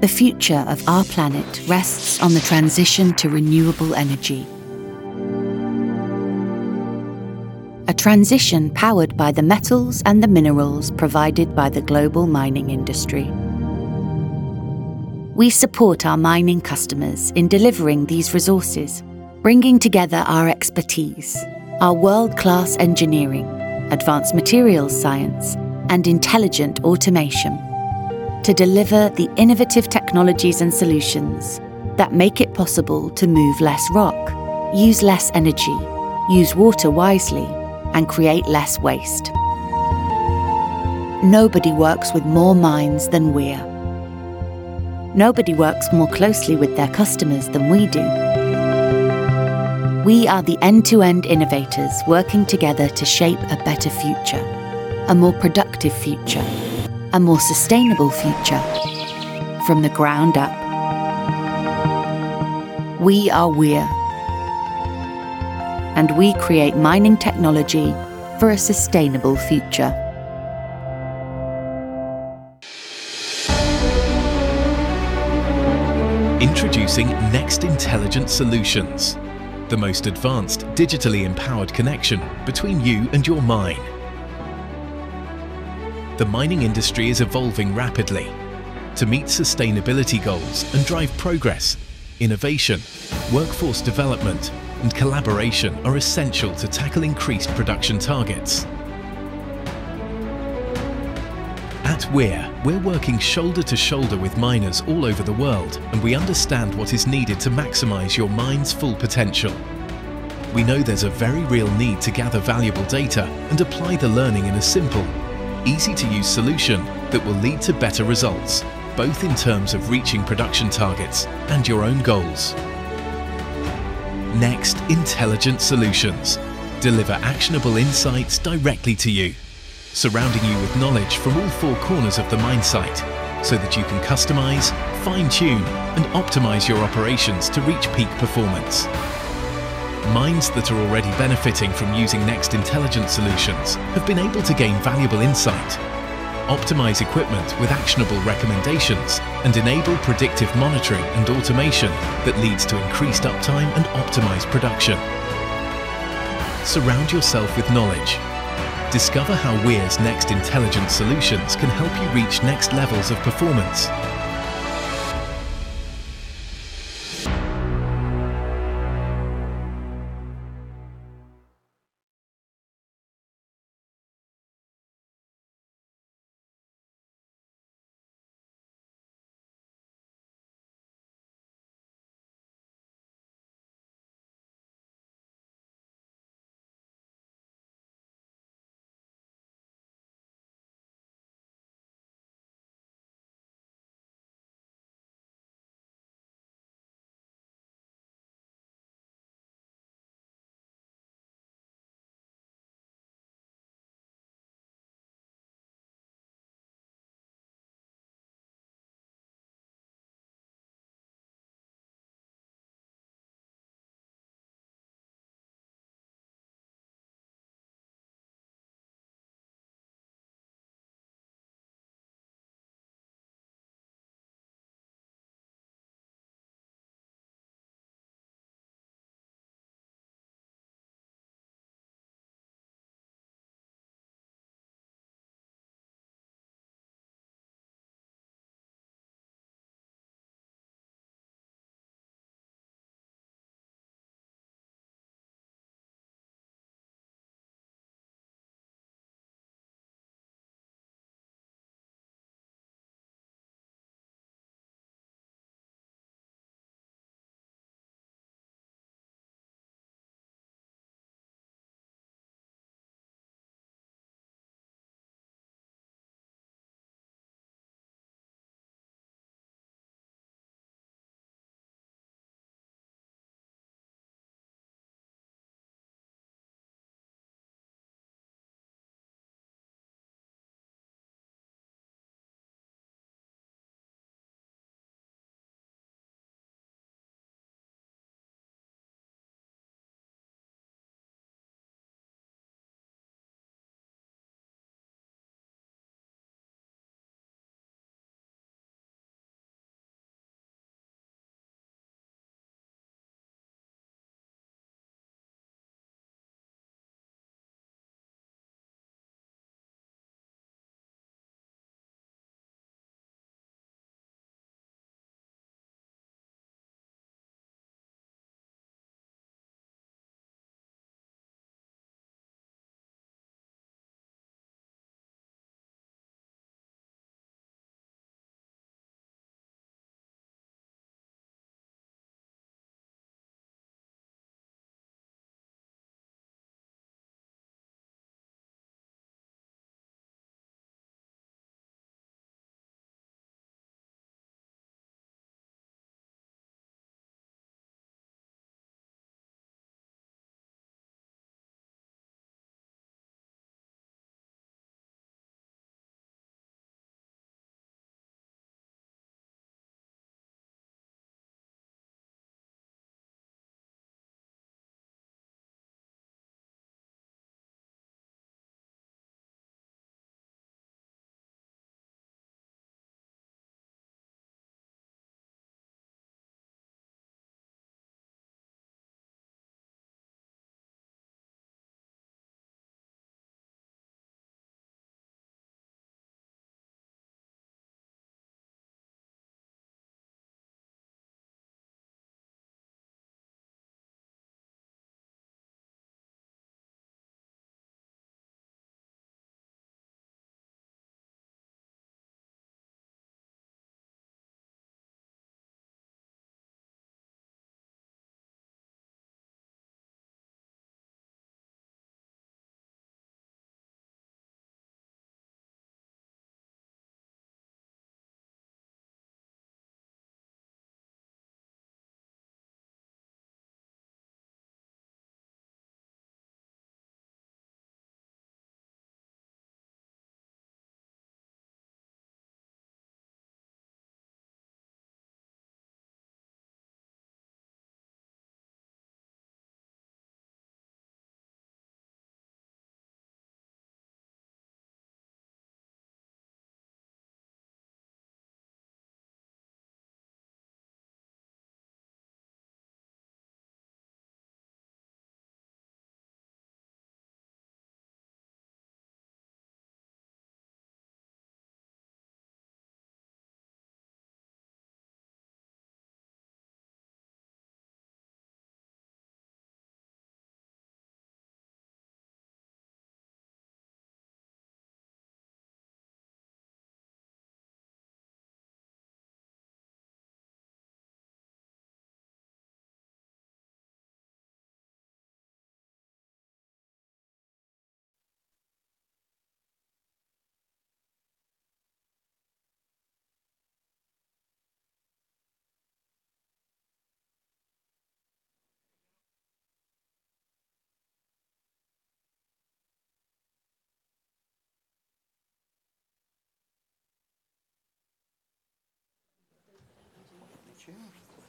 The future of our planet rests on the transition to renewable energy. A transition powered by the metals and the Minerals provided by the global mining industry. We support our mining customers in delivering these resources, bringing together our expertise, our world-class engineering, advanced materials science, and intelligent automation to deliver the innovative technologies and solutions that make it possible to move less rock, use less energy, use water wisely, and create less waste. Nobody works with more mines than we are. Nobody works more closely with their customers than we do. We are the end-to-end innovators working together to shape a better future, a more productive future, a more sustainable future from the ground up. We are Weir, and we create mining technology for a sustainable future. Introducing NEXT Intelligent Solutions, the most advanced digitally empowered connection between you and your mine. The mining industry is evolving rapidly. To meet sustainability goals and drive progress, innovation, workforce development, and collaboration are essential to tackle increased production targets. At Weir, we're working shoulder to shoulder with miners all over the world, and we understand what is needed to maximize your mine's full potential. We know there's a very real need to gather valuable data and apply the learning in a simple, easy-to-use solution that will lead to better results, both in terms of reaching production targets and your own goals. NEXT Intelligent Solutions deliver actionable insights directly to you, surrounding you with knowledge from all four corners of the mine site so that you can customize, fine-tune, and optimize your operations to reach peak performance. Mines that are already benefiting from using NEXT Intelligent Solutions have been able to gain valuable insight, optimize equipment with actionable recommendations, and enable predictive monitoring and automation that leads to increased uptime and optimized production. Surround yourself with knowledge. Discover how Weir's NEXT Intelligent Solutions can help you reach next levels of performance.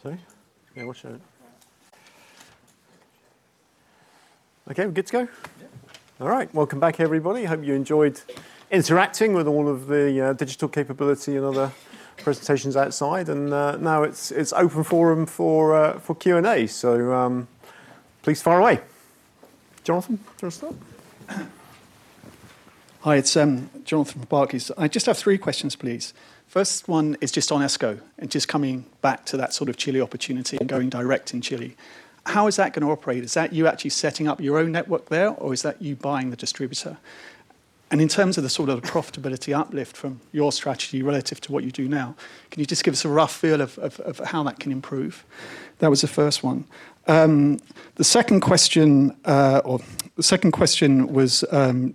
Okay, we're good to go? Yeah. All right. Welcome back, everybody. Hope you enjoyed interacting with all of the digital capability and other presentations outside. And now it's open forum for Q&A, so please fire away. Jonathan, do you want to start? Hi, it's Jonathan from Barclays. I just have three questions, please. First one is just on ESCO and just coming back to that sort of Chile opportunity and going direct in Chile. How is that going to operate? Is that you actually setting up your own network there, or is that you buying the distributor? And in terms of the sort of profitability uplift from your strategy relative to what you do now, can you just give us a rough feel of how that can improve? That was the first one. The second question, or the second question was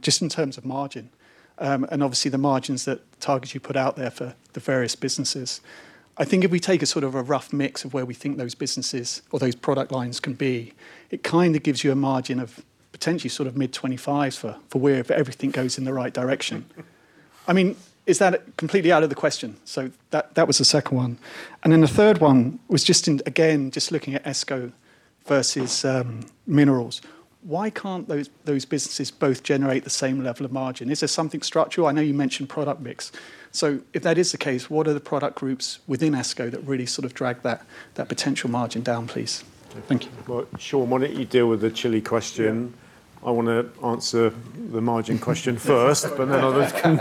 just in terms of margin and obviously the margin targets you put out there for the various businesses. I think if we take a sort of a rough mix of where we think those businesses or those product lines can be, it kind of gives you a margin of potentially sort of mid-25s for Weir if everything goes in the right direction. I mean, is that completely out of the question? So that was the second one. And then the third one was just, again, just looking at ESCO versus Minerals. Why can't those businesses both generate the same level of margin? Is there something structural? I know you mentioned product mix. So if that is the case, what are the product groups within ESCO that really sort of drag that potential margin down, please? Thank you. Well, Sean, why don't you deal with the Chile question? I want to answer the margin question first, but then others can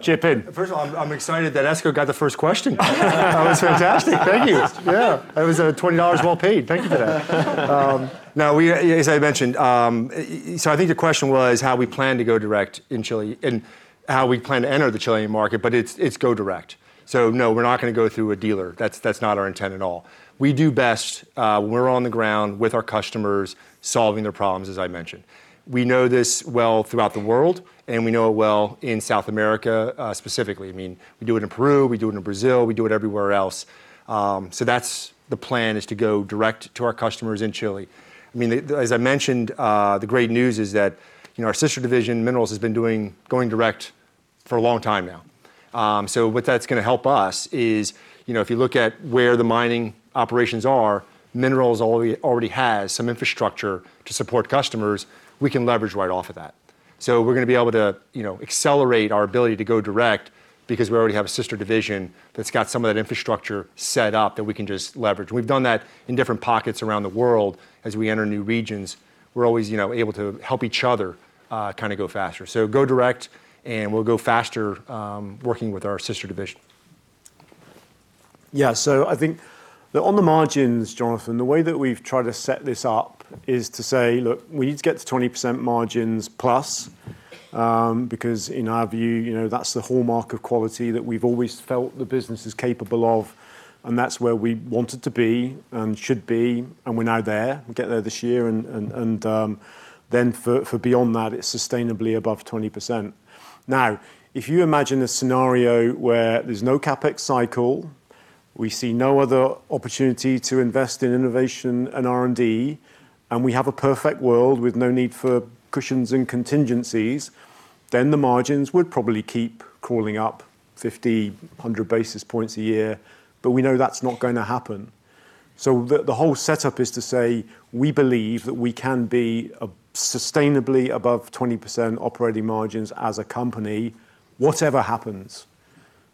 chip in. First of all, I'm excited that ESCO got the first question. That was fantastic. Thank you. Yeah, it was $20 well paid. Thank you for that. Now, as I mentioned, so I think the question was how we plan to Go Direct in Chile and how we plan to enter the Chilean market, but it's Go Direct. So no, we're not going to go through a dealer. That's not our intent at all. We do best when we're on the ground with our customers solving their problems, as I mentioned. We know this well throughout the world, and we know it well in South America specifically. I mean, we do it in Peru, we do it in Brazil, we do it everywhere else. So that's the plan is to Go Direct to our customers in Chile. I mean, as I mentioned, the great news is that our sister division, Minerals, has been going direct for a long time now. So what that's going to help us is if you look at where the mining operations are, Minerals already has some infrastructure to support customers. We can leverage right off of that. So we're going to be able to accelerate our ability to Go Direct because we already have a sister division that's got some of that infrastructure set up that we can just leverage. We've done that in different pockets around the world. As we enter new regions, we're always able to help each other kind of go faster. So Go Direct, and we'll go faster working with our sister division. Yeah, so I think that on the margins, Jonathan, the way that we've tried to set this up is to say, look, we need to get to 20% margins+ because in our view, that's the hallmark of quality that we've always felt the business is capable of, and that's where we wanted to be and should be, and we're now there. We'll get there this year, and then for beyond that, it's sustainably above 20%. Now, if you imagine a scenario where there's no CapEx cycle, we see no other opportunity to invest in innovation and R&D, and we have a perfect world with no need for cushions and contingencies, then the margins would probably keep crawling up 50 bps, 100 bps a year, but we know that's not going to happen. So the whole setup is to say we believe that we can be sustainably above 20% operating margins as a company, whatever happens.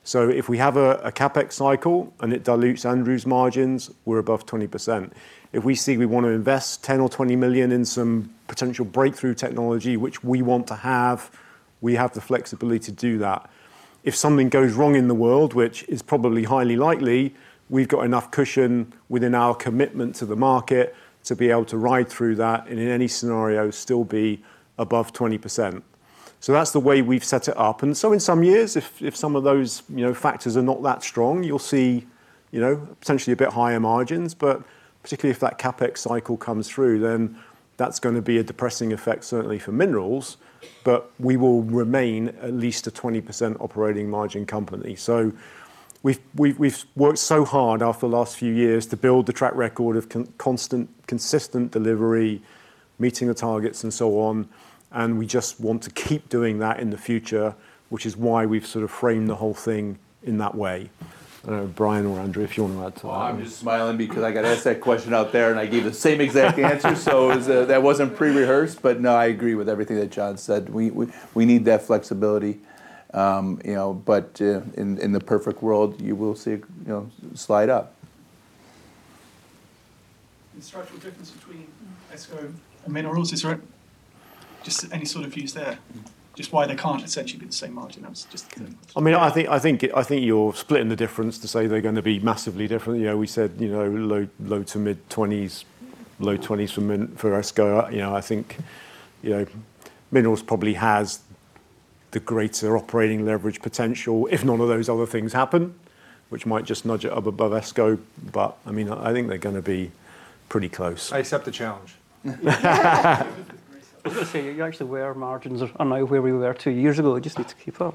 So if we have a CapEx cycle and it dilutes Andrew's margins, we're above 20%. If we see we want to invest 10 million or 20 million in some potential breakthrough technology, which we want to have, we have the flexibility to do that. If something goes wrong in the world, which is probably highly likely, we've got enough cushion within our commitment to the market to be able to ride through that and in any scenario still be above 20%. So that's the way we've set it up. And so in some years, if some of those factors are not that strong, you'll see potentially a bit higher margins, but particularly if that CapEx cycle comes through, then that's going to be a depressing effect, certainly for Minerals, but we will remain at least a 20% operating margin company. So we've worked so hard over the last few years to build the track record of consistent delivery, meeting the targets and so on, and we just want to keep doing that in the future, which is why we've sort of framed the whole thing in that way. I don't know, Brian or Andrew, if you want to add to that. I'm just smiling because I got asked that question out there, and I gave the same exact answer, so that wasn't pre-rehearsed, but no, I agree with everything that Jon said. We need that flexibility, but in the perfect world, you will see it slide up. The structural difference between ESCO and Minerals, is there just any sort of views there? Just why they can't essentially be the same margin? I mean, I think you're splitting the difference to say they're going to be massively different. We said low- to mid-20s%, low 20s% for ESCO. I think Minerals probably has the greater operating leverage potential if none of those other things happen, which might just nudge it up above ESCO, but I mean, I think they're going to be pretty close. I accept the challenge. I was going to say, you actually were margins of, I know where we were two years ago, we just need to keep up.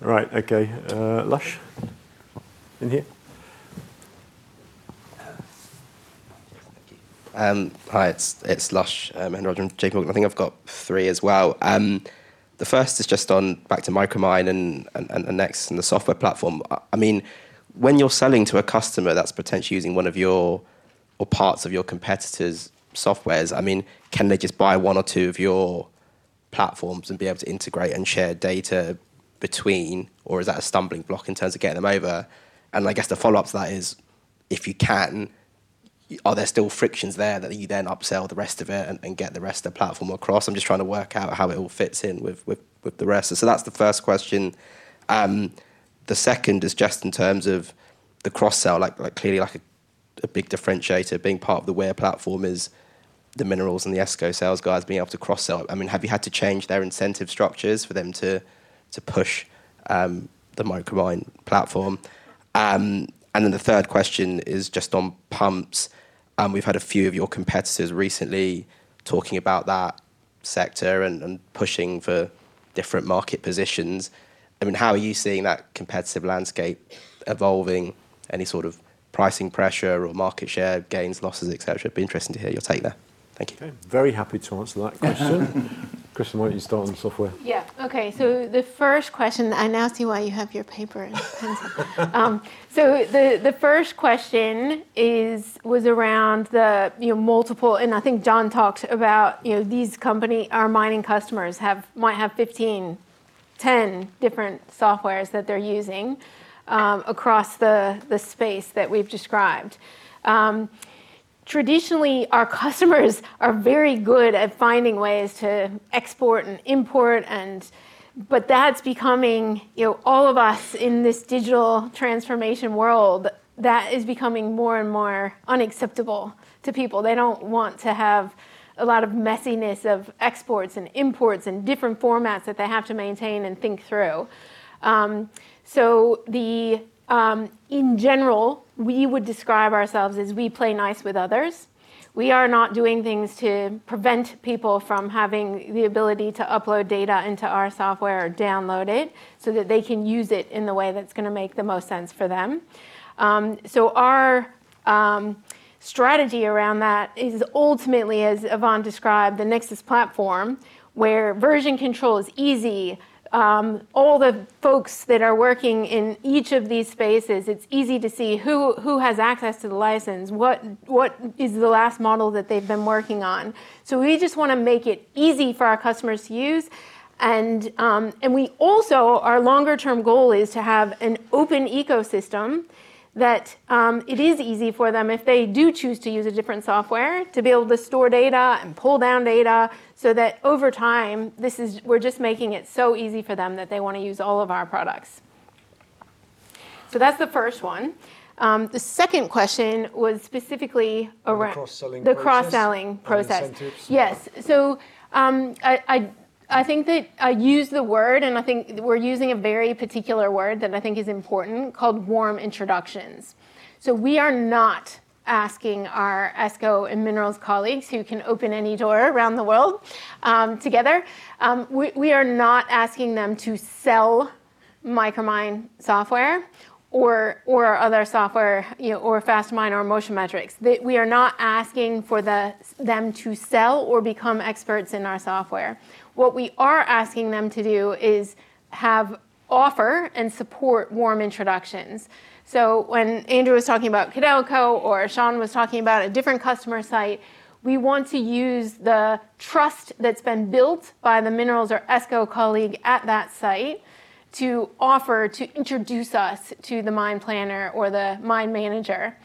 Right, okay. Lushanthan in here. Hi, it's Lushan, Andrew. I'm taking a look. I think I've got three as well. The first is just on back to Micromine and Nexsys and the software platform. I mean, when you're selling to a customer that's potentially using one of your or parts of your competitor's software, I mean, can they just buy one or two of your Precision and be able to integrate and share data between, or is that a stumbling block in terms of getting them over? And I guess the follow-up to that is, if you can, are there still frictions there that you then upsell the rest of it and get the rest of the platform across? I'm just trying to work out how it all fits in with the rest. So that's the first question. The second is just in terms of the cross-sell, clearly like a big differentiator being part of the Weir platform is the Minerals and the ESCO sales guys being able to cross-sell. I mean, have you had to change their incentive structures for them to push the Micromine platform? And then the third question is just on pumps. We've had a few of your competitors recently talking about that sector and pushing for different market positions. I mean, how are you seeing that competitive landscape evolving? Any sort of pricing pressure or market share gains, losses, etc.? It'd be interesting to hear your take there. Thank you. Okay, very happy to answer that question. Kristen, why don't you start on software? Yeah, okay. So the first question, and I'll see why you have your paper. So the first question was around the multiple, and I think Jon talked about these companies are mining customers might have 15, 10 different softwares that they're using across the space that we've described. Traditionally, our customers are very good at finding ways to export and import, but that's becoming all of us in this digital transformation world, that is becoming more and more unacceptable to people. They don't want to have a lot of messiness of exports and imports and different formats that they have to maintain and think through. So in general, we would describe ourselves as we play nice with others. We are not doing things to prevent people from having the ability to upload data into our software or download it so that they can use it in the way that's going to make the most sense for them. So our strategy around that is ultimately, as Ivan described, the Nexsys platform where version control is easy. All the folks that are working in each of these spaces, it's easy to see who has access to the license, what is the last model that they've been working on. So we just want to make it easy for our customers to use. And we also, our longer-term goal is to have an open ecosystem that it is easy for them if they do choose to use a different software to be able to store data and pull down data so that over time, we're just making it so easy for them that they want to use all of our products. So that's the first one. The second question was specifically around the cross-selling process. Yes. So I think that I used the word, and I think we're using a very particular word that I think is important called warm introductions. So we are not asking our ESCO and Minerals colleagues who can open any door around the world together. We are not asking them to sell Micromine software or other software or Precision or Micromine. We are not asking for them to sell or become experts in our software. What we are asking them to do is offer and support warm introductions. So when Andrew was talking about Codelco or Sean was talking about a different customer site, we want to use the trust that's been built by the Minerals or ESCO colleague at that site to offer to introduce us to the mine planner or the mine manager.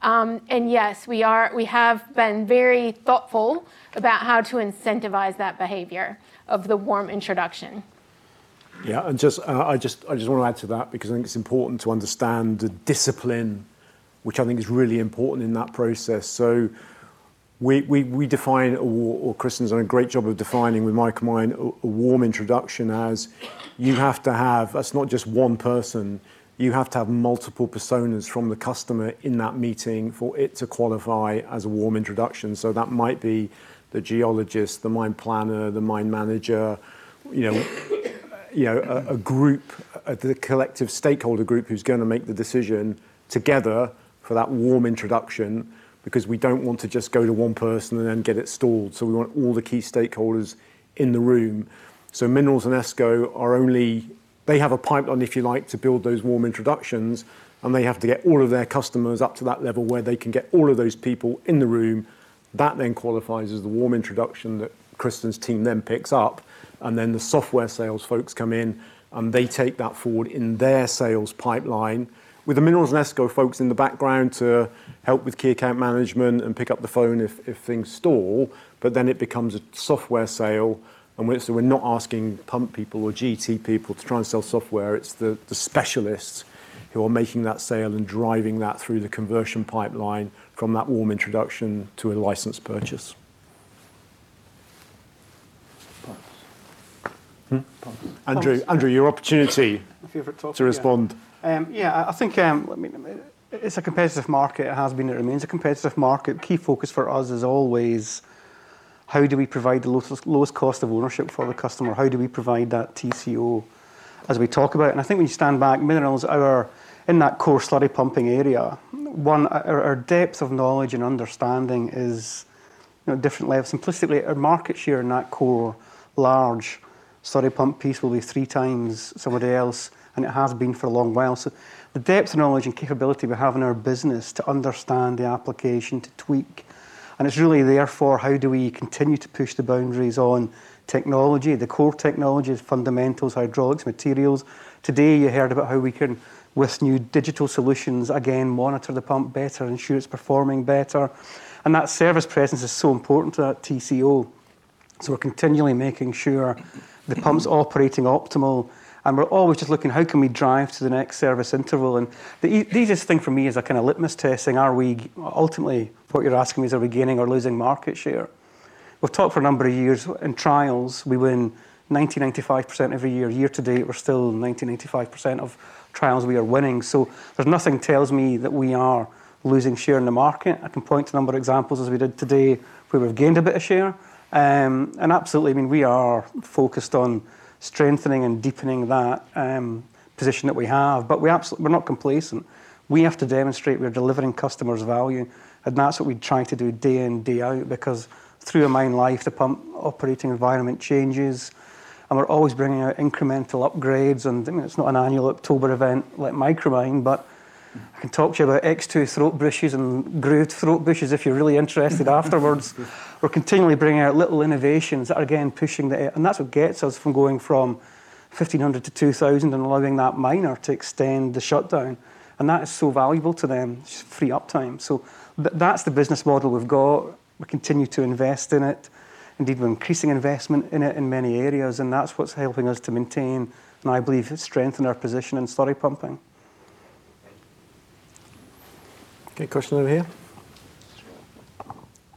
And yes, we have been very thoughtful about how to incentivize that behavior of the warm introduction. Yeah, and I just want to add to that because I think it's important to understand the discipline, which I think is really important in that process. So we define, or Kristen's done a great job of defining with Micromine, a warm introduction as you have to have that's not just one person. You have to have multiple personas from the customer in that meeting for it to qualify as a warm introduction. So that might be the geologist, the mine planner, the mine manager, a group, a collective stakeholder group who's going to make the decision together for that warm introduction because we don't want to just go to one person and then get it stalled. So we want all the key stakeholders in the room. So Minerals and ESCO are only they have a pipeline, if you like, to build those warm introductions, and they have to get all of their customers up to that level where they can get all of those people in the room. That then qualifies as the warm introduction that Kristen's team then picks up, and then the software sales folks come in, and they take that forward in their sales pipeline with the Minerals and ESCO folks in the background to help with key account management and pick up the phone if things stall, but then it becomes a software sale, and so we're not asking pump people or G.E.T. people to try and sell software. It's the specialists who are making that sale and driving that through the conversion pipeline from that warm introduction to a license purchase. Andrew, your opportunity to respond. Yeah, I think it's a competitive market. It has been and remains a competitive market. Key focus for us is always how do we provide the lowest cost of ownership for the customer? How do we provide that TCO as we talk about? I think when you stand back, Minerals are in that core slurry pumping area. Our depth of knowledge and understanding is different levels. Simply, our market share in that core large slurry pump piece will be three times somebody else, and it has been for a long while. So the depth of knowledge and capability we have in our business to understand the application to tweak, and it's really therefore how do we continue to push the boundaries on technology, the core technologies, fundamentals, hydraulics, materials. Today, you heard about how we can, with new digital solutions, again, monitor the pump better and ensure it's performing better. And that service presence is so important to that TCO. So we're continually making sure the pump's operating optimal, and we're always just looking how can we drive to the NEXT service interval. The easiest thing for me is a kind of litmus testing. Ultimately, what you're asking me is are we gaining or losing market share? We've talked for a number of years in trials. We win 95% every year. Year to date, we're still 95% of trials we are winning. Nothing tells me that we are losing share in the market. I can point to a number of examples as we did today where we've gained a bit of share. Absolutely, I mean, we are focused on strengthening and deepening that position that we have, but we're not complacent. We have to demonstrate we're delivering customers value, and that's what we try to do day in, day out because through a mine life, the pump operating environment changes, and we're always bringing out incremental upgrades. I mean, it's not an annual October event like Micromine, but I can talk to you about X2 throat bushes and Linatex throat bushes if you're really interested afterwards. We're continually bringing out little innovations that are again pushing the, and that's what gets us from going from 1500 to 2000 and allowing that miner to extend the shutdown. That is so valuable to them. It's free uptime. That's the business model we've got. We continue to invest in it. Indeed, we're increasing investment in it in many areas, and that's what's helping us to maintain and I believe strengthen our position in slurry pumping. Okay, question over here.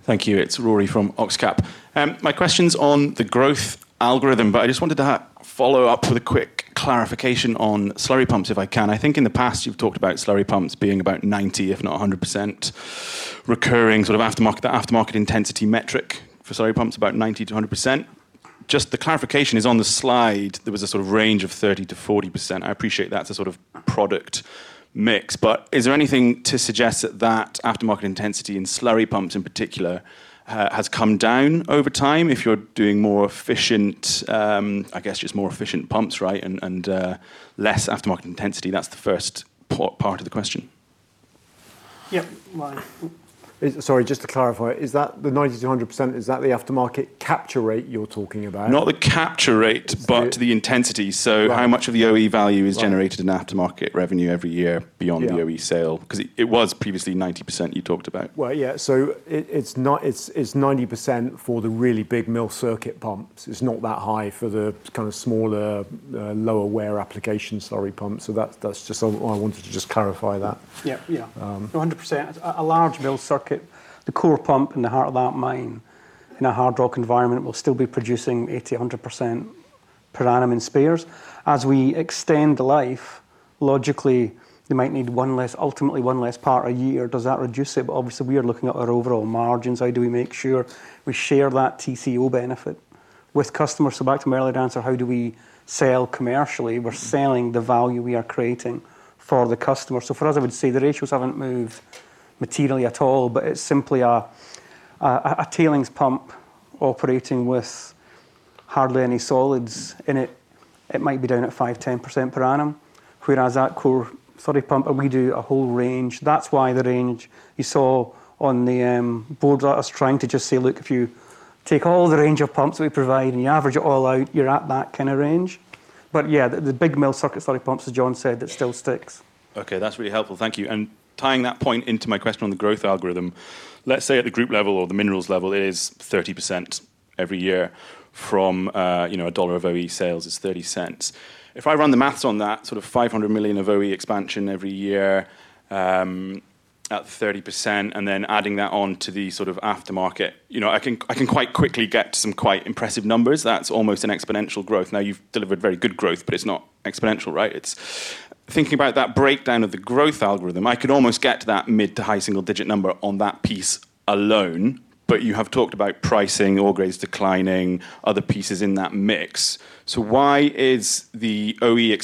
Thank you. It's Rory from Oxburgh Partners. My question's on the growth algorithm, but I just wanted to follow up with a quick clarification on slurry pumps if I can. I think in the past you've talked about slurry pumps being about 90% to 100% recurring sort of aftermarket intensity metric for slurry pumps, about 90% to 100%. Just the clarification is on the slide, there was a sort of range of 30%-40%. I appreciate that's a sort of product mix, but is there anything to suggest that that aftermarket intensity in slurry pumps in particular has come down over time if you're doing more efficient, I guess just more efficient pumps, right, and less aftermarket intensity? That's the first part of the question. Yeah, sorry, just to clarify, is that the 90% to 100%, is that the aftermarket capture rate you're talking about? Not the capture rate, but the intensity. So how much of the OE value is generated in aftermarket revenue every year beyond the OE sale? Because it was previously 90% you talked about. Well, yeah, so it's 90% for the really big mill circuit pumps. It's not that high for the kind of smaller, lower wear application slurry pumps. So that's just what I wanted to just clarify that. Yeah, yeah, 100%. A large mill circuit, the core pump and the heart of that mine in a hard rock environment will still be producing 80% to 100% per annum in spares. As we extend life, logically, you might need one less, ultimately one less part a year. Does that reduce it? But obviously, we are looking at our overall margins. How do we make sure we share that TCO benefit with customers? So back to my earlier answer, how do we sell commercially? We're selling the value we are creating for the customer. So, for us, I would say the ratios haven't moved materially at all, but it's simply a tailings pump operating with hardly any solids in it. It might be down at 5% to 10% per annum, whereas that core slurry pump, we do a whole range. That's why the range you saw on the board that I was trying to just say, look, if you take all the range of pumps that we provide and you average it all out, you're at that kind of range. But yeah, the big mill circuit slurry pumps, as Jon said, that still sticks. Okay, that's really helpful. Thank you. And tying that point into my question on the growth algorithm, let's say at the group level or the Minerals level, it is 30% every year from $1 of OE sales is $0.30. If I run the math on that, sort of 500 million of OE expansion every year at 30%, and then adding that on to the sort of aftermarket, I can quite quickly get to some quite impressive numbers. That's almost an exponential growth. Now, you've delivered very good growth, but it's not exponential, right? Thinking about that breakdown of the growth algorithm, I could almost get to that mid to high single digit number on that piece alone, but you have talked about pricing, ore grades declining, other pieces in that mix. So why is the OE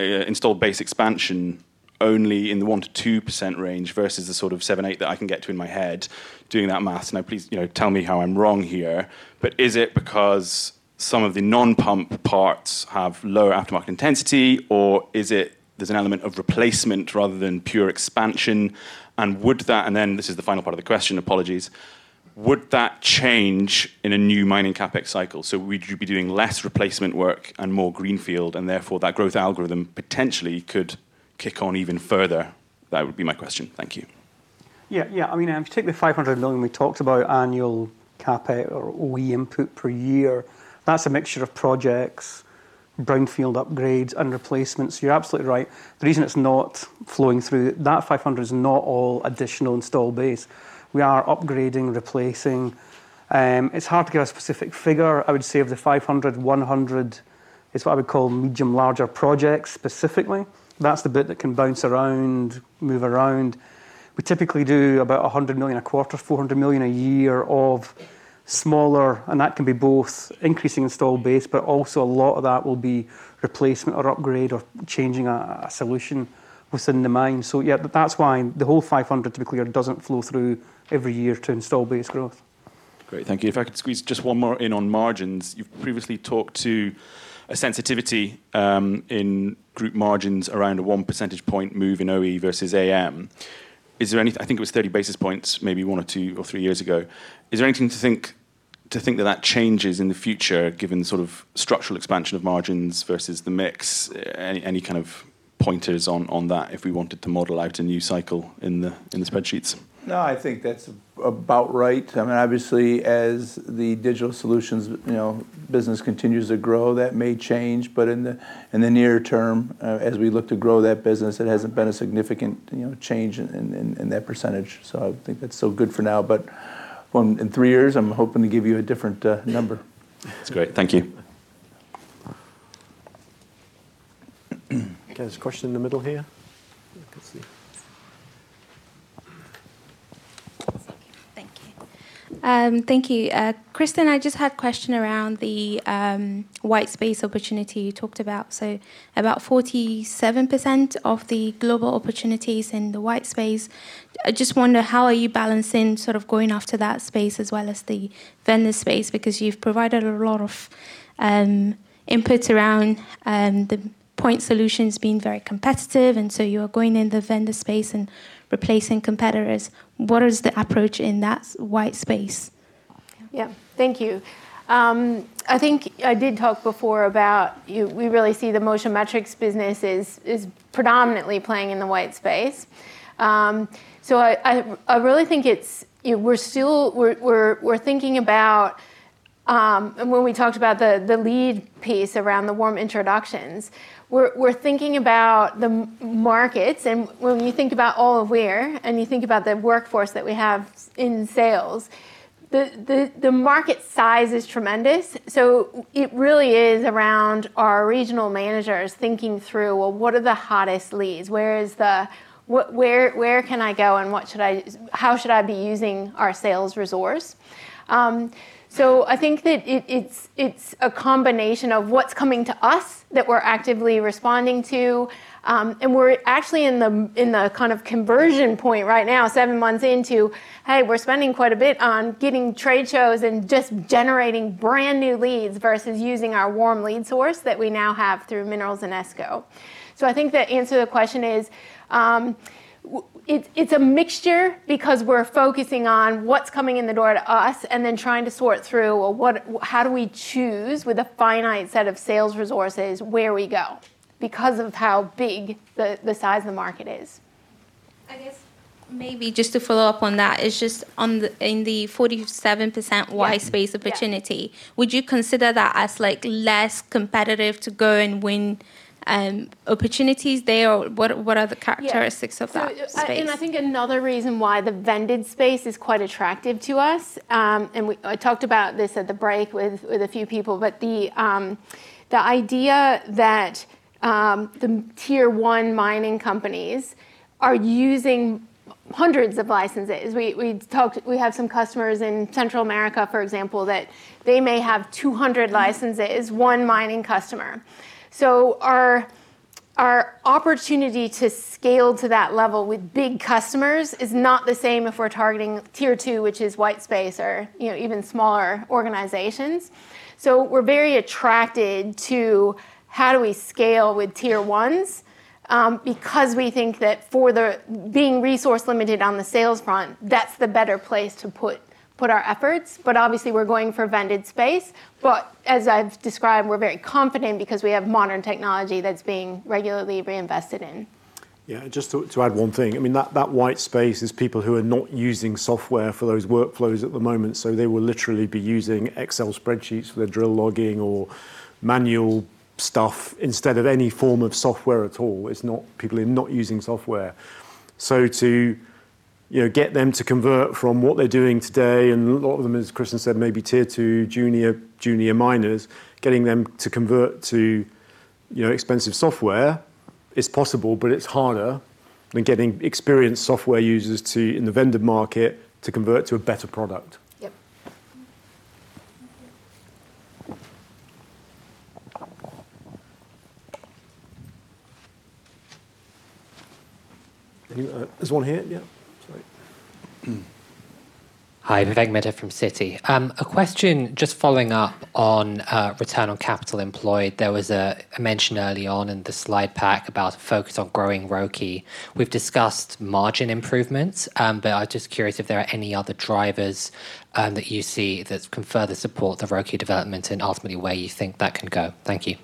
installed base expansion only in the 1%-2% range versus the sort of 7%-8% that I can get to in my head doing that math? Please tell me how I'm wrong here, but is it because some of the non-pump parts have lower aftermarket intensity, or is it there's an element of replacement rather than pure expansion? Would that, and then this is the final part of the question, apologies, would that change in a new mining CapEx cycle? So would you be doing less replacement work and more greenfield, and therefore that growth algorithm potentially could kick on even further? That would be my question. Thank you. Yeah, yeah. I mean, if you take the 500 million we talked about annual CapEx or OE input per year, that's a mixture of projects, brownfield upgrades, and replacements. You're absolutely right. The reason it's not flowing through that 500 is not all additional installed base. We are upgrading, replacing. It's hard to give a specific figure. I would say of the 500, 100 is what I would call medium-larger projects specifically. That's the bit that can bounce around, move around. We typically do about 100 million a quarter, 400 million a year of smaller, and that can be both increasing install base, but also a lot of that will be replacement or upgrade or changing a solution within the mine. So yeah, that's why the whole 500, to be clear, doesn't flow through every year to install base growth. Great, thank you. If I could squeeze just one more in on margins, you've previously talked to a sensitivity in group margins around a one percentage point move in OE versus AM. Is there anything, I think it was 30 bps, maybe one or two or three years ago. Is there anything to think that that changes in the future given the sort of structural expansion of margins versus the mix? Any kind of pointers on that if we wanted to model out a new cycle in the spreadsheets? No, I think that's about right. I mean, obviously, as the digital solutions business continues to grow, that may change, but in the near term, as we look to grow that business, it hasn't been a significant change in that percentage. So I think that's still good for now, but in three years, I'm hoping to give you a different number. That's great. Thank you. Okay, there's a question in the middle here. Thank you. Thank you. Kristen, I just had a question around the white space opportunity you talked about. So about 47% of the global opportunities in the white space. I just wonder, how are you balancing sort of going after that space as well as the vendor space? Because you've provided a lot of inputs around the point solutions being very competitive, and so you are going in the vendor space and replacing competitors. What is the approach in that white space? Yeah, thank you. I think I did talk before about we really see the Micromine business is predominantly playing in the white space. So I really think we're thinking about, and when we talked about the lead piece around the warm introductions, we're thinking about the markets. And when you think about all of where and you think about the workforce that we have in sales, the market size is tremendous. So it really is around our regional managers thinking through, well, what are the hottest leads? Where can I go and how should I be using our sales resource? So I think that it's a combination of what's coming to us that we're actively responding to. And we're actually in the kind of conversion point right now, seven months into, hey, we're spending quite a bit on getting trade shows and just generating brand new leads versus using our warm lead source that we now have through Minerals and ESCO. So I think the answer to the question is it's a mixture because we're focusing on what's coming in the door to us and then trying to sort through how do we choose with a finite set of sales resources where we go because of how big the size of the market is. I guess maybe just to follow up on that. It's just in the 47% white space opportunity. Would you consider that as less competitive to go and win opportunities there? What are the characteristics of that space? I think another reason why the vendor space is quite attractive to us, and I talked about this at the break with a few people, but the idea that the Tier 1 mining companies are using hundreds of licenses. We have some customers in Central America, for example, that they may have 200 licenses, one mining customer. So our opportunity to scale to that level with big customers is not the same if we're targeting tier two, which is white space or even smaller organizations. So we're very attracted to how we scale with Tier 1s because we think that for being resource limited on the sales front, that's the better place to put our efforts. But obviously, we're going for white space. But as I've described, we're very confident because we have modern technology that's being regularly reinvested in. Yeah, just to add one thing. I mean, that white space is people who are not using software for those workflows at the moment. So they will literally be using Excel spreadsheets for their drill logging or manual stuff instead of any form of software at all. It's not people who are not using software. To get them to convert from what they're doing today, and a lot of them, as Kristen said, maybe tier two, junior miners, getting them to convert to expensive software is possible, but it's harder than getting experienced software users in the vendor market to convert to a better product. Yep. There's one here. Yeah. Hi, Vivek Midha from Citi. A question just following up on return on capital employed. There was a mention early on in the slide pack about focus on growing ROCE. We've discussed margin improvements, but I'm just curious if there are any other drivers that you see that can further support the ROCE development and ultimately where you think that can go. Thank you.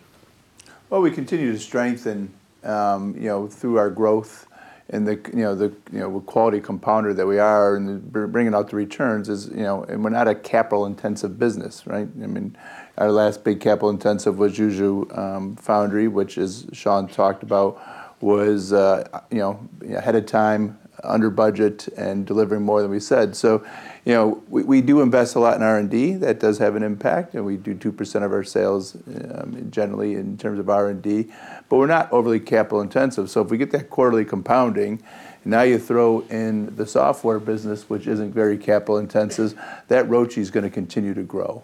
Well, we continue to strengthen through our growth and the quality compounder that we are and bringing out the returns. And we're not a capital-intensive business, right? I mean, our last big capital-intensive was Xuzhou Foundry, which, as Sean talked about, was ahead of time, under budget, and delivering more than we said. So we do invest a lot in R&D. That does have an impact. And we do 2% of our sales generally in terms of R&D, but we're not overly capital-intensive. So if we get that quarterly compounding, now you throw in the software business, which isn't very capital-intensive, that ROCE is going to continue to grow.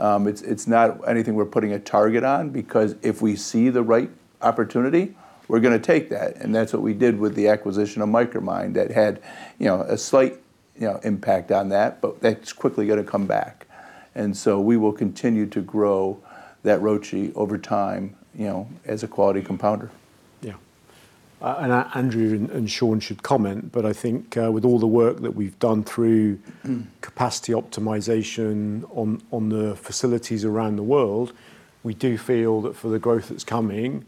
It's not anything we're putting a target on because if we see the right opportunity, we're going to take that. And that's what we did with the acquisition of Micromine that had a slight impact on that, but that's quickly going to come back. And so we will continue to grow that ROCE over time as a quality compounder. Yeah. Andrew and Sean should comment, but I think with all the work that we've done through capacity optimization on the facilities around the world, we do feel that for the growth that's coming,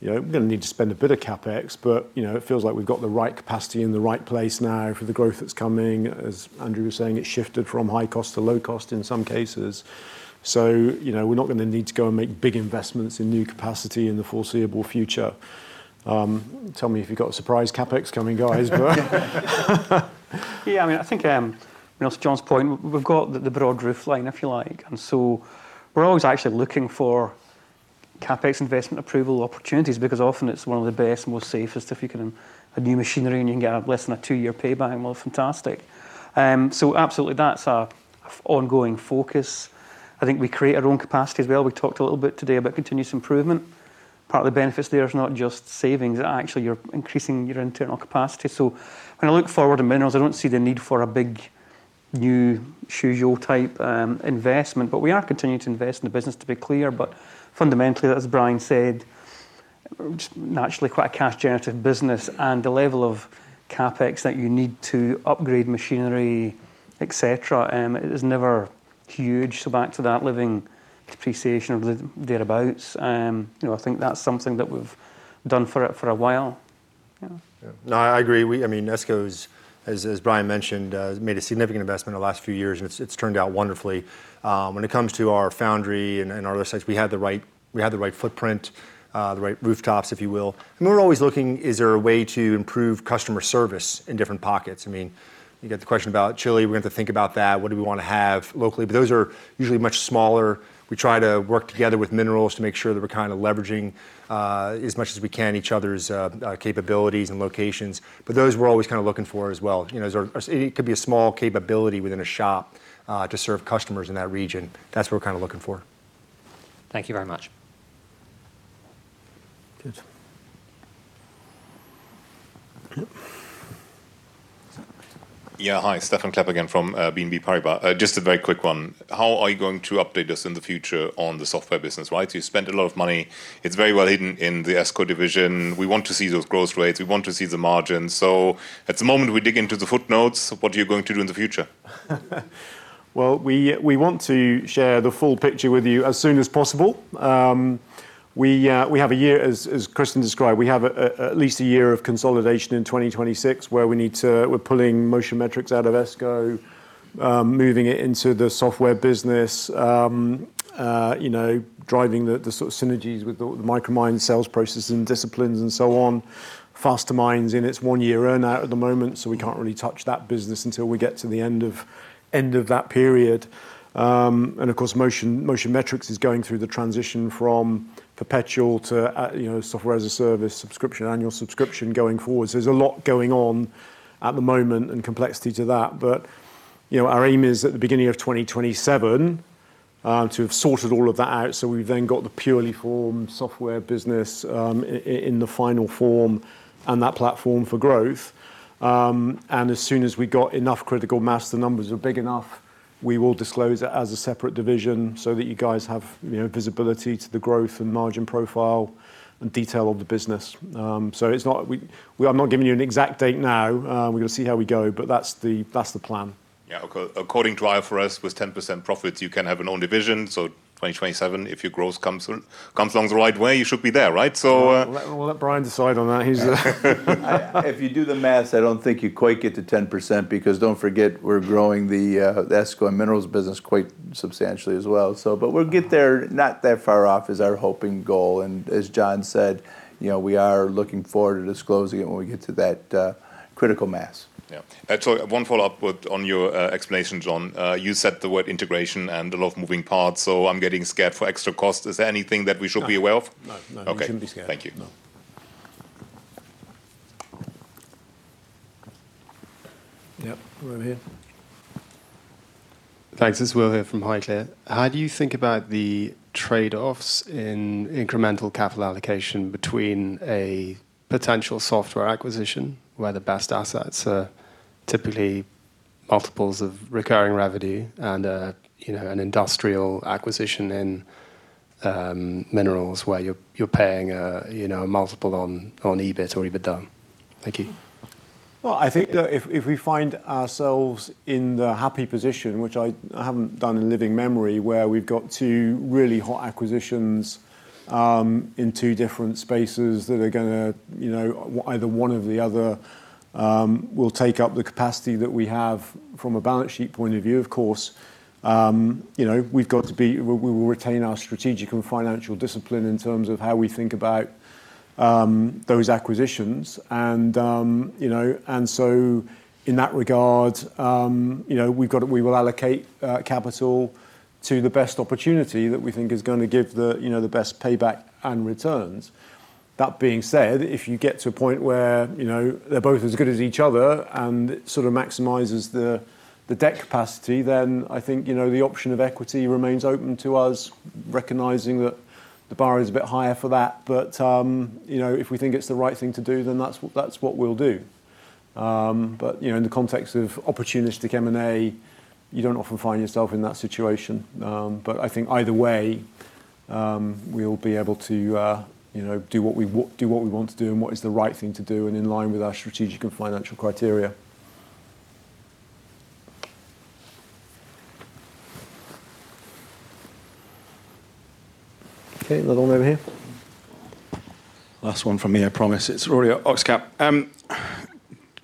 we're going to need to spend a bit of CapEx, but it feels like we've got the right capacity in the right place now for the growth that's coming. As Andrew was saying, it shifted from high cost to low cost in some cases. So we're not going to need to go and make big investments in new capacity in the foreseeable future. Tell me if you've got a surprise CapEx coming, guys. Yeah, I mean, I think, to Jon's point, we've got the broad roofline, if you like. And so we're always actually looking for CapEx investment approval opportunities because often it's one of the best, most safest if you can have new machinery and you can get less than a two-year payback. Well, fantastic. So absolutely, that's an ongoing focus. I think we create our own capacity as well. We talked a little bit today about continuous improvement. Part of the benefits there is not just savings. Actually, you're increasing your internal capacity. So when I look forward to Minerals, I don't see the need for a big new Xuzhou-type investment, but we are continuing to invest in the business, to be clear. But fundamentally, as Brian said, it's naturally quite a cash-generative business. And the level of CapEx that you need to upgrade machinery, etc., is never huge. So back to that living depreciation or thereabouts, I think that's something that we've done for a while. Yeah. No, I agree. I mean, ESCO, as Brian mentioned, made a significant investment in the last few years, and it's turned out wonderfully. When it comes to our foundry and our other sites, we had the right footprint, the right rooftops, if you will. And we're always looking, is there a way to improve customer service in different pockets? I mean, you get the question about Chile. We're going to think about that. What do we want to have locally? But those are usually much smaller. We try to work together with Minerals to make sure that we're kind of leveraging as much as we can each other's capabilities and locations. But those we're always kind of looking for as well. It could be a small capability within a shop to serve customers in that region. That's what we're kind of looking for. Thank you very much. Hi, Stefan Klepp again from BNP Paribas. Just a very quick one. How are you going to update us in the future on the software business, right? You spent a lot of money. It's very well hidden in the ESCO division. We want to see those growth rates. We want to see the margins. So at the moment, we dig into the footnotes. What are you going to do in the future? We want to share the full picture with you as soon as possible. We have a year, as Kristen described, we have at least a year of consolidation in 2026 where we need to, we're pulling Micromine out of ESCO, moving it into the software business, driving the sort of synergies with the Micromine sales process and disciplines and so on. Precision in its one-year earn-out at the moment, so we can't really touch that business until we get to the end of that period. And of course, Micromine is going through the transition from perpetual to software as a service, subscription, annual subscription going forward. So there's a lot going on at the moment and complexity to that. But our aim is at the beginning of 2027 to have sorted all of that out. So we've then got the pure form software business in the final form and that platform for growth. And as soon as we got enough critical mass, the numbers are big enough, we will disclose it as a separate division so that you guys have visibility to the growth and margin profile and detail of the business. So I'm not giving you an exact date now. We're going to see how we go, but that's the plan. Yeah. According to IFRS, with 10% profits, you can have your own division. So 2027, if your growth comes along the right way, you should be there, right? So we'll let Brian decide on that. If you do the math, I don't think you quite get to 10% because don't forget, we're growing the ESCO and Minerals business quite substantially as well. But we'll get there. Not that far off is our hoping goal. And as Jon said, we are looking forward to disclosing it when we get to that critical mass. Yeah. So one follow-up on your explanation, Jon. You said the word integration and a lot of moving parts. So I'm getting scared for extra cost. Is there anything that we should be aware of? No, no. You shouldn't be scared. Thank you. Yep. We're here. Thanks. This is Will Hill from Highclere International Investors. How do you think about the trade-offs in incremental capital allocation between a potential software acquisition where the best assets are typically multiples of recurring revenue and an industrial acquisition in Minerals where you're paying a multiple on EBIT or EBITDA? Thank you. I think that if we find ourselves in the happy position, which I haven't done in living memory, where we've got two really hot acquisitions in two different spaces that are going to either one or the other will take up the capacity that we have from a balance sheet point of view, of course, we've got to we will retain our strategic and financial discipline in terms of how we think about those acquisitions. And so in that regard, we will allocate capital to the best opportunity that we think is going to give the best payback and returns. That being said, if you get to a point where they're both as good as each other and it sort of maximizes the debt capacity, then I think the option of equity remains open to us, recognizing that the bar is a bit higher for that. But if we think it's the right thing to do, then that's what we'll do. But in the context of opportunistic M&A, you don't often find yourself in that situation. But I think either way, we'll be able to do what we want to do and what is the right thing to do and in line with our strategic and financial criteria. Okay. A little one over here. Last one from me, I promise. It's Rory Oxburgh Partners. I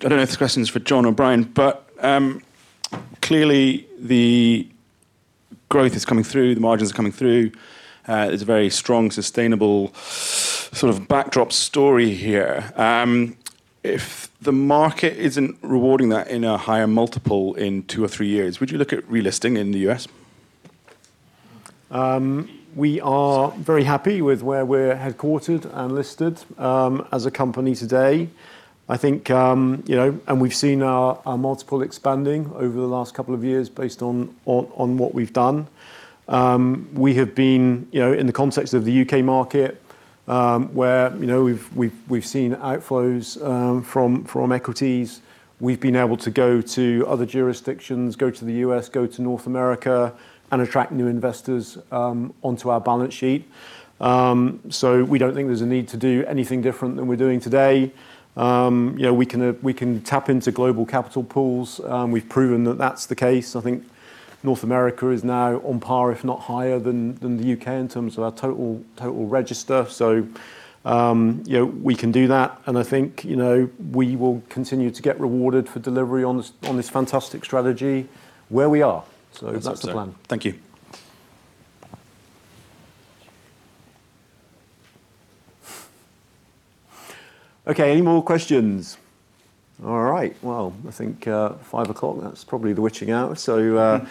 don't know if this question is for Jon or Brian, but clearly, the growth is coming through. The margins are coming through. There's a very strong, sustainable sort of backdrop story here. If the market isn't rewarding that in a higher multiple in two or three years, would you look at relisting in the U.S.? We are very happy with where we're headquartered and listed as a company today. I think, and we've seen our multiple expanding over the last couple of years based on what we've done. We have been, in the context of the U.K. market, where we've seen outflows from equities, we've been able to go to other jurisdictions, go to the U.S., go to North America, and attract new investors onto our balance sheet. So we don't think there's a need to do anything different than we're doing today. We can tap into global capital pools. We've proven that that's the case. I think North America is now on par, if not higher, than the U.K. in terms of our total register. So we can do that. And I think we will continue to get rewarded for delivery on this fantastic strategy where we are. So that's the plan. Thank you. Okay. Any more questions? All right. Well, I think 5:00 P.M., that's probably the witching hour. So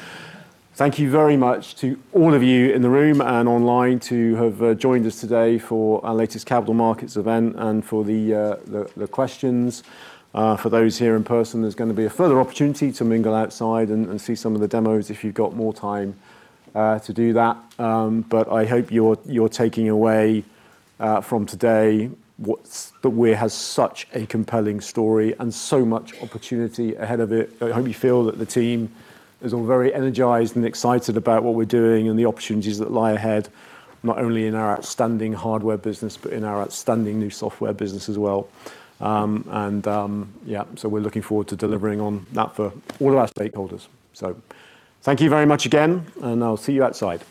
thank you very much to all of you in the room and online to have joined us today for our latest Capital Markets event and for the questions. For those here in person, there's going to be a further opportunity to mingle outside and see some of the demos if you've got more time to do that. But I hope you're taking away from today what the Weir has such a compelling story and so much opportunity ahead of it. I hope you feel that the team is all very energized and excited about what we're doing and the opportunities that lie ahead, not only in our outstanding hardware business, but in our outstanding new software business as well. And yeah, so we're looking forward to delivering on that for all of our stakeholders. So thank you very much again, and I'll see you outside.